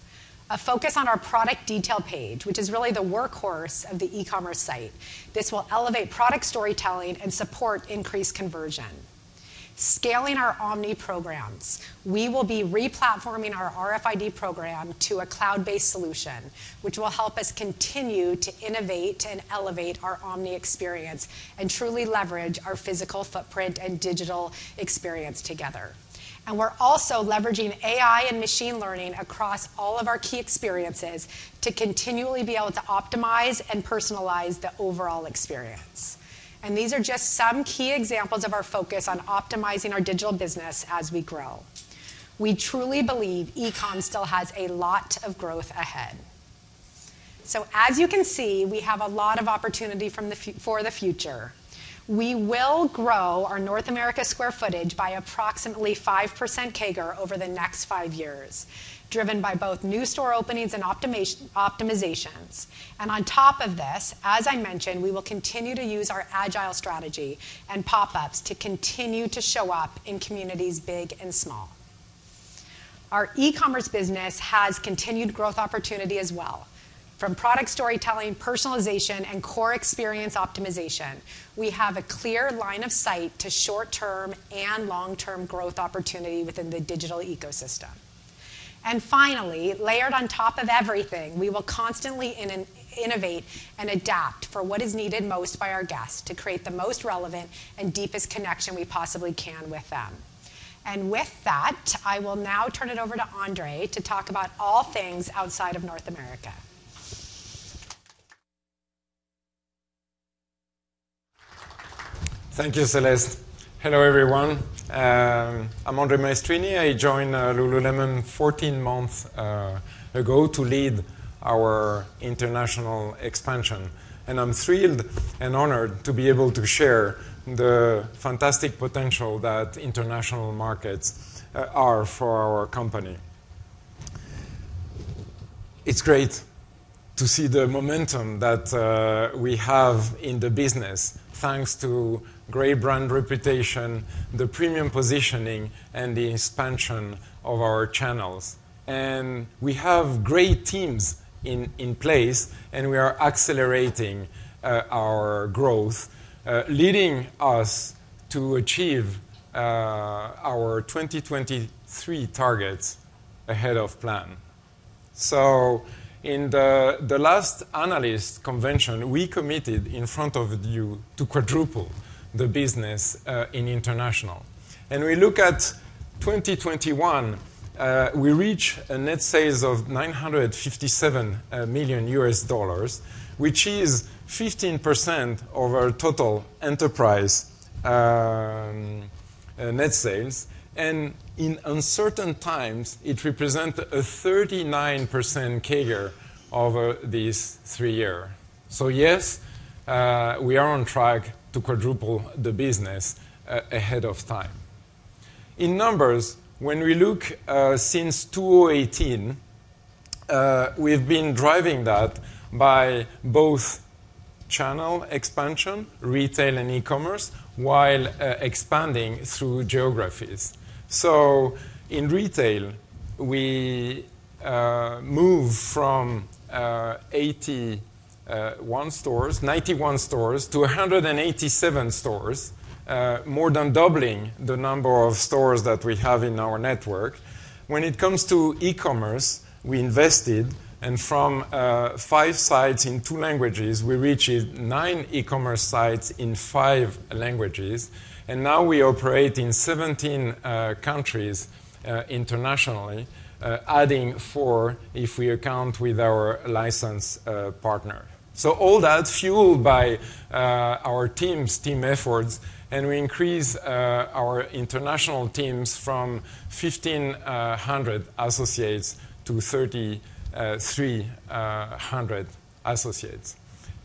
A focus on our product detail page, which is really the workhorse of the e-commerce site. This will elevate product storytelling and support increased conversion. Scaling our omni programs. We will be re-platforming our RFID program to a cloud-based solution, which will help us continue to innovate and elevate our omni experience and truly leverage our physical footprint and digital experience together. We're also leveraging AI and machine learning across all of our key experiences to continually be able to optimize and personalize the overall experience. These are just some key examples of our focus on optimizing our digital business as we grow. We truly believe e-com still has a lot of growth ahead. As you can see, we have a lot of opportunity for the future. We will grow our North America square footage by approximately 5% CAGR over the next 5 years, driven by both new store openings and optimizations. On top of this, as I mentioned, we will continue to use our agile strategy and pop-ups to continue to show up in communities big and small. Our e-commerce business has continued growth opportunity as well. From product storytelling, personalization, and core experience optimization, we have a clear line of sight to short-term and long-term growth opportunity within the digital ecosystem. Finally, layered on top of everything, we will constantly innovate and adapt for what is needed most by our guests to create the most relevant and deepest connection we possibly can with them. With that, I will now turn it over to André to talk about all things outside of North America. Thank you, Celeste. Hello, everyone. I'm André Maestrini. I joined lululemon 14 months ago to lead our international expansion, and I'm thrilled and honored to be able to share the fantastic potential that international markets are for our company. It's great to see the momentum that we have in the business, thanks to great brand reputation, the premium positioning, and the expansion of our channels. We have great teams in place, and we are accelerating our growth leading us to achieve our 2023 targets ahead of plan. In the last analyst convention, we committed in front of you to quadruple the business in international. We look at 2021, we reach net sales of $957 million, which is 15% of our total enterprise net sales. In uncertain times, it represent a 39% CAGR over these three year. Yes, we are on track to quadruple the business ahead of time. In numbers, when we look since 2018, we've been driving that by both channel expansion, retail and e-commerce, while expanding through geographies. In retail, we move from 91 stores to 187 stores, more than doubling the number of stores that we have in our network. When it comes to e-commerce, we invested, and from five sites in two languages, we reached nine e-commerce sites in five languages. Now we operate in 17 countries internationally, adding four if we account with our licensed partner. All that fueled by our teams, team efforts, and we increase our international teams from 1,500 associates to 3,300 associates.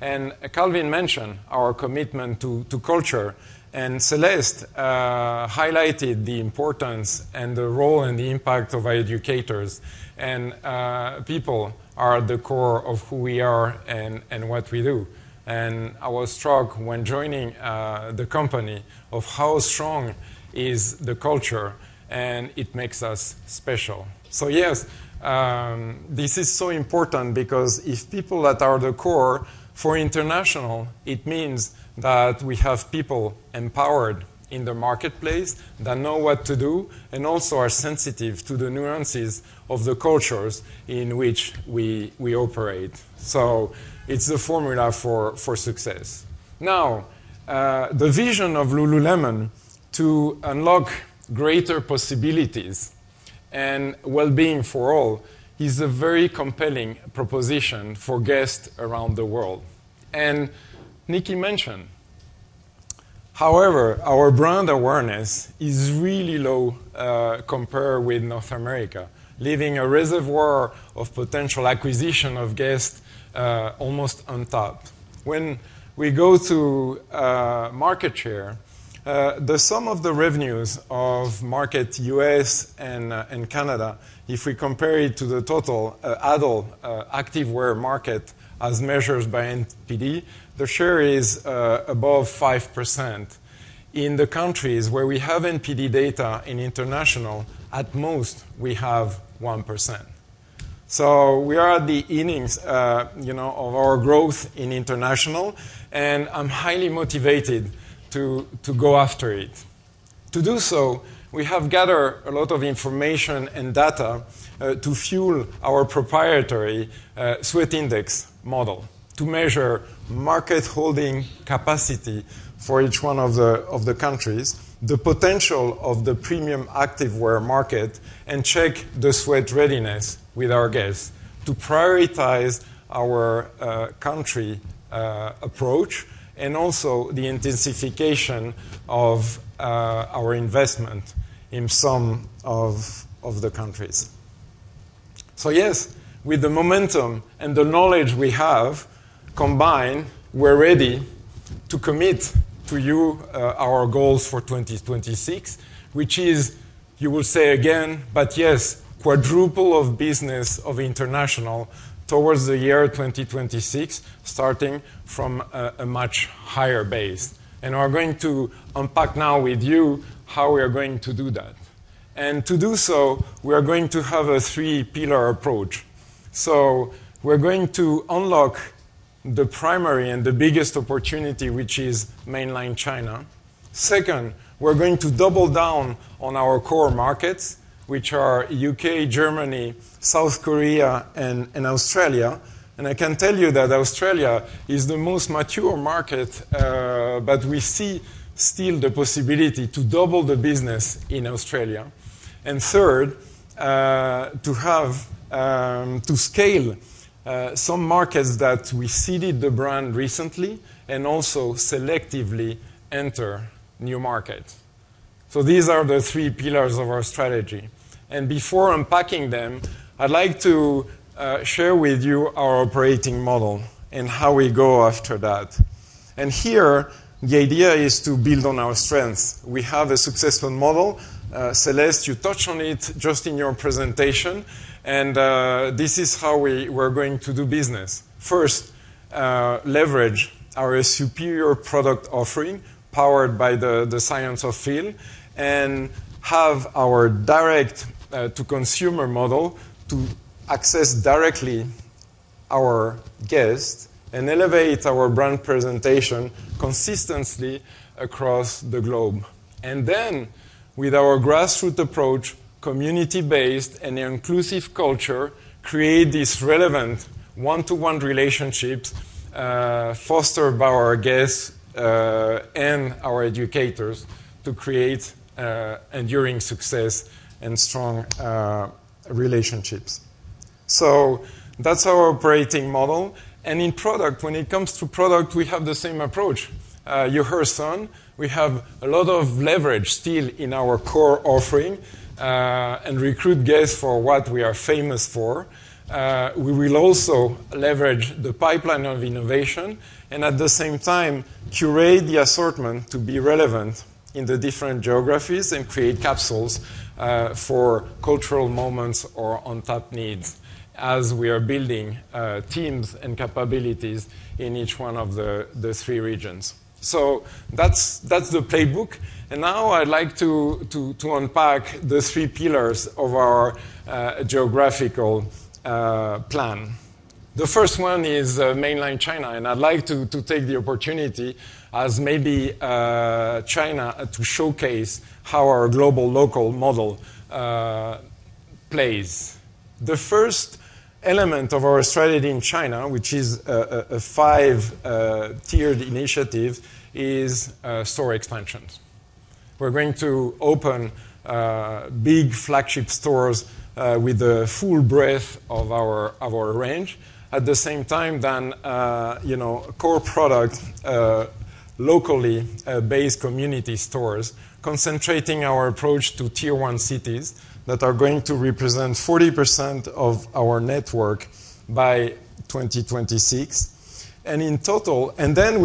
Calvin mentioned our commitment to culture, and Celeste highlighted the importance and the role and the impact of our educators. People are the core of who we are and what we do. I was struck when joining the company of how strong is the culture, and it makes us special. Yes, this is so important because if people that are the core for international, it means that we have people empowered in the marketplace that know what to do and also are sensitive to the nuances of the cultures in which we operate. It's a formula for success. Now, the vision of Lululemon to unlock greater possibilities and wellbeing for all is a very compelling proposition for guests around the world. Nikki mentioned, however, our brand awareness is really low compared with North America, leaving a reservoir of potential acquisition of guests almost untapped. When we go to market share, the sum of the revenues of the U.S. market and Canada, if we compare it to the total adult activewear market as measured by NPD, the share is above 5%. In the countries where we have NPD data in international, at most, we have 1%. We are at the innings, you know, of our growth in international, and I'm highly motivated to go after it. To do so, we have gathered a lot of information and data to fuel our proprietary Sweat Index model to measure market holding capacity for each one of the countries, the potential of the premium activewear market, and check the sweat readiness with our guests to prioritize our country approach, and also the intensification of our investment in some of the countries. Yes, with the momentum and the knowledge we have combined, we're ready to commit to you our goals for 2026, which is to quadruple our international business towards the year 2026, starting from a much higher base. We're going to unpack now with you how we are going to do that. To do so, we are going to have a three-pillar approach. We're going to unlock the primary and the biggest opportunity, which is Mainland China. Second, we're going to double down on our core markets, which are U.K., Germany, South Korea, and Australia. I can tell you that Australia is the most mature market, but we see still the possibility to double the business in Australia. Third, to scale some markets that we seeded the brand recently and also selectively enter new markets. These are the three pillars of our strategy. Before unpacking them, I'd like to share with you our operating model and how we go after that. Here, the idea is to build on our strengths. We have a successful model. Celeste, you touched on it just in your presentation. This is how we're going to do business. First, leverage our superior product offering powered by the Science of Feel, and have our direct to consumer model to access directly our guests and elevate our brand presentation consistently across the globe. With our grassroots approach, community-based and inclusive culture, create these relevant one-to-one relationships, fostered by our guests and our educators to create enduring success and strong relationships. That's our operating model. In product, when it comes to product, we have the same approach. You heard Sun, we have a lot of leverage still in our core offering. Recruit guests for what we are famous for. We will also leverage the pipeline of innovation and at the same time curate the assortment to be relevant in the different geographies and create capsules for cultural moments or on-top needs as we are building teams and capabilities in each one of the three regions. That's the playbook. Now I'd like to unpack the three pillars of our geographical plan. The first one is mainland China, and I'd like to take the opportunity as maybe China to showcase how our global local model plays. The first element of our strategy in China, which is a five-tiered initiative, is store expansions. We're going to open big flagship stores with the full breadth of our range. At the same time, then, you know, core product locally based community stores concentrating our approach to tier-one cities that are going to represent 40% of our network by 2026. We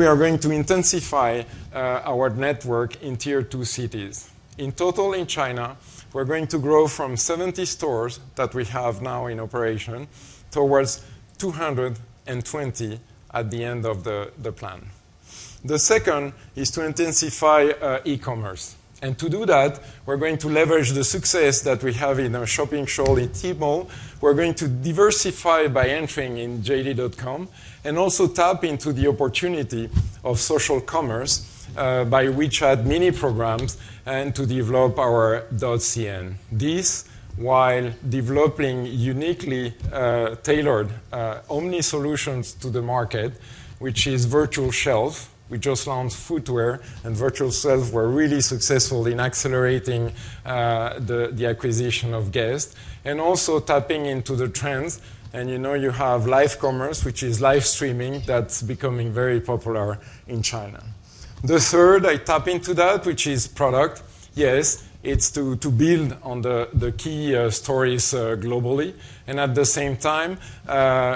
are going to intensify our network in tier-two cities. In total in China, we're going to grow from 70 stores that we have now in operation towards 220 at the end of the plan. The second is to intensify e-commerce. To do that, we're going to leverage the success that we have in our shopping show in Tmall. We're going to diversify by entering in jd.com and also tap into the opportunity of social commerce by WeChat Mini Programs and to develop our .cn. This while developing uniquely tailored omni solutions to the market, which is virtual shelf. We just launched footwear and virtual shelf. We're really successful in accelerating the acquisition of guests and also tapping into the trends. You know you have live commerce, which is live streaming that's becoming very popular in China. The third, I tap into that, which is product. Yes, it's to build on the key stories globally and at the same time,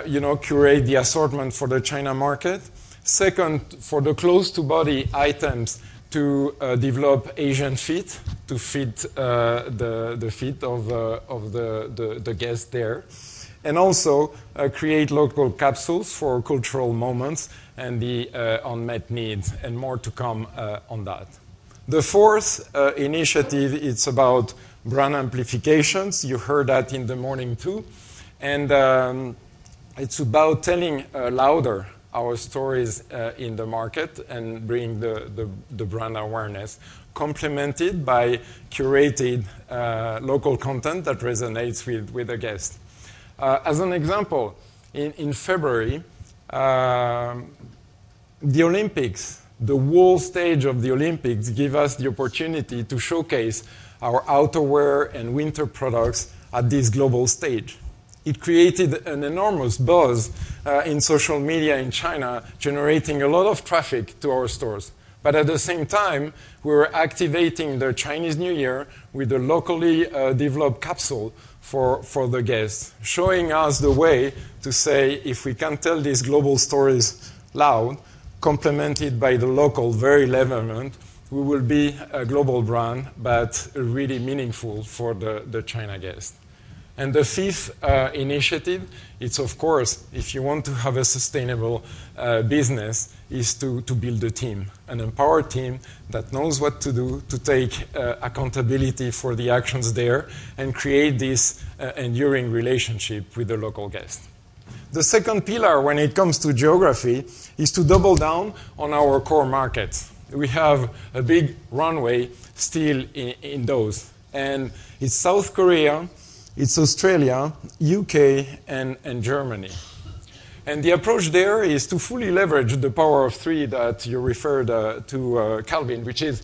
you know, curate the assortment for the China market. Second, for the close-to-body items to develop Asia Fit to fit the physique of the guest there. Also, create local capsules for cultural moments and the unmet needs and more to come on that. The fourth initiative, it's about brand amplifications. You heard that in the morning too. It's about telling our stories louder in the market and bring the brand awareness complemented by curated local content that resonates with the guest. As an example, in February the Olympics, the world stage of the Olympics give us the opportunity to showcase our outerwear and winter products at this global stage. It created an enormous buzz in social media in China, generating a lot of traffic to our stores. At the same time, we're activating the Chinese New Year with a locally developed capsule for the guests, showing us the way to say, if we can tell these global stories loud, complemented by the local relevancy, we will be a global brand, but really meaningful for the China guest. The fifth initiative, it's of course, if you want to have a sustainable business, is to build a team, an empowered team that knows what to do to take accountability for the actions there and create this enduring relationship with the local guest. The second pillar when it comes to geography is to double down on our core markets. We have a big runway still in those, and it's South Korea, Australia, U.K. and Germany. The approach there is to fully leverage the Power of Three that you referred to, Calvin, which is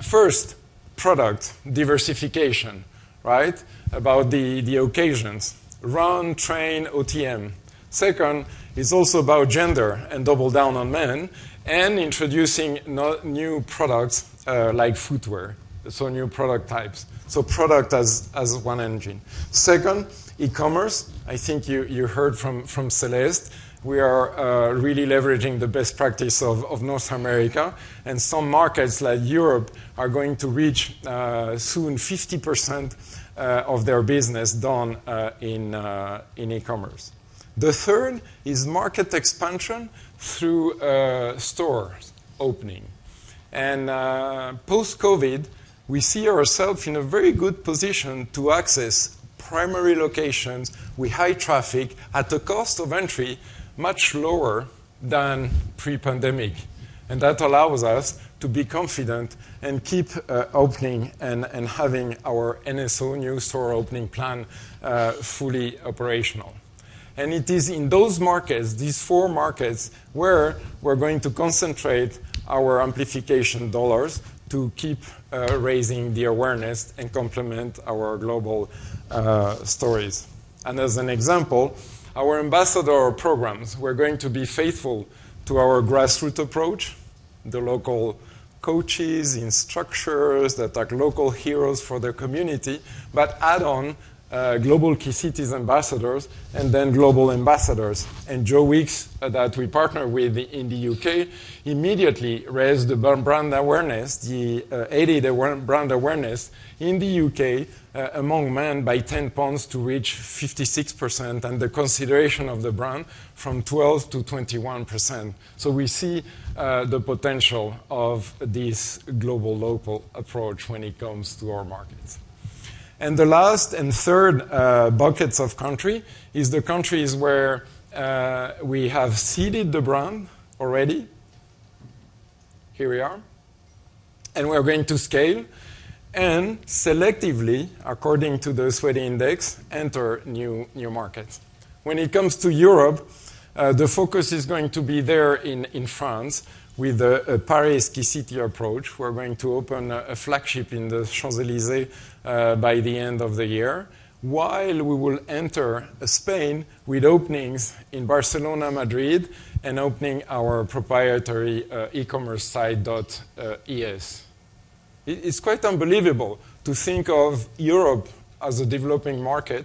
first product diversification, right? About the occasions, run, train, OTM. Second is also about gender and double down on men and introducing new products like footwear, so new product types. Product as one engine. Second, e-commerce. I think you heard from Celeste, we are really leveraging the best practice of North America, and some markets like Europe are going to reach soon 50% of their business done in e-commerce. The third is market expansion through stores opening. Post-COVID, we see ourself in a very good position to access primary locations with high traffic at a cost of entry much lower than pre-pandemic. That allows us to be confident and keep opening and having our NSO, new store opening plan fully operational. It is in those markets, these four markets, where we're going to concentrate our amplification dollars to keep raising the awareness and complement our global stores. As an example, our ambassador programs, we're going to be faithful to our grassroots approach. The local coaches, instructors that are local heroes for their community, but add on global key cities ambassadors and then global ambassadors. Joe Wicks, that we partner with in the U.K., immediately raised the brand awareness, he aided the brand awareness in the U.K. among men by 10 points to reach 56%, and the consideration of the brand from 12% to 21%. We see the potential of this global local approach when it comes to our markets. The last and third buckets of country is the countries where we have seeded the brand already. Here we are. We are going to scale and selectively, according to the Sweat Index, enter new markets. When it comes to Europe, the focus is going to be there in France with a Paris key city approach. We're going to open a flagship in the Champs-Élysées by the end of the year, while we will enter Spain with openings in Barcelona, Madrid, and opening our proprietary e-commerce site .es. It is quite unbelievable to think of Europe as a developing market,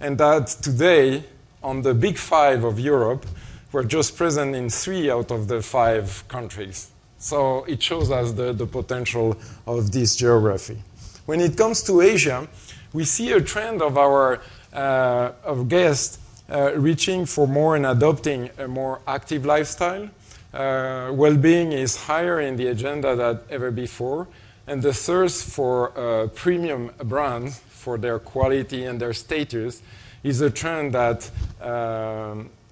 and that today, on the Big Five of Europe, we're just present in three out of the five countries. It shows us the potential of this geography. When it comes to Asia, we see a trend of our guests reaching for more and adopting a more active lifestyle. Wellbeing is higher in the agenda than ever before, and the thirst for premium brands for their quality and their status is a trend that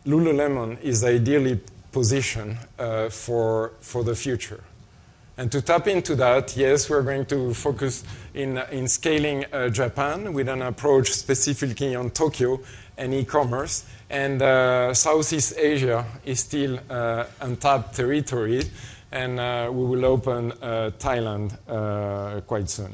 lululemon is ideally positioned for the future. To tap into that, yes, we're going to focus on scaling Japan with an approach specifically on Tokyo and e-commerce. Southeast Asia is still untapped territory, and we will open Thailand quite soon.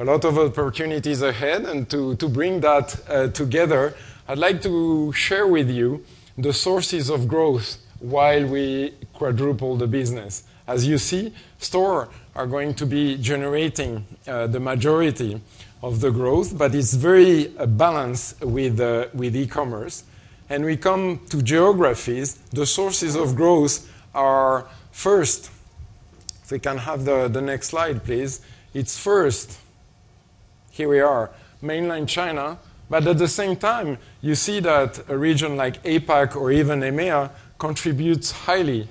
A lot of opportunities ahead, and to bring that together, I'd like to share with you the sources of growth while we quadruple the business. As you see, stores are going to be generating the majority of the growth, but it's very balanced with e-commerce. We come to geographies, the sources of growth are first. If we can have the next slide, please. It's first, here we are, Mainland China. At the same time, you see that a region like APAC or even EMEA contributes highly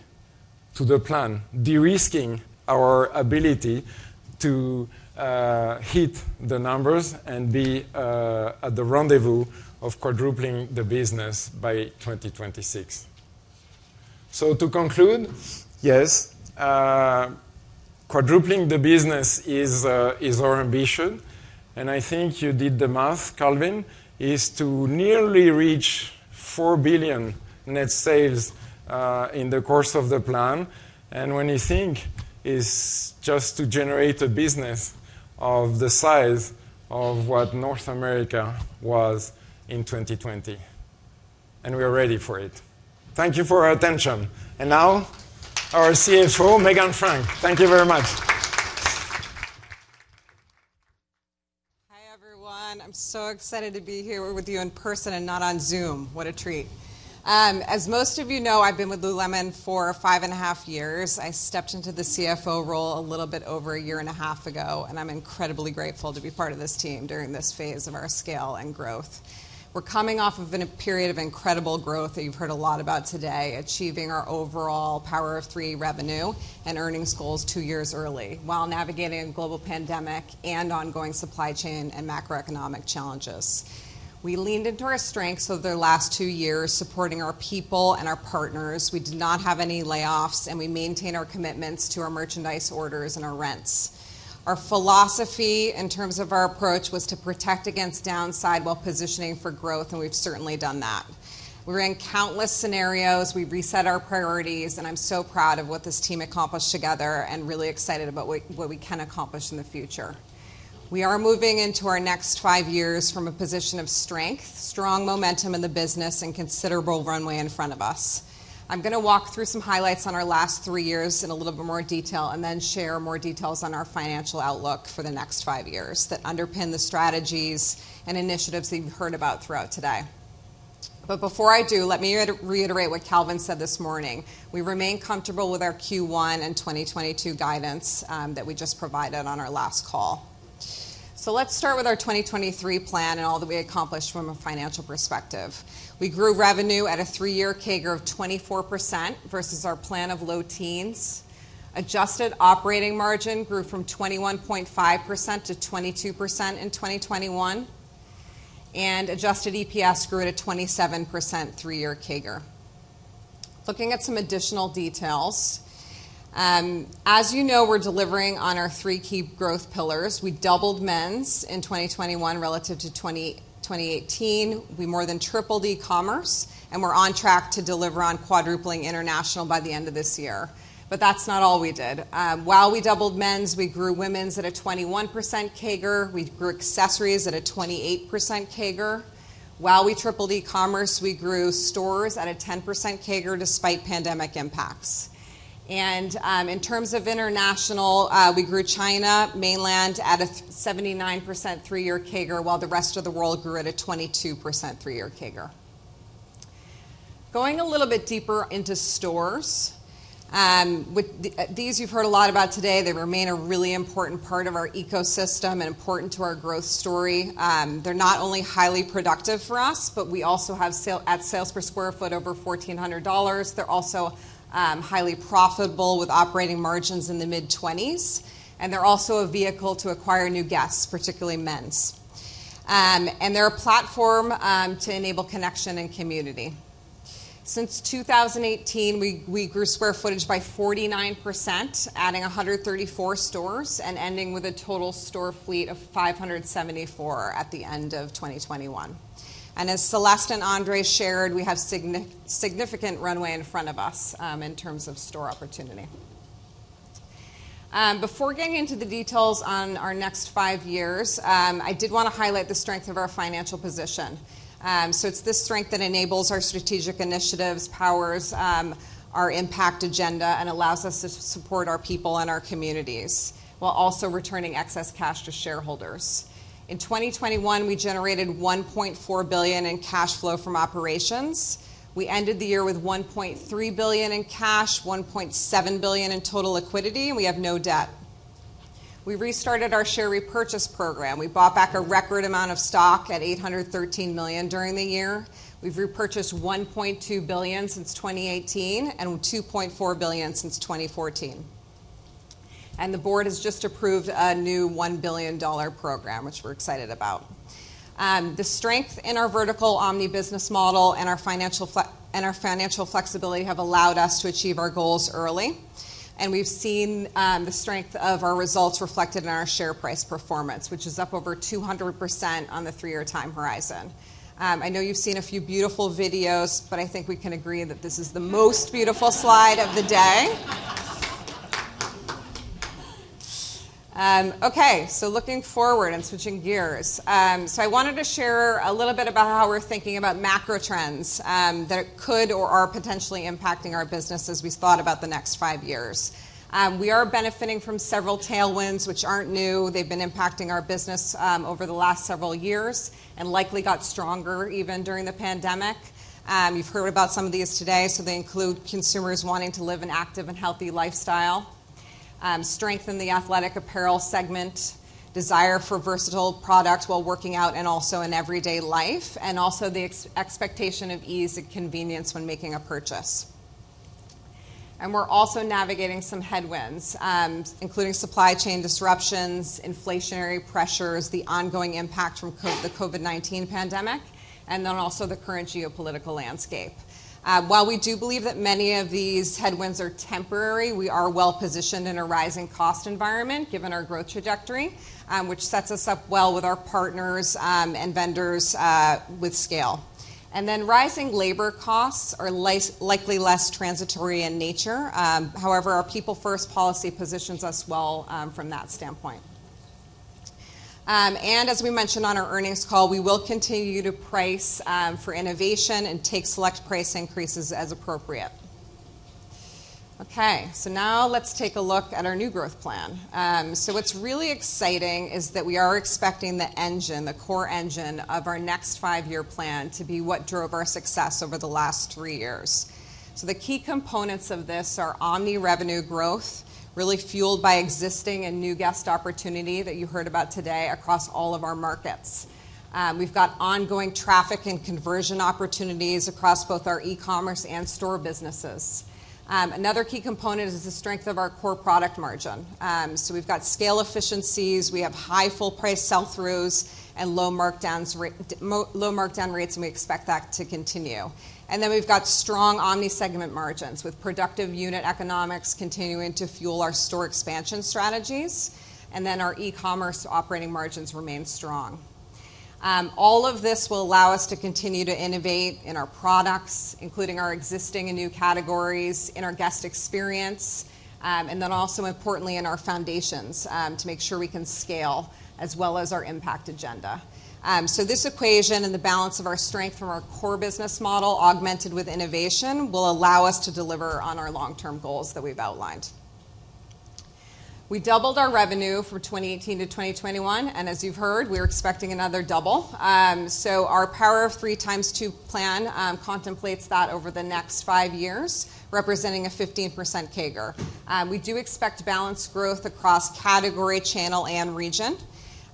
to the plan, de-risking our ability to hit the numbers and be at the rendezvous of quadrupling the business by 2026. To conclude, yes, quadrupling the business is our ambition. I think you did the math, Calvin, is to nearly reach $4 billion net sales in the course of the plan. When you think it is just to generate a business of the size of what North America was in 2020, and we are ready for it. Thank you for your attention. Now our CFO, Meghan Frank. Thank you very much. Hi, everyone. I'm so excited to be here with you in person and not on Zoom. What a treat. As most of you know, I've been with lululemon for five and a half years. I stepped into the CFO role a little bit over a year and a half ago, and I'm incredibly grateful to be part of this team during this phase of our scale and growth. We're coming off of a period of incredible growth that you've heard a lot about today, achieving our overall Power of Three revenue and earnings goals two years early while navigating a global pandemic and ongoing supply chain and macroeconomic challenges. We leaned into our strengths over the last two years, supporting our people and our partners. We did not have any layoffs, and we maintained our commitments to our merchandise orders and our rents. Our philosophy in terms of our approach was to protect against downside while positioning for growth, and we've certainly done that. We ran countless scenarios. We reset our priorities, and I'm so proud of what this team accomplished together and really excited about what we can accomplish in the future. We are moving into our next five years from a position of strength, strong momentum in the business, and considerable runway in front of us. I'm gonna walk through some highlights on our last three years in a little bit more detail, and then share more details on our financial outlook for the next five years that underpin the strategies and initiatives that you've heard about throughout today. Before I do, let me reiterate what Calvin said this morning. We remain comfortable with our Q1 and 2022 guidance, that we just provided on our last call. Let's start with our 2023 plan and all that we accomplished from a financial perspective. We grew revenue at a three-year CAGR of 24% versus our plan of low teens. Adjusted operating margin grew from 21.5% to 22% in 2021, and adjusted EPS grew at a 27% three-year CAGR. Looking at some additional details, as you know, we're delivering on our three key growth pillars. We doubled men's in 2021 relative to 2018. We more than tripled e-commerce, and we're on track to deliver on quadrupling international by the end of this year. That's not all we did. While we doubled men's, we grew women's at a 21% CAGR. We grew accessories at a 28% CAGR. While we tripled e-commerce, we grew stores at a 10% CAGR despite pandemic impacts. In terms of international, we grew China mainland at a 79% three-year CAGR, while the rest of the world grew at a 22% three-year CAGR. Going a little bit deeper into stores, these you've heard a lot about today, they remain a really important part of our ecosystem and important to our growth story. They're not only highly productive for us, but we also have sales per square foot over $1,400. They're also highly profitable with operating margins in the mid-20s%, and they're also a vehicle to acquire new guests, particularly men's. They're a platform to enable connection and community. Since 2018, we grew square footage by 49%, adding 134 stores and ending with a total store fleet of 574 at the end of 2021. As Celeste and André shared, we have significant runway in front of us, in terms of store opportunity. Before getting into the details on our next five years, I did wanna highlight the strength of our financial position. So it's this strength that enables our strategic initiatives, powers our Impact Agenda, and allows us to support our people and our communities while also returning excess cash to shareholders. In 2021, we generated $1.4 billion in cash flow from operations. We ended the year with $1.3 billion in cash, $1.7 billion in total liquidity, and we have no debt. We restarted our share repurchase program. We bought back a record amount of stock at $813 million during the year. We've repurchased $1.2 billion since 2018 and $2.4 billion since 2014. The board has just approved a new $1 billion program, which we're excited about. The strength in our vertical omni business model and our financial flexibility have allowed us to achieve our goals early. We've seen the strength of our results reflected in our share price performance, which is up over 200% on the three-year time horizon. I know you've seen a few beautiful videos, but I think we can agree that this is the most beautiful slide of the day. Okay. Looking forward and switching gears. I wanted to share a little bit about how we're thinking about macro trends that could or are potentially impacting our business as we thought about the next five years. We are benefiting from several tailwinds which aren't new. They've been impacting our business over the last several years and likely got stronger even during the pandemic. You've heard about some of these today, so they include consumers wanting to live an active and healthy lifestyle, strength in the athletic apparel segment, desire for versatile products while working out and also in everyday life, and also the expectation of ease and convenience when making a purchase. We're also navigating some headwinds, including supply chain disruptions, inflationary pressures, the ongoing impact from the COVID-19 pandemic, and then also the current geopolitical landscape. While we do believe that many of these headwinds are temporary, we are well-positioned in a rising cost environment given our growth trajectory, which sets us up well with our partners and vendors with scale. Rising labor costs are likely less transitory in nature. However, our people-first policy positions us well from that standpoint. As we mentioned on our earnings call, we will continue to price for innovation and take select price increases as appropriate. Now let's take a look at our new growth plan. What's really exciting is that we are expecting the engine, the core engine of our next five-year plan to be what drove our success over the last three years. The key components of this are omni revenue growth, really fueled by existing and new guest opportunity that you heard about today across all of our markets. We've got ongoing traffic and conversion opportunities across both our e-commerce and store businesses. Another key component is the strength of our core product margin. We've got scale efficiencies, we have high full price sell-throughs, and low markdown rates, and we expect that to continue. We've got strong omni segment margins with productive unit economics continuing to fuel our store expansion strategies, and our e-commerce operating margins remain strong. All of this will allow us to continue to innovate in our products, including our existing and new categories in our guest experience, and then also importantly in our foundations, to make sure we can scale as well as our impact agenda. This equation and the balance of our strength from our core business model augmented with innovation will allow us to deliver on our long-term goals that we've outlined. We doubled our revenue from 2018 to 2021, and as you've heard, we're expecting another double. Our Power of Three ×2 plan contemplates that over the next five years, representing a 15% CAGR. We do expect balanced growth across category, channel, and region,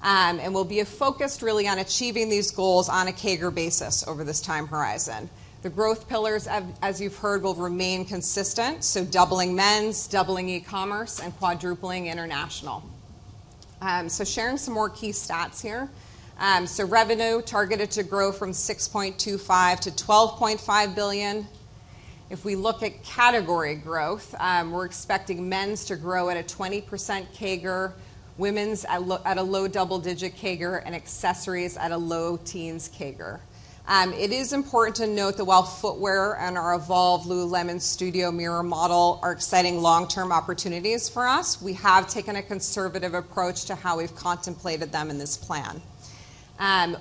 and we'll be focused really on achieving these goals on a CAGR basis over this time horizon. The growth pillars, as you've heard, will remain consistent, so doubling men's, doubling e-commerce, and quadrupling international. Sharing some more key stats here. Revenue targeted to grow from $6.25 billion-$12.5 billion. If we look at category growth, we're expecting men's to grow at a 20% CAGR, women's at a low double-digit CAGR, and accessories at a low-teens CAGR. It is important to note that while footwear and our evolved lululemon Studio Mirror model are exciting long-term opportunities for us, we have taken a conservative approach to how we've contemplated them in this plan.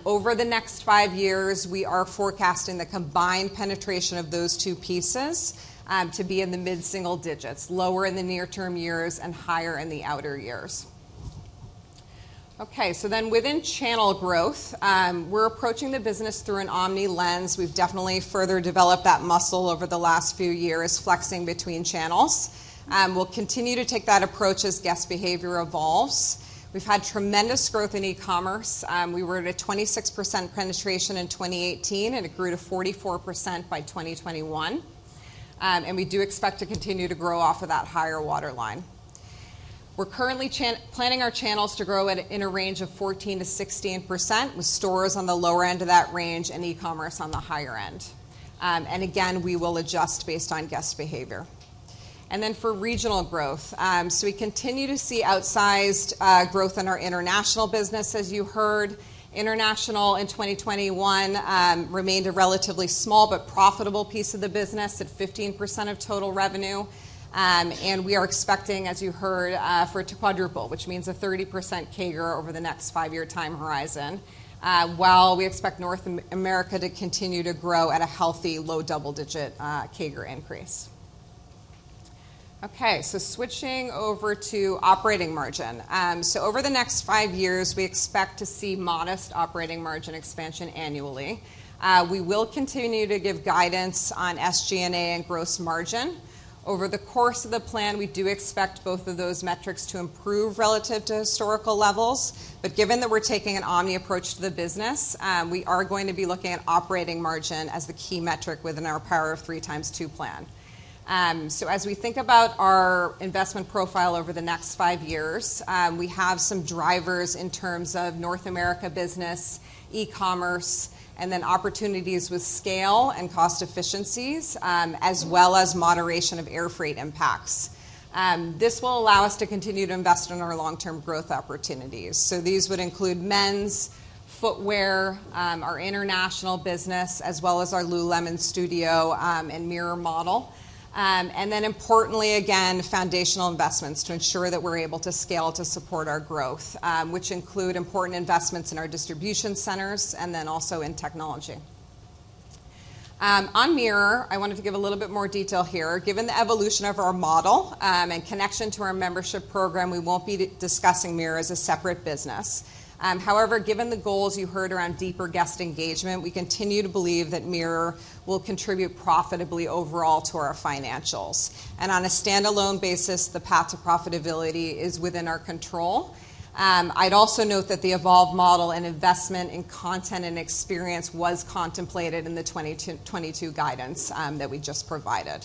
Over the next five years, we are forecasting the combined penetration of those two pieces to be in the mid-single digits. Lower in the near-term years and higher in the outer years. Okay, within channel growth, we're approaching the business through an omni lens. We've definitely further developed that muscle over the last few years, flexing between channels. We'll continue to take that approach as guest behavior evolves. We've had tremendous growth in e-commerce. We were at a 26% penetration in 2018, and it grew to 44% by 2021. We do expect to continue to grow off of that higher waterline. We're currently planning our channels to grow in a range of 14%-16%, with stores on the lower end of that range and e-commerce on the higher end. Again, we will adjust based on guest behavior. For regional growth, we continue to see outsized growth in our international business. As you heard, international in 2021 remained a relatively small but profitable piece of the business at 15% of total revenue. We are expecting, as you heard, for it to quadruple, which means a 30% CAGR over the next five-year time horizon. While we expect North America to continue to grow at a healthy low double-digit CAGR increase. Okay, switching over to operating margin. Over the next five years, we expect to see modest operating margin expansion annually. We will continue to give guidance on SG&A and gross margin. Over the course of the plan, we do expect both of those metrics to improve relative to historical levels. Given that we're taking an omni approach to the business, we are going to be looking at operating margin as the key metric within our Power of Three ×2 plan. As we think about our investment profile over the next five years, we have some drivers in terms of North America business, e-commerce, and then opportunities with scale and cost efficiencies, as well as moderation of airfreight impacts. This will allow us to continue to invest in our long-term growth opportunities. These would include men's footwear, our international business, as well as our lululemon Studio and Mirror model. Importantly again, foundational investments to ensure that we're able to scale to support our growth, which include important investments in our distribution centers and then also in technology. On Mirror, I wanted to give a little bit more detail here. Given the evolution of our model, and connection to our membership program, we won't be discussing Mirror as a separate business. However, given the goals you heard around deeper guest engagement, we continue to believe that Mirror will contribute profitably overall to our financials. On a standalone basis, the path to profitability is within our control. I'd also note that the evolved model and investment in content and experience was contemplated in the 2022 guidance, that we just provided.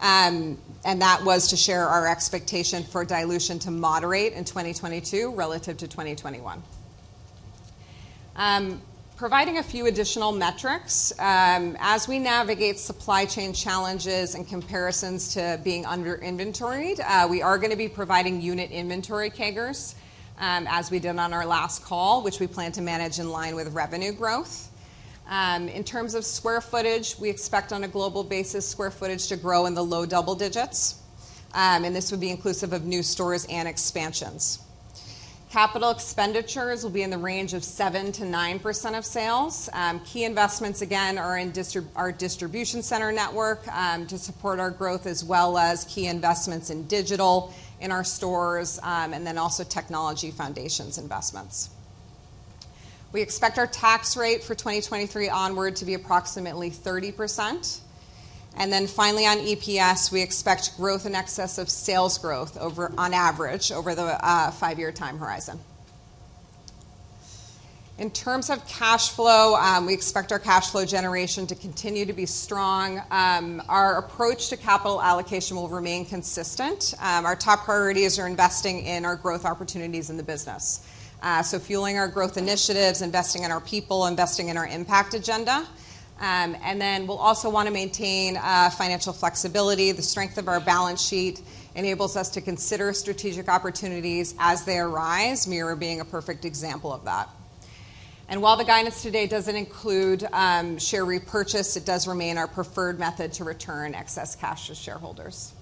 That was to share our expectation for dilution to moderate in 2022 relative to 2021, providing a few additional metrics. As we navigate supply chain challenges and comparisons to being under inventoried, we are gonna be providing unit inventory CAGRs, as we did on our last call, which we plan to manage in line with revenue growth. In terms of square footage, we expect on a global basis, square footage to grow in the low double digits. This would be inclusive of new stores and expansions. Capital expenditures will be in the range of 7%-9% of sales. Key investments again are in our distribution center network, to support our growth as well as key investments in digital in our stores, and then also technology foundations investments. We expect our tax rate for 2023 onward to be approximately 30%. Finally on EPS, we expect growth in excess of sales growth on average over the five-year time horizon. In terms of cash flow, we expect our cash flow generation to continue to be strong. Our approach to capital allocation will remain consistent. Our top priorities are investing in our growth opportunities in the business, fueling our growth initiatives, investing in our people, investing in our impact agenda. We'll also wanna maintain financial flexibility. The strength of our balance sheet enables us to consider strategic opportunities as they arise, Mirror being a perfect example of that. While the guidance today doesn't include share repurchase, it does remain our preferred method to return excess cash to shareholders.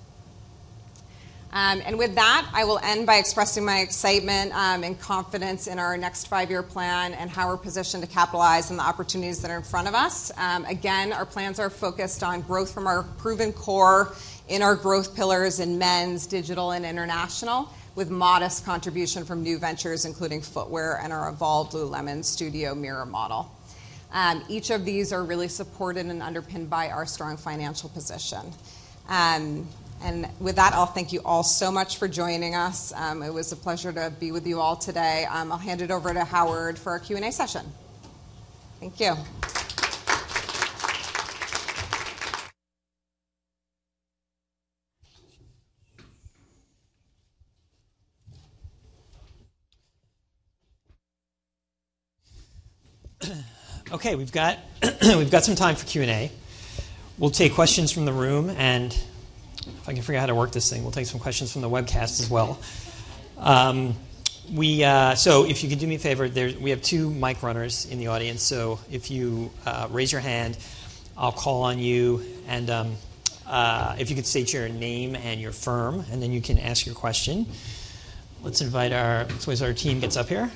With that, I will end by expressing my excitement and confidence in our next five-year plan and how we're positioned to capitalize on the opportunities that are in front of us. Again, our plans are focused on growth from our proven core in our growth pillars in men's, digital, and international with modest contribution from new ventures, including footwear and our evolved lululemon Studio Mirror model. Each of these are really supported and underpinned by our strong financial position. With that, I'll thank you all so much for joining us. It was a pleasure to be with you all today. I'll hand it over to Howard for our Q&A session. Thank you. Okay, we've got some time for Q&A. We'll take questions from the room, and if I can figure out how to work this thing, we'll take some questions from the webcast as well. If you could do me a favor, we have two mic runners in the audience, so if you raise your hand, I'll call on you. If you could state your name and your firm, and then you can ask your question. As our team gets up here.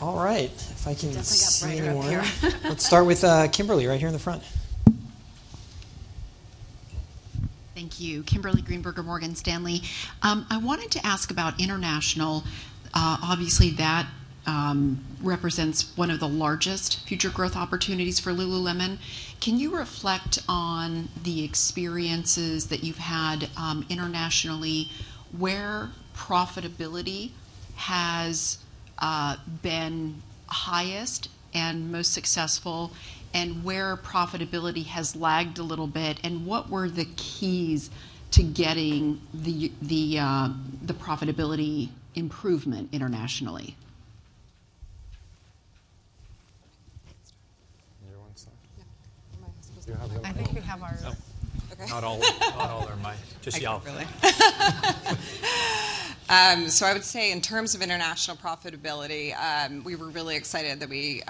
Oh, you're here. You changed your. All right. If I can see anyone. Definitely got brighter up here. Let's start with Kimberly right here in the front. Thank you. Kimberly Greenberger, Morgan Stanley. I wanted to ask about international. Obviously, that represents one of the largest future growth opportunities for Lululemon. Can you reflect on the experiences that you've had internationally, where profitability has been highest and most successful and where profitability has lagged a little bit, and what were the keys to getting the profitability improvement internationally? You wanna start? No. Am I supposed to? Do you have the mic? I think we have our. No. Okay. Not all are mic. Just yell. I can't really. I would say in terms of international profitability, we were really excited that we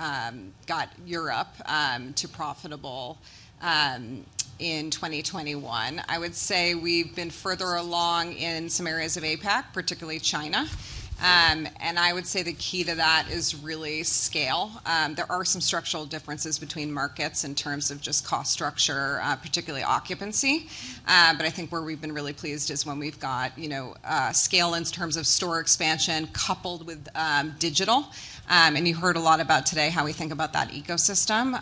got Europe to profitability in 2021. I would say we've been further along in some areas of APAC, particularly China. I would say the key to that is really scale. There are some structural differences between markets in terms of just cost structure, particularly occupancy. I think where we've been really pleased is when we've got, you know, scale in terms of store expansion coupled with digital. You heard a lot about today how we think about that ecosystem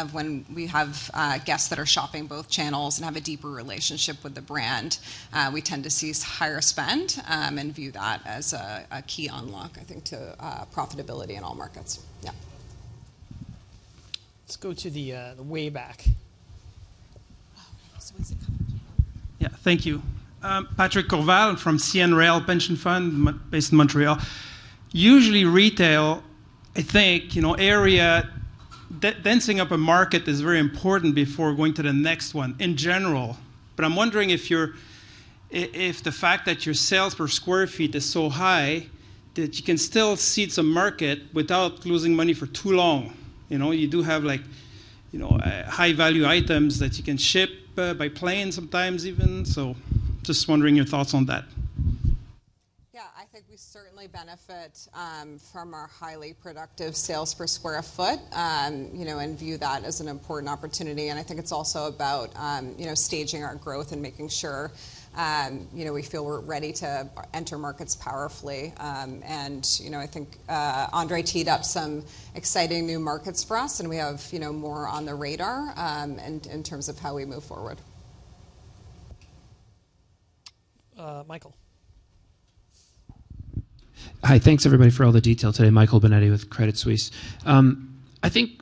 of when we have guests that are shopping both channels and have a deeper relationship with the brand. We tend to see higher spend and view that as a key unlock, I think, to profitability in all markets. Yeah. Let's go to the way back. Oh. It's the couple two rows back. Yeah. Thank you. Patrick Corval from CN Rail Pension Fund, based in Montreal. Usually, retail, I think, you know, densifying a market is very important before going to the next one in general. But I'm wondering if the fact that your sales per square feet is so high that you can still cede some market without losing money for too long. You know, you do have, like, you know, high-value items that you can ship by plane sometimes even. So just wondering your thoughts on that. Yeah. I think we certainly benefit from our highly productive sales per square foot, you know, and view that as an important opportunity. I think it's also about you know, staging our growth and making sure you know, we feel we're ready to enter markets powerfully. You know, I think André teed up some exciting new markets for us, and we have you know, more on the radar in terms of how we move forward. Michael. Hi. Thanks, everybody, for all the detail today. Michael Binetti with Credit Suisse. I think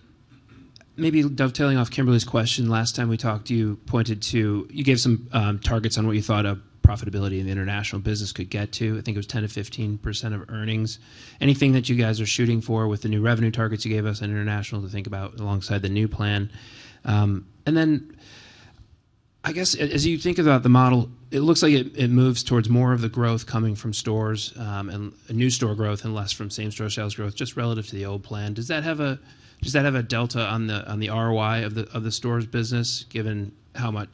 maybe dovetailing off Kimberly's question, last time we talked, you gave some targets on what you thought profitability in the international business could get to. I think it was 10%-15% of earnings. Anything that you guys are shooting for with the new revenue targets you gave us in international to think about alongside the new plan? I guess as you think about the model, it looks like it moves towards more of the growth coming from stores and new store growth and less from same-store sales growth, just relative to the old plan. Does that have a delta on the ROI of the stores business, given how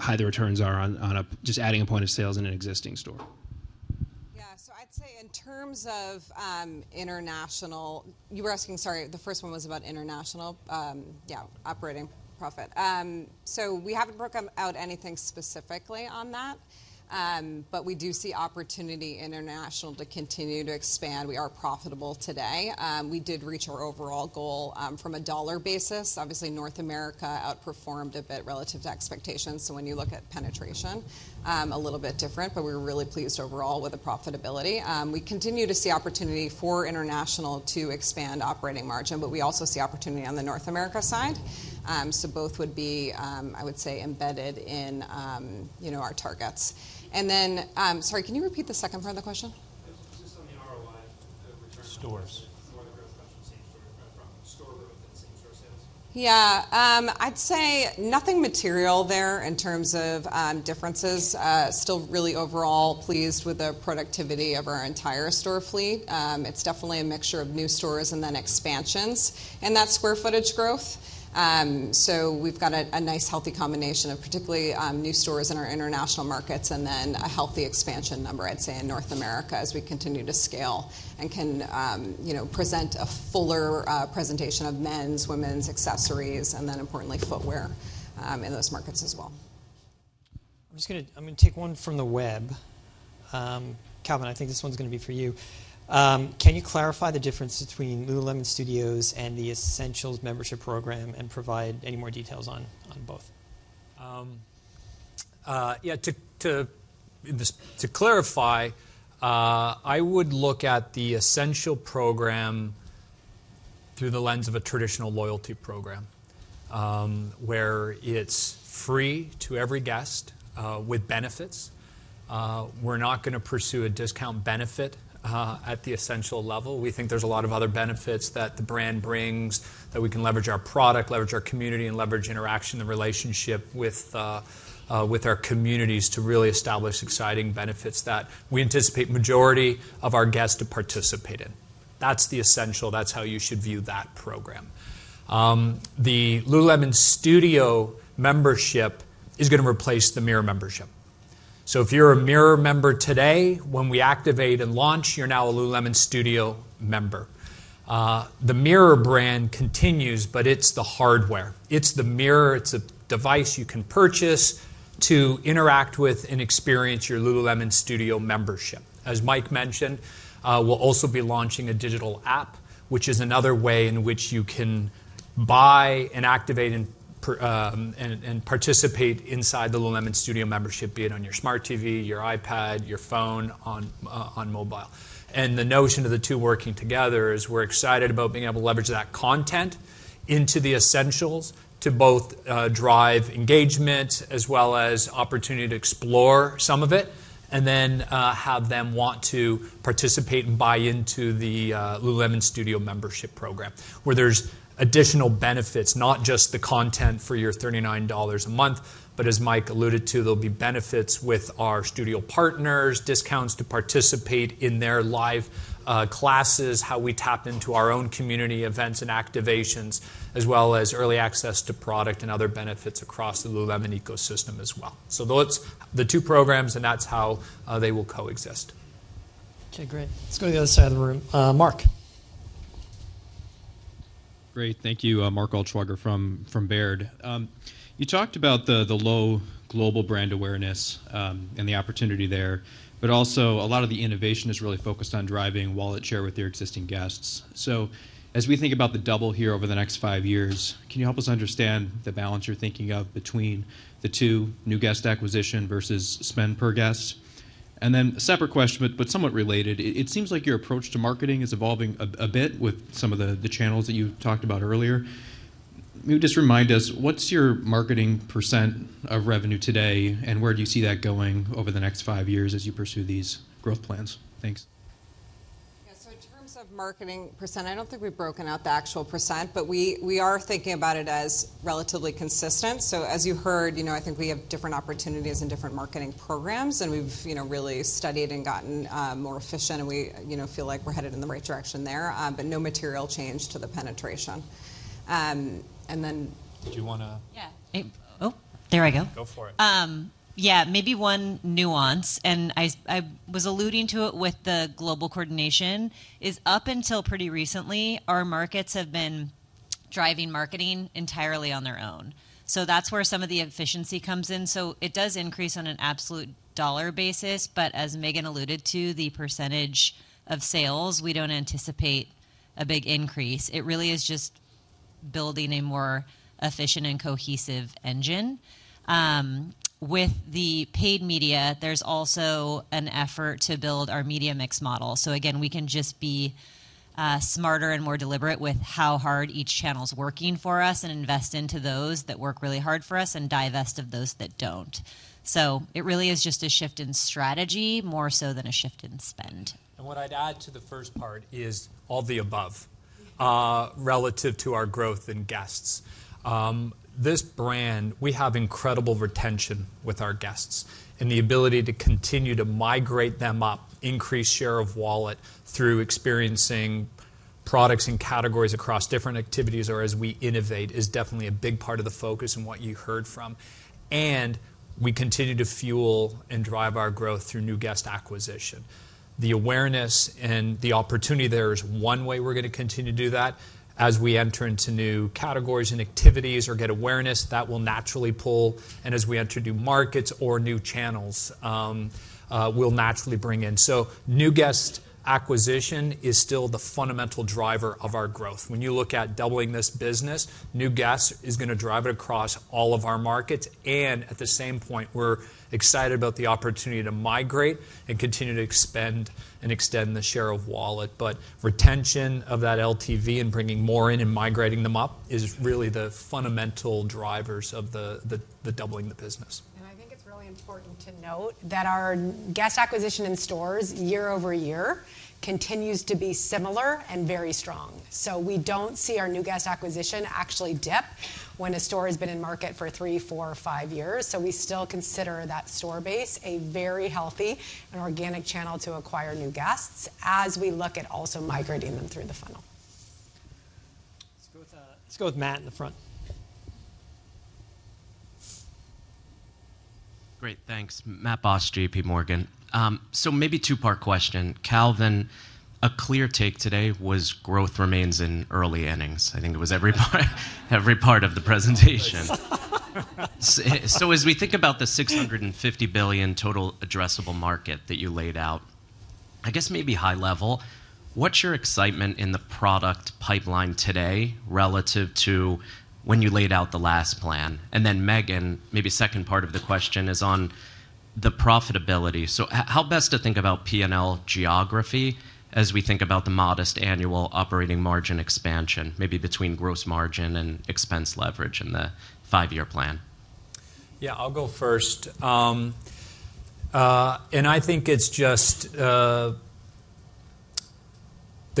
high the returns are on just adding a point of sales in an existing store? I'd say in terms of international. You were asking, sorry, the first one was about international operating profit. We haven't broken out anything specifically on that, but we do see opportunity in international to continue to expand. We are profitable today. We did reach our overall goal on a dollar basis. Obviously, North America outperformed a bit relative to expectations. When you look at penetration, a little bit different, but we're really pleased overall with the profitability. We continue to see opportunity for international to expand operating margin, but we also see opportunity on the North America side. Both would be, I would say, embedded in, you know, our targets. Sorry, can you repeat the second part of the question? Just on the ROI. Stores... More of the growth coming from same-store, from store growth than same-store sales. Yeah. I'd say nothing material there in terms of differences. Still really overall pleased with the productivity of our entire store fleet. It's definitely a mixture of new stores and then expansions and that square footage growth. We've got a nice, healthy combination of particularly new stores in our international markets, and then a healthy expansion number, I'd say, in North America as we continue to scale and can, you know, present a fuller presentation of men's, women's accessories, and then importantly, footwear in those markets as well. I'm gonna take one from the web. Calvin, I think this one's gonna be for you. Can you clarify the difference between lululemon Studio and the Essential Membership program and provide any more details on both? Just to clarify, I would look at the Essential program through the lens of a traditional loyalty program, where it's free to every guest, with benefits. We're not gonna pursue a discount benefit at the Essential level. We think there's a lot of other benefits that the brand brings that we can leverage our product, leverage our community, and leverage interaction and relationship with our communities to really establish exciting benefits that we anticipate majority of our guests to participate in. That's the Essential. That's how you should view that program. The lululemon Studio membership is gonna replace the Mirror membership. If you're a Mirror member today, when we activate and launch, you're now a lululemon Studio member. The Mirror brand continues, but it's the hardware. It's the Mirror. It's a device you can purchase to interact with and experience your lululemon Studio membership. As Mike mentioned, we'll also be launching a digital app, which is another way in which you can buy and activate and participate inside the lululemon Studio membership, be it on your smart TV, your iPad, your phone, on mobile. The notion of the two working together is we're excited about being able to leverage that content into the essentials to both drive engagement as well as opportunity to explore some of it, and then have them want to participate and buy into the lululemon Studio membership program, where there's additional benefits, not just the content for your $39 a month, but as Mike alluded to, there'll be benefits with our studio partners, discounts to participate in their live classes, how we tap into our own community events and activations, as well as early access to product and other benefits across the lululemon ecosystem as well. That's the two programs, and that's how they will coexist. Okay, great. Let's go to the other side of the room. Mark. Great. Thank you. Mark Altschwager from Baird. You talked about the low global brand awareness and the opportunity there, but also a lot of the innovation is really focused on driving wallet share with your existing guests. As we think about the double here over the next five years, can you help us understand the balance you're thinking of between the two, new guest acquisition versus spend per guest? Then a separate question, but somewhat related. It seems like your approach to marketing is evolving a bit with some of the channels that you talked about earlier. Can you just remind us what's your marketing percent of revenue today, and where do you see that going over the next five years as you pursue these growth plans? Thanks. In terms of marketing percent, I don't think we've broken out the actual percent, but we are thinking about it as relatively consistent. As you heard, you know, I think we have different opportunities and different marketing programs, and we've, you know, really studied and gotten more efficient and we, you know, feel like we're headed in the right direction there. No material change to the penetration. Then- Did you wanna- Yeah. Oh, there I go. Go for it. Yeah, maybe one nuance I was alluding to it with the global coordination is up until pretty recently, our markets have been driving marketing entirely on their own. That's where some of the efficiency comes in. It does increase on an absolute dollar basis, but as Megan alluded to, the percentage of sales, we don't anticipate a big increase. It really is just building a more efficient and cohesive engine. With the paid media, there's also an effort to build our media mix model. Again, we can just be smarter and more deliberate with how hard each channel's working for us and invest into those that work really hard for us and divest of those that don't. It really is just a shift in strategy more so than a shift in spend. What I'd add to the first part is all the above relative to our growth in guests. This brand, we have incredible retention with our guests, and the ability to continue to migrate them up, increase share of wallet through experiencing products and categories across different activities or as we innovate, is definitely a big part of the focus and what you heard from. We continue to fuel and drive our growth through new guest acquisition. The awareness and the opportunity there is one way we're gonna continue to do that. As we enter into new categories and activities or get awareness, that will naturally pull, and as we enter new markets or new channels, we'll naturally bring in. New guest acquisition is still the fundamental driver of our growth. When you look at doubling this business, new guests is gonna drive it across all of our markets. At the same point, we're excited about the opportunity to migrate and continue to expand and extend the share of wallet. Retention of that LTV and bringing more in and migrating them up is really the fundamental drivers of the doubling the business. I think it's really important to note that our guest acquisition in stores year-over-year continues to be similar and very strong. We don't see our new guest acquisition actually dip when a store has been in market for three, four, or five years. We still consider that store base a very healthy and organic channel to acquire new guests as we look at also migrating them through the funnel. Let's go with Matt in the front. Matthew Boss, JPMorgan. Maybe two-part question. Calvin, a clear take today was growth remains in early innings. I think it was every part of the presentation. As we think about the $650 billion total addressable market that you laid out, I guess maybe high level, what's your excitement in the product pipeline today relative to when you laid out the last plan? Then Megan, maybe second part of the question is on the profitability. How best to think about P&L geography as we think about the modest annual operating margin expansion, maybe between gross margin and expense leverage in the five-year plan? I'll go first. I think it's just the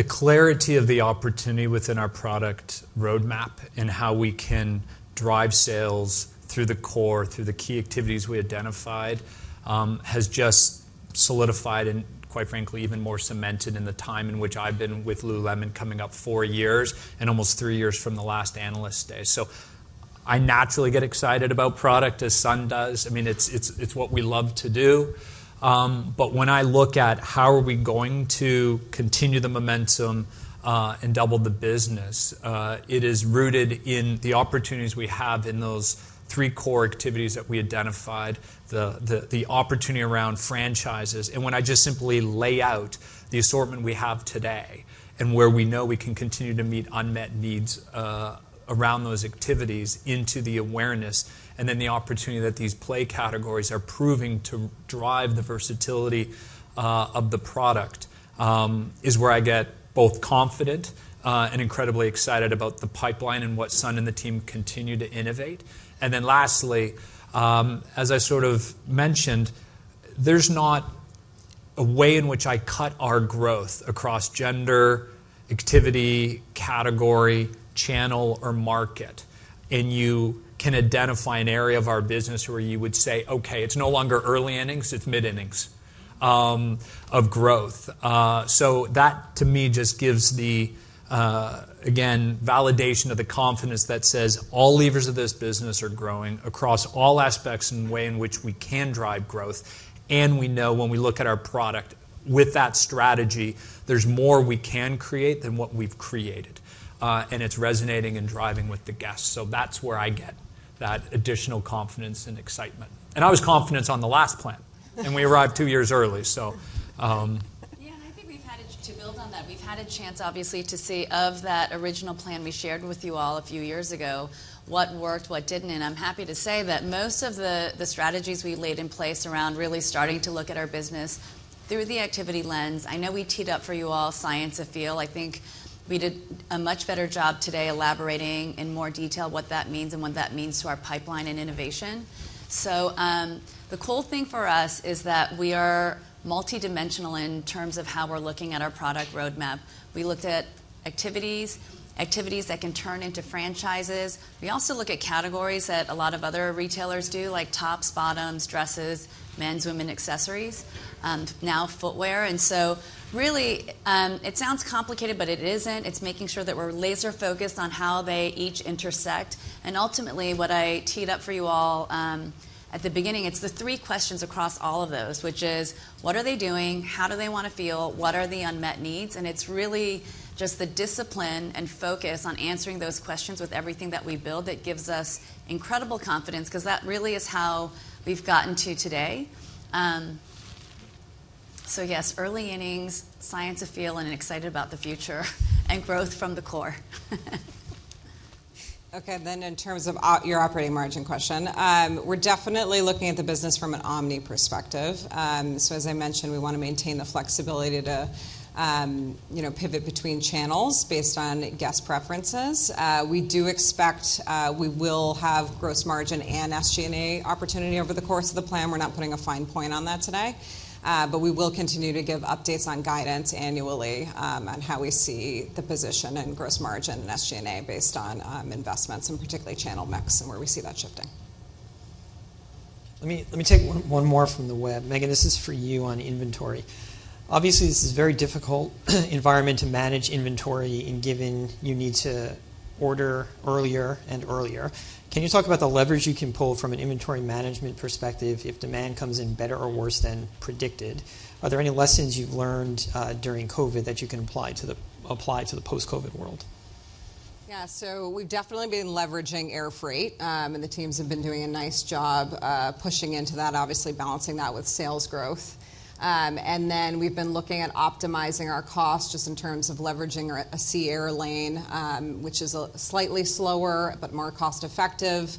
clarity of the opportunity within our product roadmap and how we can drive sales through the core, through the key activities we identified, has just solidified and, quite frankly, even more cemented in the time in which I've been with Lululemon coming up four years and almost three years from the last Analyst Day. I naturally get excited about product as Sun does. I mean, it's what we love to do. But when I look at how we are going to continue the momentum and double the business, it is rooted in the opportunities we have in those three core activities that we identified, the opportunity around franchises. When I just simply lay out the assortment we have today and where we know we can continue to meet unmet needs, around those activities into the awareness, and then the opportunity that these play categories are proving to drive the versatility, of the product, is where I get both confident, and incredibly excited about the pipeline and what Sun and the team continue to innovate. Lastly, as I sort of mentioned, there's not a way in which I cut our growth across gender, activity, category, channel, or market, and you can identify an area of our business where you would say, "Okay, it's no longer early innings, it's mid innings of growth." So that to me just gives the again validation of the confidence that says all levers of this business are growing across all aspects and way in which we can drive growth. We know when we look at our product with that strategy, there's more we can create than what we've created. And it's resonating and driving with the guests. That's where I get that additional confidence and excitement. I was confident on the last plan and we arrived two years early. Yeah, I think we've had a chance to build on that, obviously, to see, of that original plan we shared with you all a few years ago, what worked, what didn't, and I'm happy to say that most of the strategies we laid in place around really starting to look at our business through the activity lens. I know we teed up for you all Science of Feel. I think we did a much better job today elaborating in more detail what that means and what that means to our pipeline and innovation. The cool thing for us is that we are multidimensional in terms of how we're looking at our product roadmap. We looked at activities that can turn into franchises. We also look at categories that a lot of other retailers do, like tops, bottoms, dresses, men's, women accessories, now footwear. It sounds complicated, but it isn't. It's making sure that we're laser-focused on how they each intersect. Ultimately, what I teed up for you all at the beginning, it's the three questions across all of those, which is what are they doing? How do they wanna feel? What are the unmet needs? It's really just the discipline and focus on answering those questions with everything that we build that gives us incredible confidence because that really is how we've gotten to today. Yes, early innings, Science of Feel, and excited about the future and growth from the core. Okay. In terms of your operating margin question, we're definitely looking at the business from an omni perspective. As I mentioned, we wanna maintain the flexibility to, you know, pivot between channels based on guest preferences. We will have gross margin and SG&A opportunity over the course of the plan. We're not putting a fine point on that today. We will continue to give updates on guidance annually, on how we see the position and gross margin and SG&A based on investments and particularly channel mix and where we see that shifting. Let me take one more from the web. Meghan, this is for you on inventory. Obviously, this is a very difficult environment to manage inventory and given you need to order earlier and earlier. Can you talk about the leverage you can pull from an inventory management perspective if demand comes in better or worse than predicted? Are there any lessons you've learned during COVID that you can apply to the post-COVID world? Yeah. We've definitely been leveraging air freight. The teams have been doing a nice job pushing into that, obviously balancing that with sales growth. We've been looking at optimizing our costs just in terms of leveraging a sea-air lane, which is slightly slower but more cost-effective.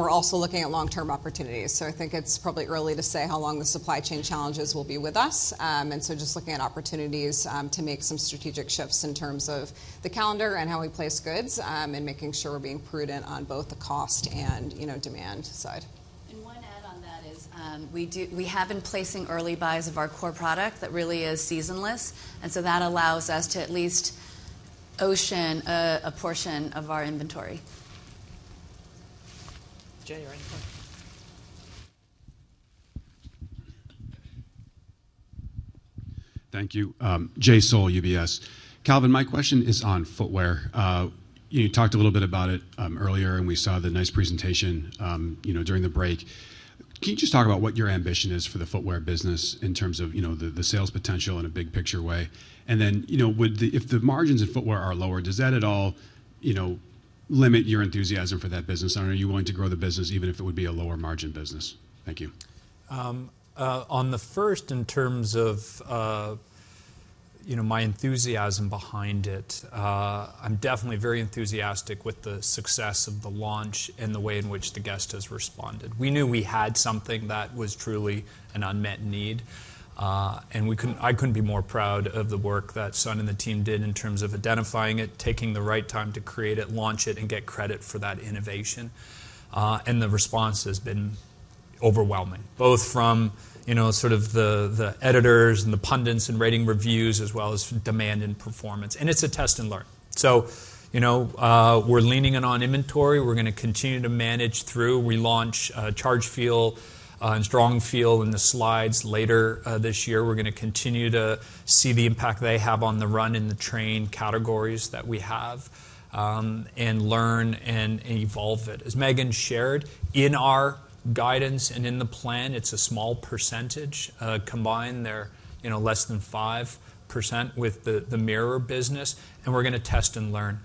We're also looking at long-term opportunities. I think it's probably early to say how long the supply chain challenges will be with us. Just looking at opportunities to make some strategic shifts in terms of the calendar and how we place goods and making sure we're being prudent on both the cost and, you know, demand side. One add on that is, we have been placing early buys of our core product that really is seasonless, and so that allows us to at least ocean a portion of our inventory. Jay, right there. Thank you. Jay Sole, UBS. Calvin, my question is on footwear. You talked a little bit about it earlier, and we saw the nice presentation, you know, during the break. Can you just talk about what your ambition is for the footwear business in terms of, you know, the sales potential in a big picture way? You know, would, if the margins in footwear are lower, does that at all, you know, limit your enthusiasm for that business? Are you willing to grow the business even if it would be a lower margin business? Thank you. On the first, in terms of, you know, my enthusiasm behind it, I'm definitely very enthusiastic with the success of the launch and the way in which the guest has responded. We knew we had something that was truly an unmet need, and I couldn't be more proud of the work that Sun and the team did in terms of identifying it, taking the right time to create it, launch it, and get credit for that innovation. And the response has been overwhelming, both from, you know, sort of the editors and the pundits and rating reviews as well as demand and performance, and it's a test and learn. You know, we're leaning in on inventory. We're gonna continue to manage through. We launch Chargefeel and Strongfeel in the slides later this year. We're gonna continue to see the impact they have on the run and the train categories that we have, and learn and evolve it. As Megan shared, in our guidance and in the plan, it's a small percentage. Combined, they're, you know, less than 5% with the Mirror business, and we're gonna test and learn.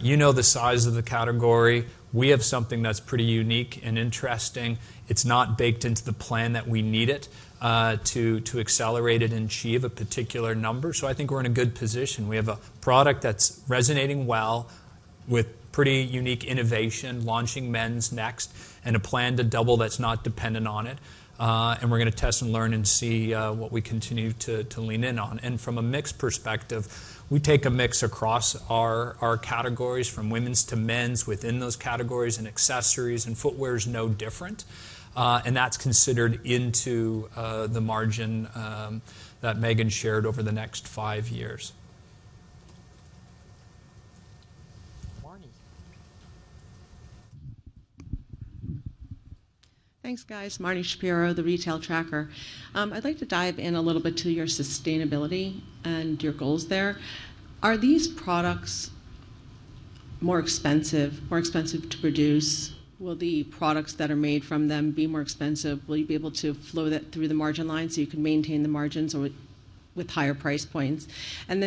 You know the size of the category. We have something that's pretty unique and interesting. It's not baked into the plan that we need it to accelerate it and achieve a particular number, so I think we're in a good position. We have a product that's resonating well with pretty unique innovation, launching men's next, and a plan to double that's not dependent on it. We're gonna test and learn and see what we continue to lean in on. From a mix perspective, we take a mix across our categories from women's to men's within those categories, and accessories and footwear is no different, and that's considered into the margin that Megan shared over the next five years. Marnie. Thanks, guys. Marnie Shapiro, The Retail Tracker. I'd like to dive in a little bit to your sustainability and your goals there. Are these products more expensive to produce? Will the products that are made from them be more expensive? Will you be able to flow that through the margin line so you can maintain the margins or with higher price points?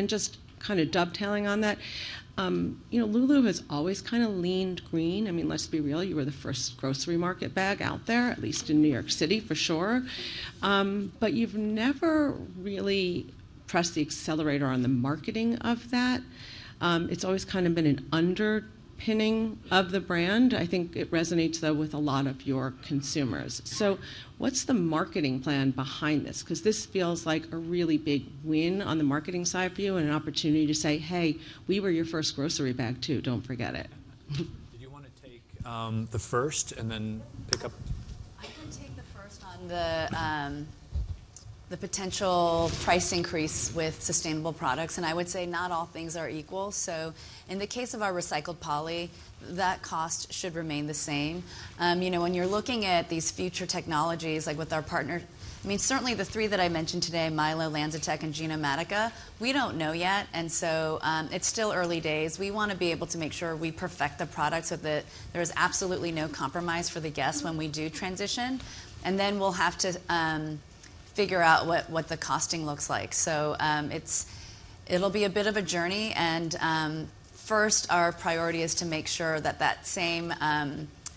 Just kinda dovetailing on that, you know, Lulu has always kinda leaned green. I mean, let's be real, you were the first grocery market bag out there, at least in New York City, for sure. But you've never really pressed the accelerator on the marketing of that. It's always kind of been an underpinning of the brand. I think it resonates, though, with a lot of your consumers. What's the marketing plan behind this? 'Cause this feels like a really big win on the marketing side for you and an opportunity to say, "Hey, we were your first grocery bag, too. Don't forget it. Did you wanna take the first and then pick up I can take the first on the potential price increase with sustainable products, and I would say not all things are equal. In the case of our recycled poly, that cost should remain the same. You know, when you're looking at these future technologies, certainly the three that I mentioned today, Mylo, LanzaTech and Genomatica, we don't know yet. It's still early days. We wanna be able to make sure we perfect the product so that there is absolutely no compromise for the guests when we do transition. Then we'll have to figure out what the costing looks like. It's a bit of a journey. First, our priority is to make sure that same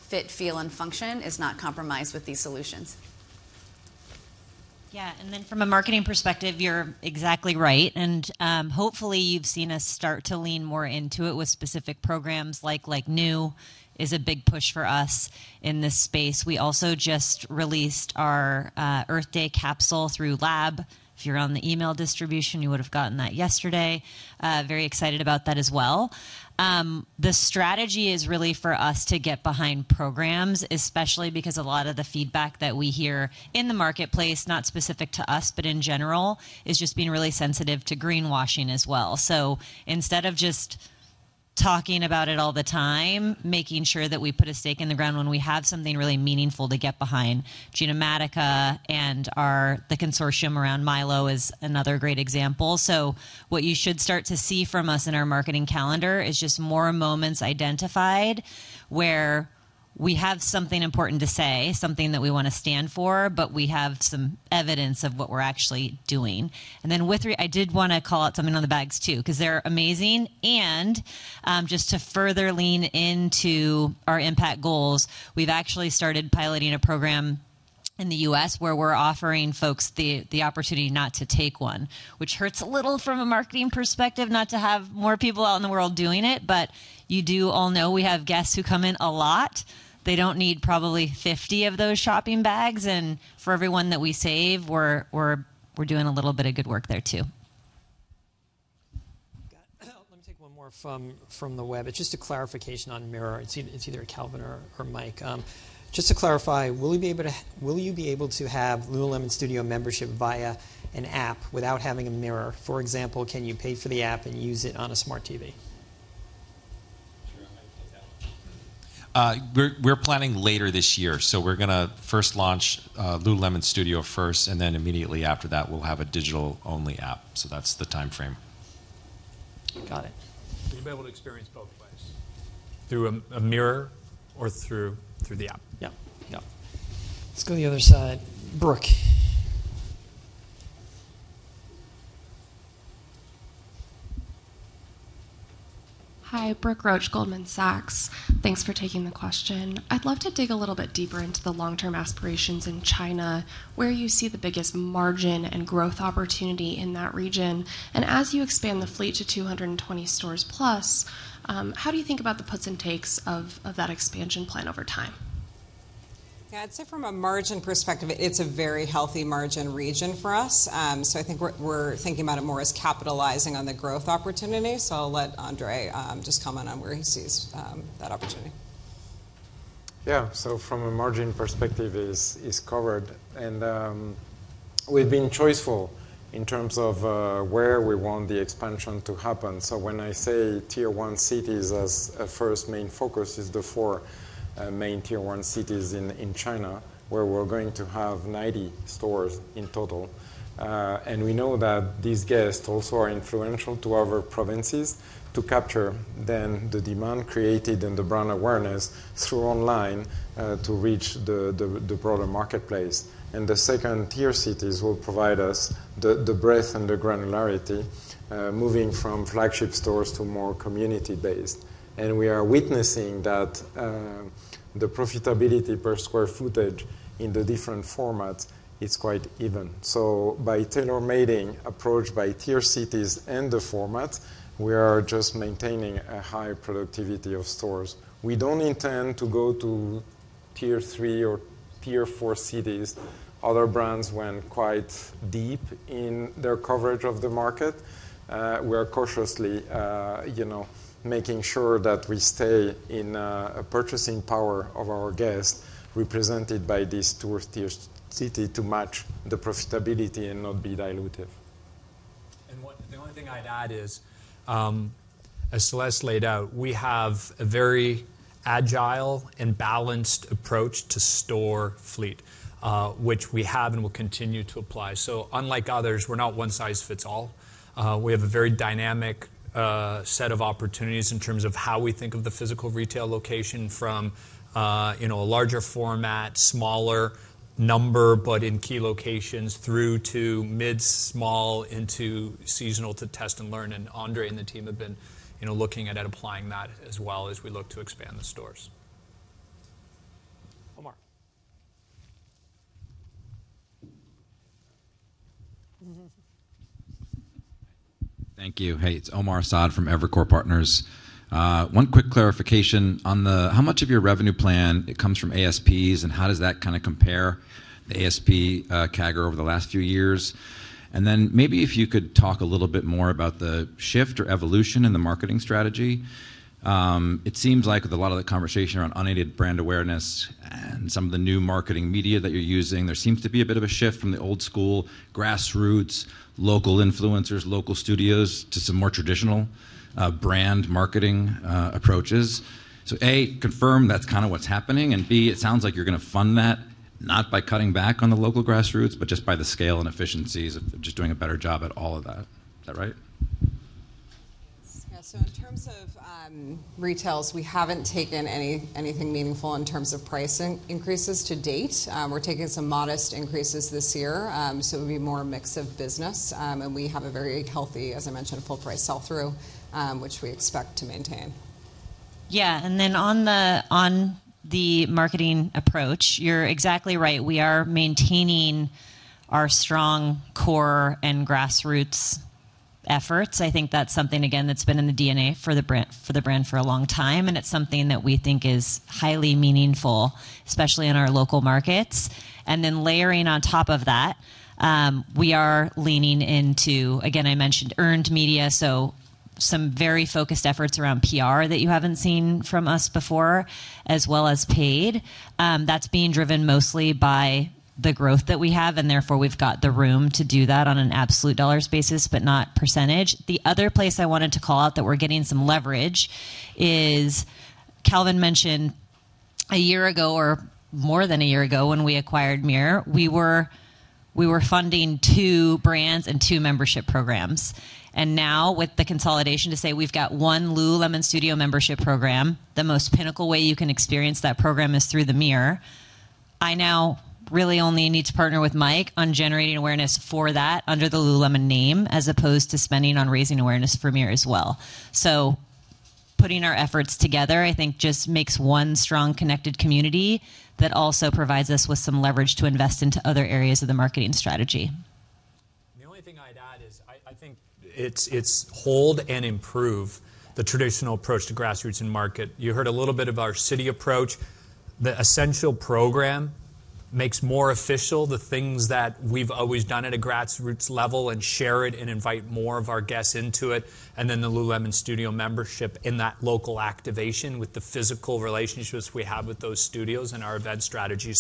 fit, feel, and function is not compromised with these solutions. Yeah. From a marketing perspective, you're exactly right. Hopefully you've seen us start to lean more into it with specific programs like New is a big push for us in this space. We also just released our Earth Day capsule through Lab. If you're on the email distribution, you would have gotten that yesterday. Very excited about that as well. The strategy is really for us to get behind programs, especially because a lot of the feedback that we hear in the marketplace, not specific to us, but in general, is just being really sensitive to greenwashing as well. Instead of just talking about it all the time, making sure that we put a stake in the ground when we have something really meaningful to get behind. Genomatica and the consortium around Mylo is another great example. What you should start to see from us in our marketing calendar is just more moments identified, where we have something important to say, something that we wanna stand for, but we have some evidence of what we're actually doing. I did wanna call out something on the bags, too, 'cause they're amazing. Just to further lean into our impact goals, we've actually started piloting a program in the U.S. where we're offering folks the opportunity not to take one, which hurts a little from a marketing perspective, not to have more people out in the world doing it, but you do all know we have guests who come in a lot. They don't need probably 50 of those shopping bags. For every one that we save, we're doing a little bit of good work there, too. Got it. Let me take one more from the web. It's just a clarification on Mirror. It's either Calvin or Mike. Just to clarify, will you be able to have lululemon Studio membership via an app without having a Mirror? For example, can you pay for the app and use it on a smart TV? Sure. I can take that one. We're planning later this year. We're gonna first launch lululemon Studio first, and then immediately after that, we'll have a digital-only app. That's the timeframe. Got it. You'll be able to experience both ways, through a Mirror or through the app. Yeah. Let's go to the other side. Brooke. Hi. Brooke Roach, Goldman Sachs. Thanks for taking the question. I'd love to dig a little bit deeper into the long-term aspirations in China, where you see the biggest margin and growth opportunity in that region. As you expand the fleet to 220 stores plus, how do you think about the puts and takes of that expansion plan over time? Yeah, I'd say from a margin perspective, it's a very healthy margin region for us. I think we're thinking about it more as capitalizing on the growth opportunity. I'll let André just comment on where he sees that opportunity. Yeah. From a margin perspective is covered. We've been choiceful in terms of where we want the expansion to happen. When I say tier one cities as a first main focus is the four main tier one cities in China, where we're going to have 90 stores in total. We know that these guests also are influential to other provinces to capture then the demand created and the brand awareness through online to reach the broader marketplace. The second-tier cities will provide us the breadth and the granularity moving from flagship stores to more community-based. We are witnessing that the profitability per square footage in the different formats is quite even. By tailor-making approach by tier cities and the format, we are just maintaining a high productivity of stores. We don't intend to go to tier three or tier four cities. Other brands went quite deep in their coverage of the market. We're cautiously, you know, making sure that we stay in a purchasing power of our guests represented by these tier-two cities to match the profitability and not be dilutive. The only thing I'd add is, as Celeste laid out, we have a very agile and balanced approach to store fleet, which we have and will continue to apply. Unlike others, we're not one size fits all. We have a very dynamic set of opportunities in terms of how we think of the physical retail location from, you know, a larger format, smaller number, but in key locations through to mid, small, into seasonal to test and learn. André and the team have been, you know, looking at applying that as well as we look to expand the stores. Omar. Thank you. Hey, it's Omar Saad from Evercore ISI. One quick clarification. On how much of your revenue plan comes from ASPs, and how does that kinda compare the ASP CAGR over the last few years? Maybe if you could talk a little bit more about the shift or evolution in the marketing strategy. It seems like with a lot of the conversation around unaided brand awareness and some of the new marketing media that you're using, there seems to be a bit of a shift from the old school, grassroots, local influencers, local studios, to some more traditional brand marketing approaches? A, confirm that's kinda what's happening, and B, it sounds like you're gonna fund that not by cutting back on the local grassroots, but just by the scale and efficiencies of just doing a better job at all of that. Is that right? Yes. Yeah. In terms of retail, we haven't taken anything meaningful in terms of pricing increases to date. We're taking some modest increases this year. It would be more a mix of business. And we have a very healthy, as I mentioned, full price sell-through, which we expect to maintain. Yeah. And then on the marketing approach, you're exactly right. We are maintaining our strong core and grassroots efforts. I think that's something, again, that's been in the DNA for the brand for a long time, and it's something that we think is highly meaningful, especially in our local markets. And then layering on top of that, we are leaning into, again, I mentioned earned media, so some very focused efforts around PR that you haven't seen from us before, as well as paid. That's being driven mostly by the growth that we have, and therefore we've got the room to do that on an absolute dollar basis, but not percentage. The other place I wanted to call out that we're getting some leverage is, Calvin mentioned a year ago or more than a year ago when we acquired Mirror, we were funding two brands and two membership programs. Now with the consolidation to say we've got one lululemon Studio membership program, the most pinnacle way you can experience that program is through the Mirror. I now really only need to partner with Mike on generating awareness for that under the lululemon name, as opposed to spending on raising awareness for Mirror as well. Putting our efforts together, I think, just makes one strong, connected community that also provides us with some leverage to invest into other areas of the marketing strategy. The only thing I'd add is I think it's hold and improve the traditional approach to grassroots and marketing. You heard a little bit of our city approach. The essential program makes more official the things that we've always done at a grassroots level and share it and invite more of our guests into it. The lululemon Studio membership in that local activation with the physical relationships we have with those studios and our event strategy.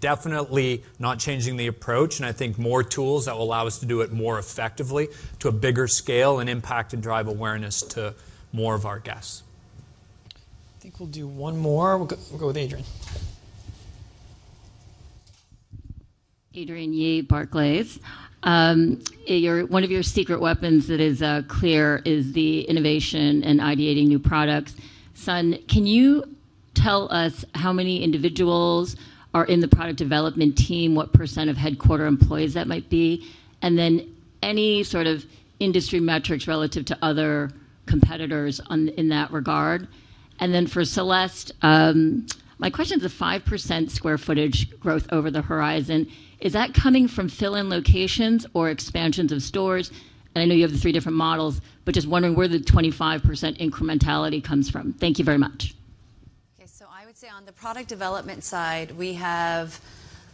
Definitely not changing the approach, and I think more tools that will allow us to do it more effectively to a bigger scale and impact and drive awareness to more of our guests. I think we'll do one more. We'll go with Adrienne. Adrienne Yih, Barclays. One of your secret weapons that is clear is the innovation and ideating new products. Sun, can you tell us how many individuals are in the product development team, what percent of headquarters employees that might be, and then any sort of industry metrics relative to other competitors on in that regard? Then for Celeste, my question is the 5% square footage growth over the horizon. Is that coming from fill-in locations or expansions of stores? I know you have the three different models, but just wondering where the 25% incrementality comes from. Thank you very much. I would say on the product development side, we have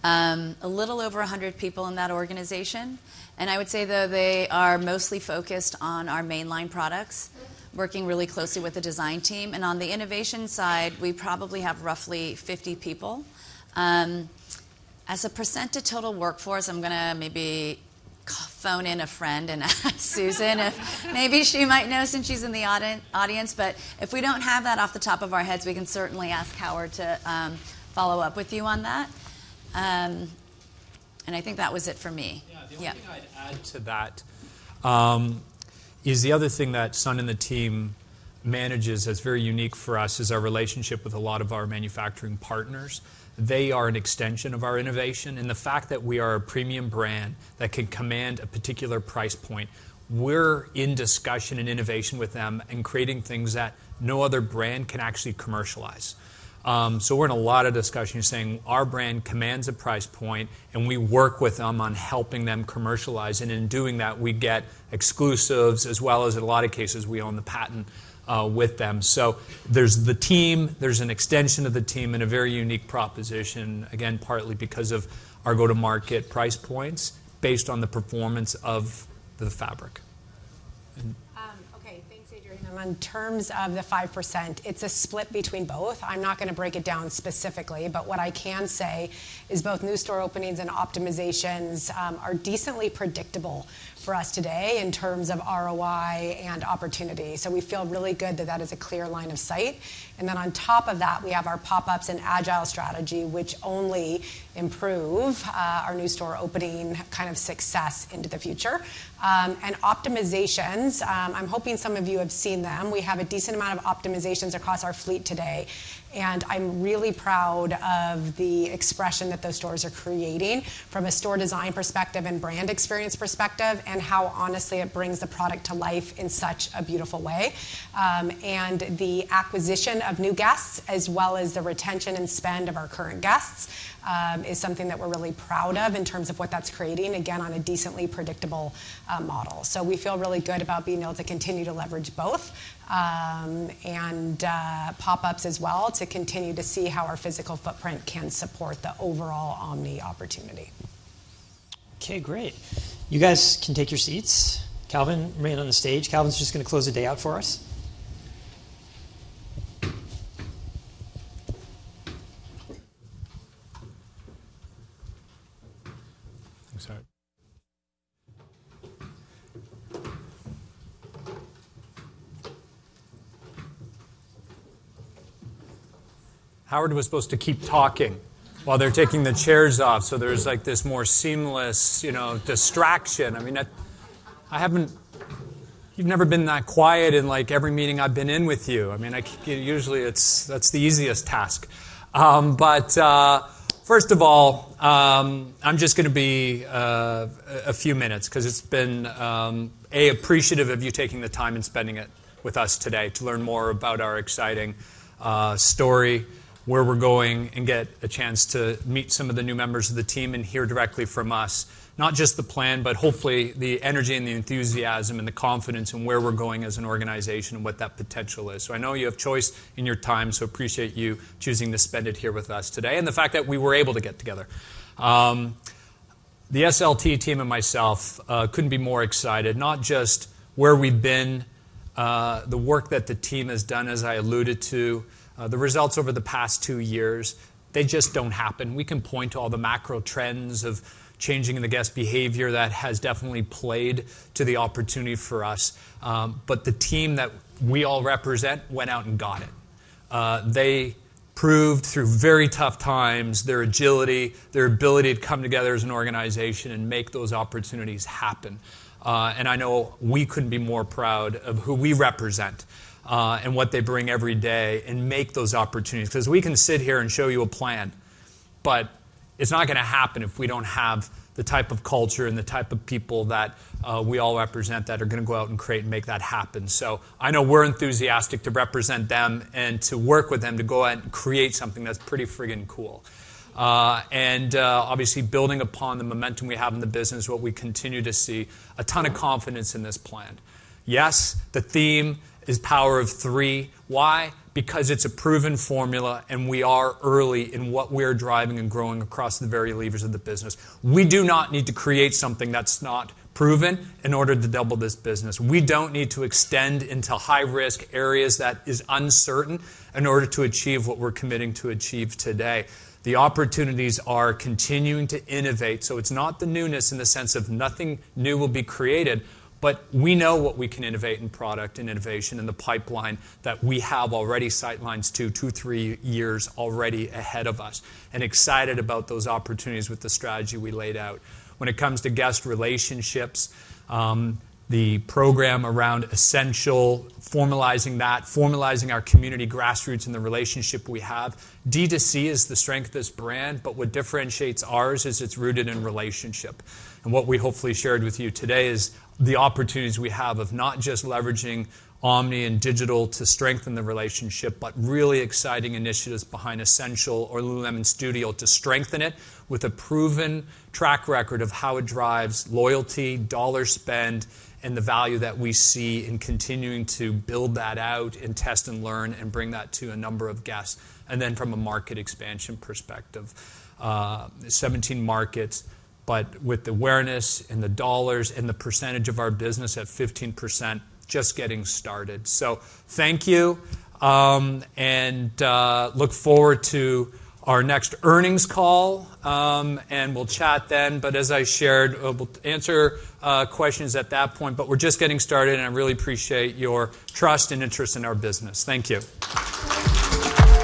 a little over 100 people in that organization. I would say, though, they are mostly focused on our mainline products, working really closely with the design team. On the innovation side, we probably have roughly 50 people. As a percent of total workforce, I'm gonna maybe phone in a friend and ask Susan if maybe she might know since she's in the audience, but if we don't have that off the top of our heads, we can certainly ask Howard to follow up with you on that. I think that was it for me. Yeah. Yeah. The only thing I'd add to that is the other thing that Sun and the team manages that's very unique for us is our relationship with a lot of our manufacturing partners. They are an extension of our innovation, and the fact that we are a premium brand that can command a particular price point, we're in discussion and innovation with them and creating things that no other brand can actually commercialize. So we're in a lot of discussions saying our brand commands a price point, and we work with them on helping them commercialize, and in doing that, we get exclusives as well as in a lot of cases, we own the patent with them. So there's the team, there's an extension of the team in a very unique proposition, again, partly because of our go-to-market price points based on the performance of the fabric. Okay. Thanks, Adrienne. In terms of the 5%, it's a split between both. I'm not gonna break it down specifically, but what I can say is both new store openings and optimizations are decently predictable for us today in terms of ROI and opportunity. We feel really good that that is a clear line of sight. On top of that, we have our pop-ups and agile strategy, which only improve our new store opening kind of success into the future. Optimizations, I'm hoping some of you have seen them. We have a decent amount of optimizations across our fleet today, and I'm really proud of the expression that those stores are creating from a store design perspective and brand experience perspective and how honestly it brings the product to life in such a beautiful way. The acquisition of new guests as well as the retention and spend of our current guests is something that we're really proud of in terms of what that's creating, again, on a decently predictable model. We feel really good about being able to continue to leverage both and pop-ups as well to continue to see how our physical footprint can support the overall omni opportunity. Okay, great. You guys can take your seats. Calvin, remain on the stage. Calvin's just gonna close the day out for us. Thanks, Howard. Howard was supposed to keep talking while they're taking the chairs off, so there's like this more seamless, you know, distraction. I mean, you've never been that quiet in like every meeting I've been in with you. I mean, usually, that's the easiest task. First of all, I'm just gonna be a few minutes 'cause I am appreciative of you taking the time and spending it with us today to learn more about our exciting story, where we're going, and get a chance to meet some of the new members of the team and hear directly from us, not just the plan, but hopefully the energy and the enthusiasm and the confidence in where we're going as an organization and what that potential is. I know you have choice in your time, so appreciate you choosing to spend it here with us today, and the fact that we were able to get together. The SLT team and myself couldn't be more excited, not just where we've been, the work that the team has done, as I alluded to, the results over the past two years. They just don't happen. We can point to all the macro trends of changing the guest behavior that has definitely played to the opportunity for us. The team that we all represent went out and got it. They proved through very tough times their agility, their ability to come together as an organization and make those opportunities happen. I know we couldn't be more proud of who we represent, and what they bring every day and make those opportunities. 'Cause we can sit here and show you a plan, but it's not gonna happen if we don't have the type of culture and the type of people that we all represent that are gonna go out and create and make that happen. I know we're enthusiastic to represent them and to work with them to go out and create something that's pretty freaking cool. Obviously, building upon the momentum we have in the business, what we continue to see, a ton of confidence in this plan. Yes, the theme is Power of Three. Why? Because it's a proven formula, and we are early in what we're driving and growing across the very levers of the business. We do not need to create something that's not proven in order to double this business. We don't need to extend into high-risk areas that is uncertain in order to achieve what we're committing to achieve today. The opportunities are continuing to innovate. It's not the newness in the sense of nothing new will be created, but we know what we can innovate in product and innovation and the pipeline that we have already sightlines to two, three years already ahead of us and excited about those opportunities with the strategy we laid out. When it comes to guest relationships, the program around Essential, formalizing that, formalizing our community grassroots and the relationship we have. D2C is the strength of this brand, but what differentiates ours is it's rooted in relationship. What we hopefully shared with you today is the opportunities we have of not just leveraging omni and digital to strengthen the relationship, but really exciting initiatives behind Essential or Lululemon Studio to strengthen it with a proven track record of how it drives loyalty, dollar spend, and the value that we see in continuing to build that out and test and learn and bring that to a number of guests. Then from a market expansion perspective, 17 markets, but with the awareness and the dollars and the percentage of our business at 15%, just getting started. Thank you, and look forward to our next earnings call, and we'll chat then. As I shared, we'll answer questions at that point, but we're just getting started, and I really appreciate your trust and interest in our business. Thank you.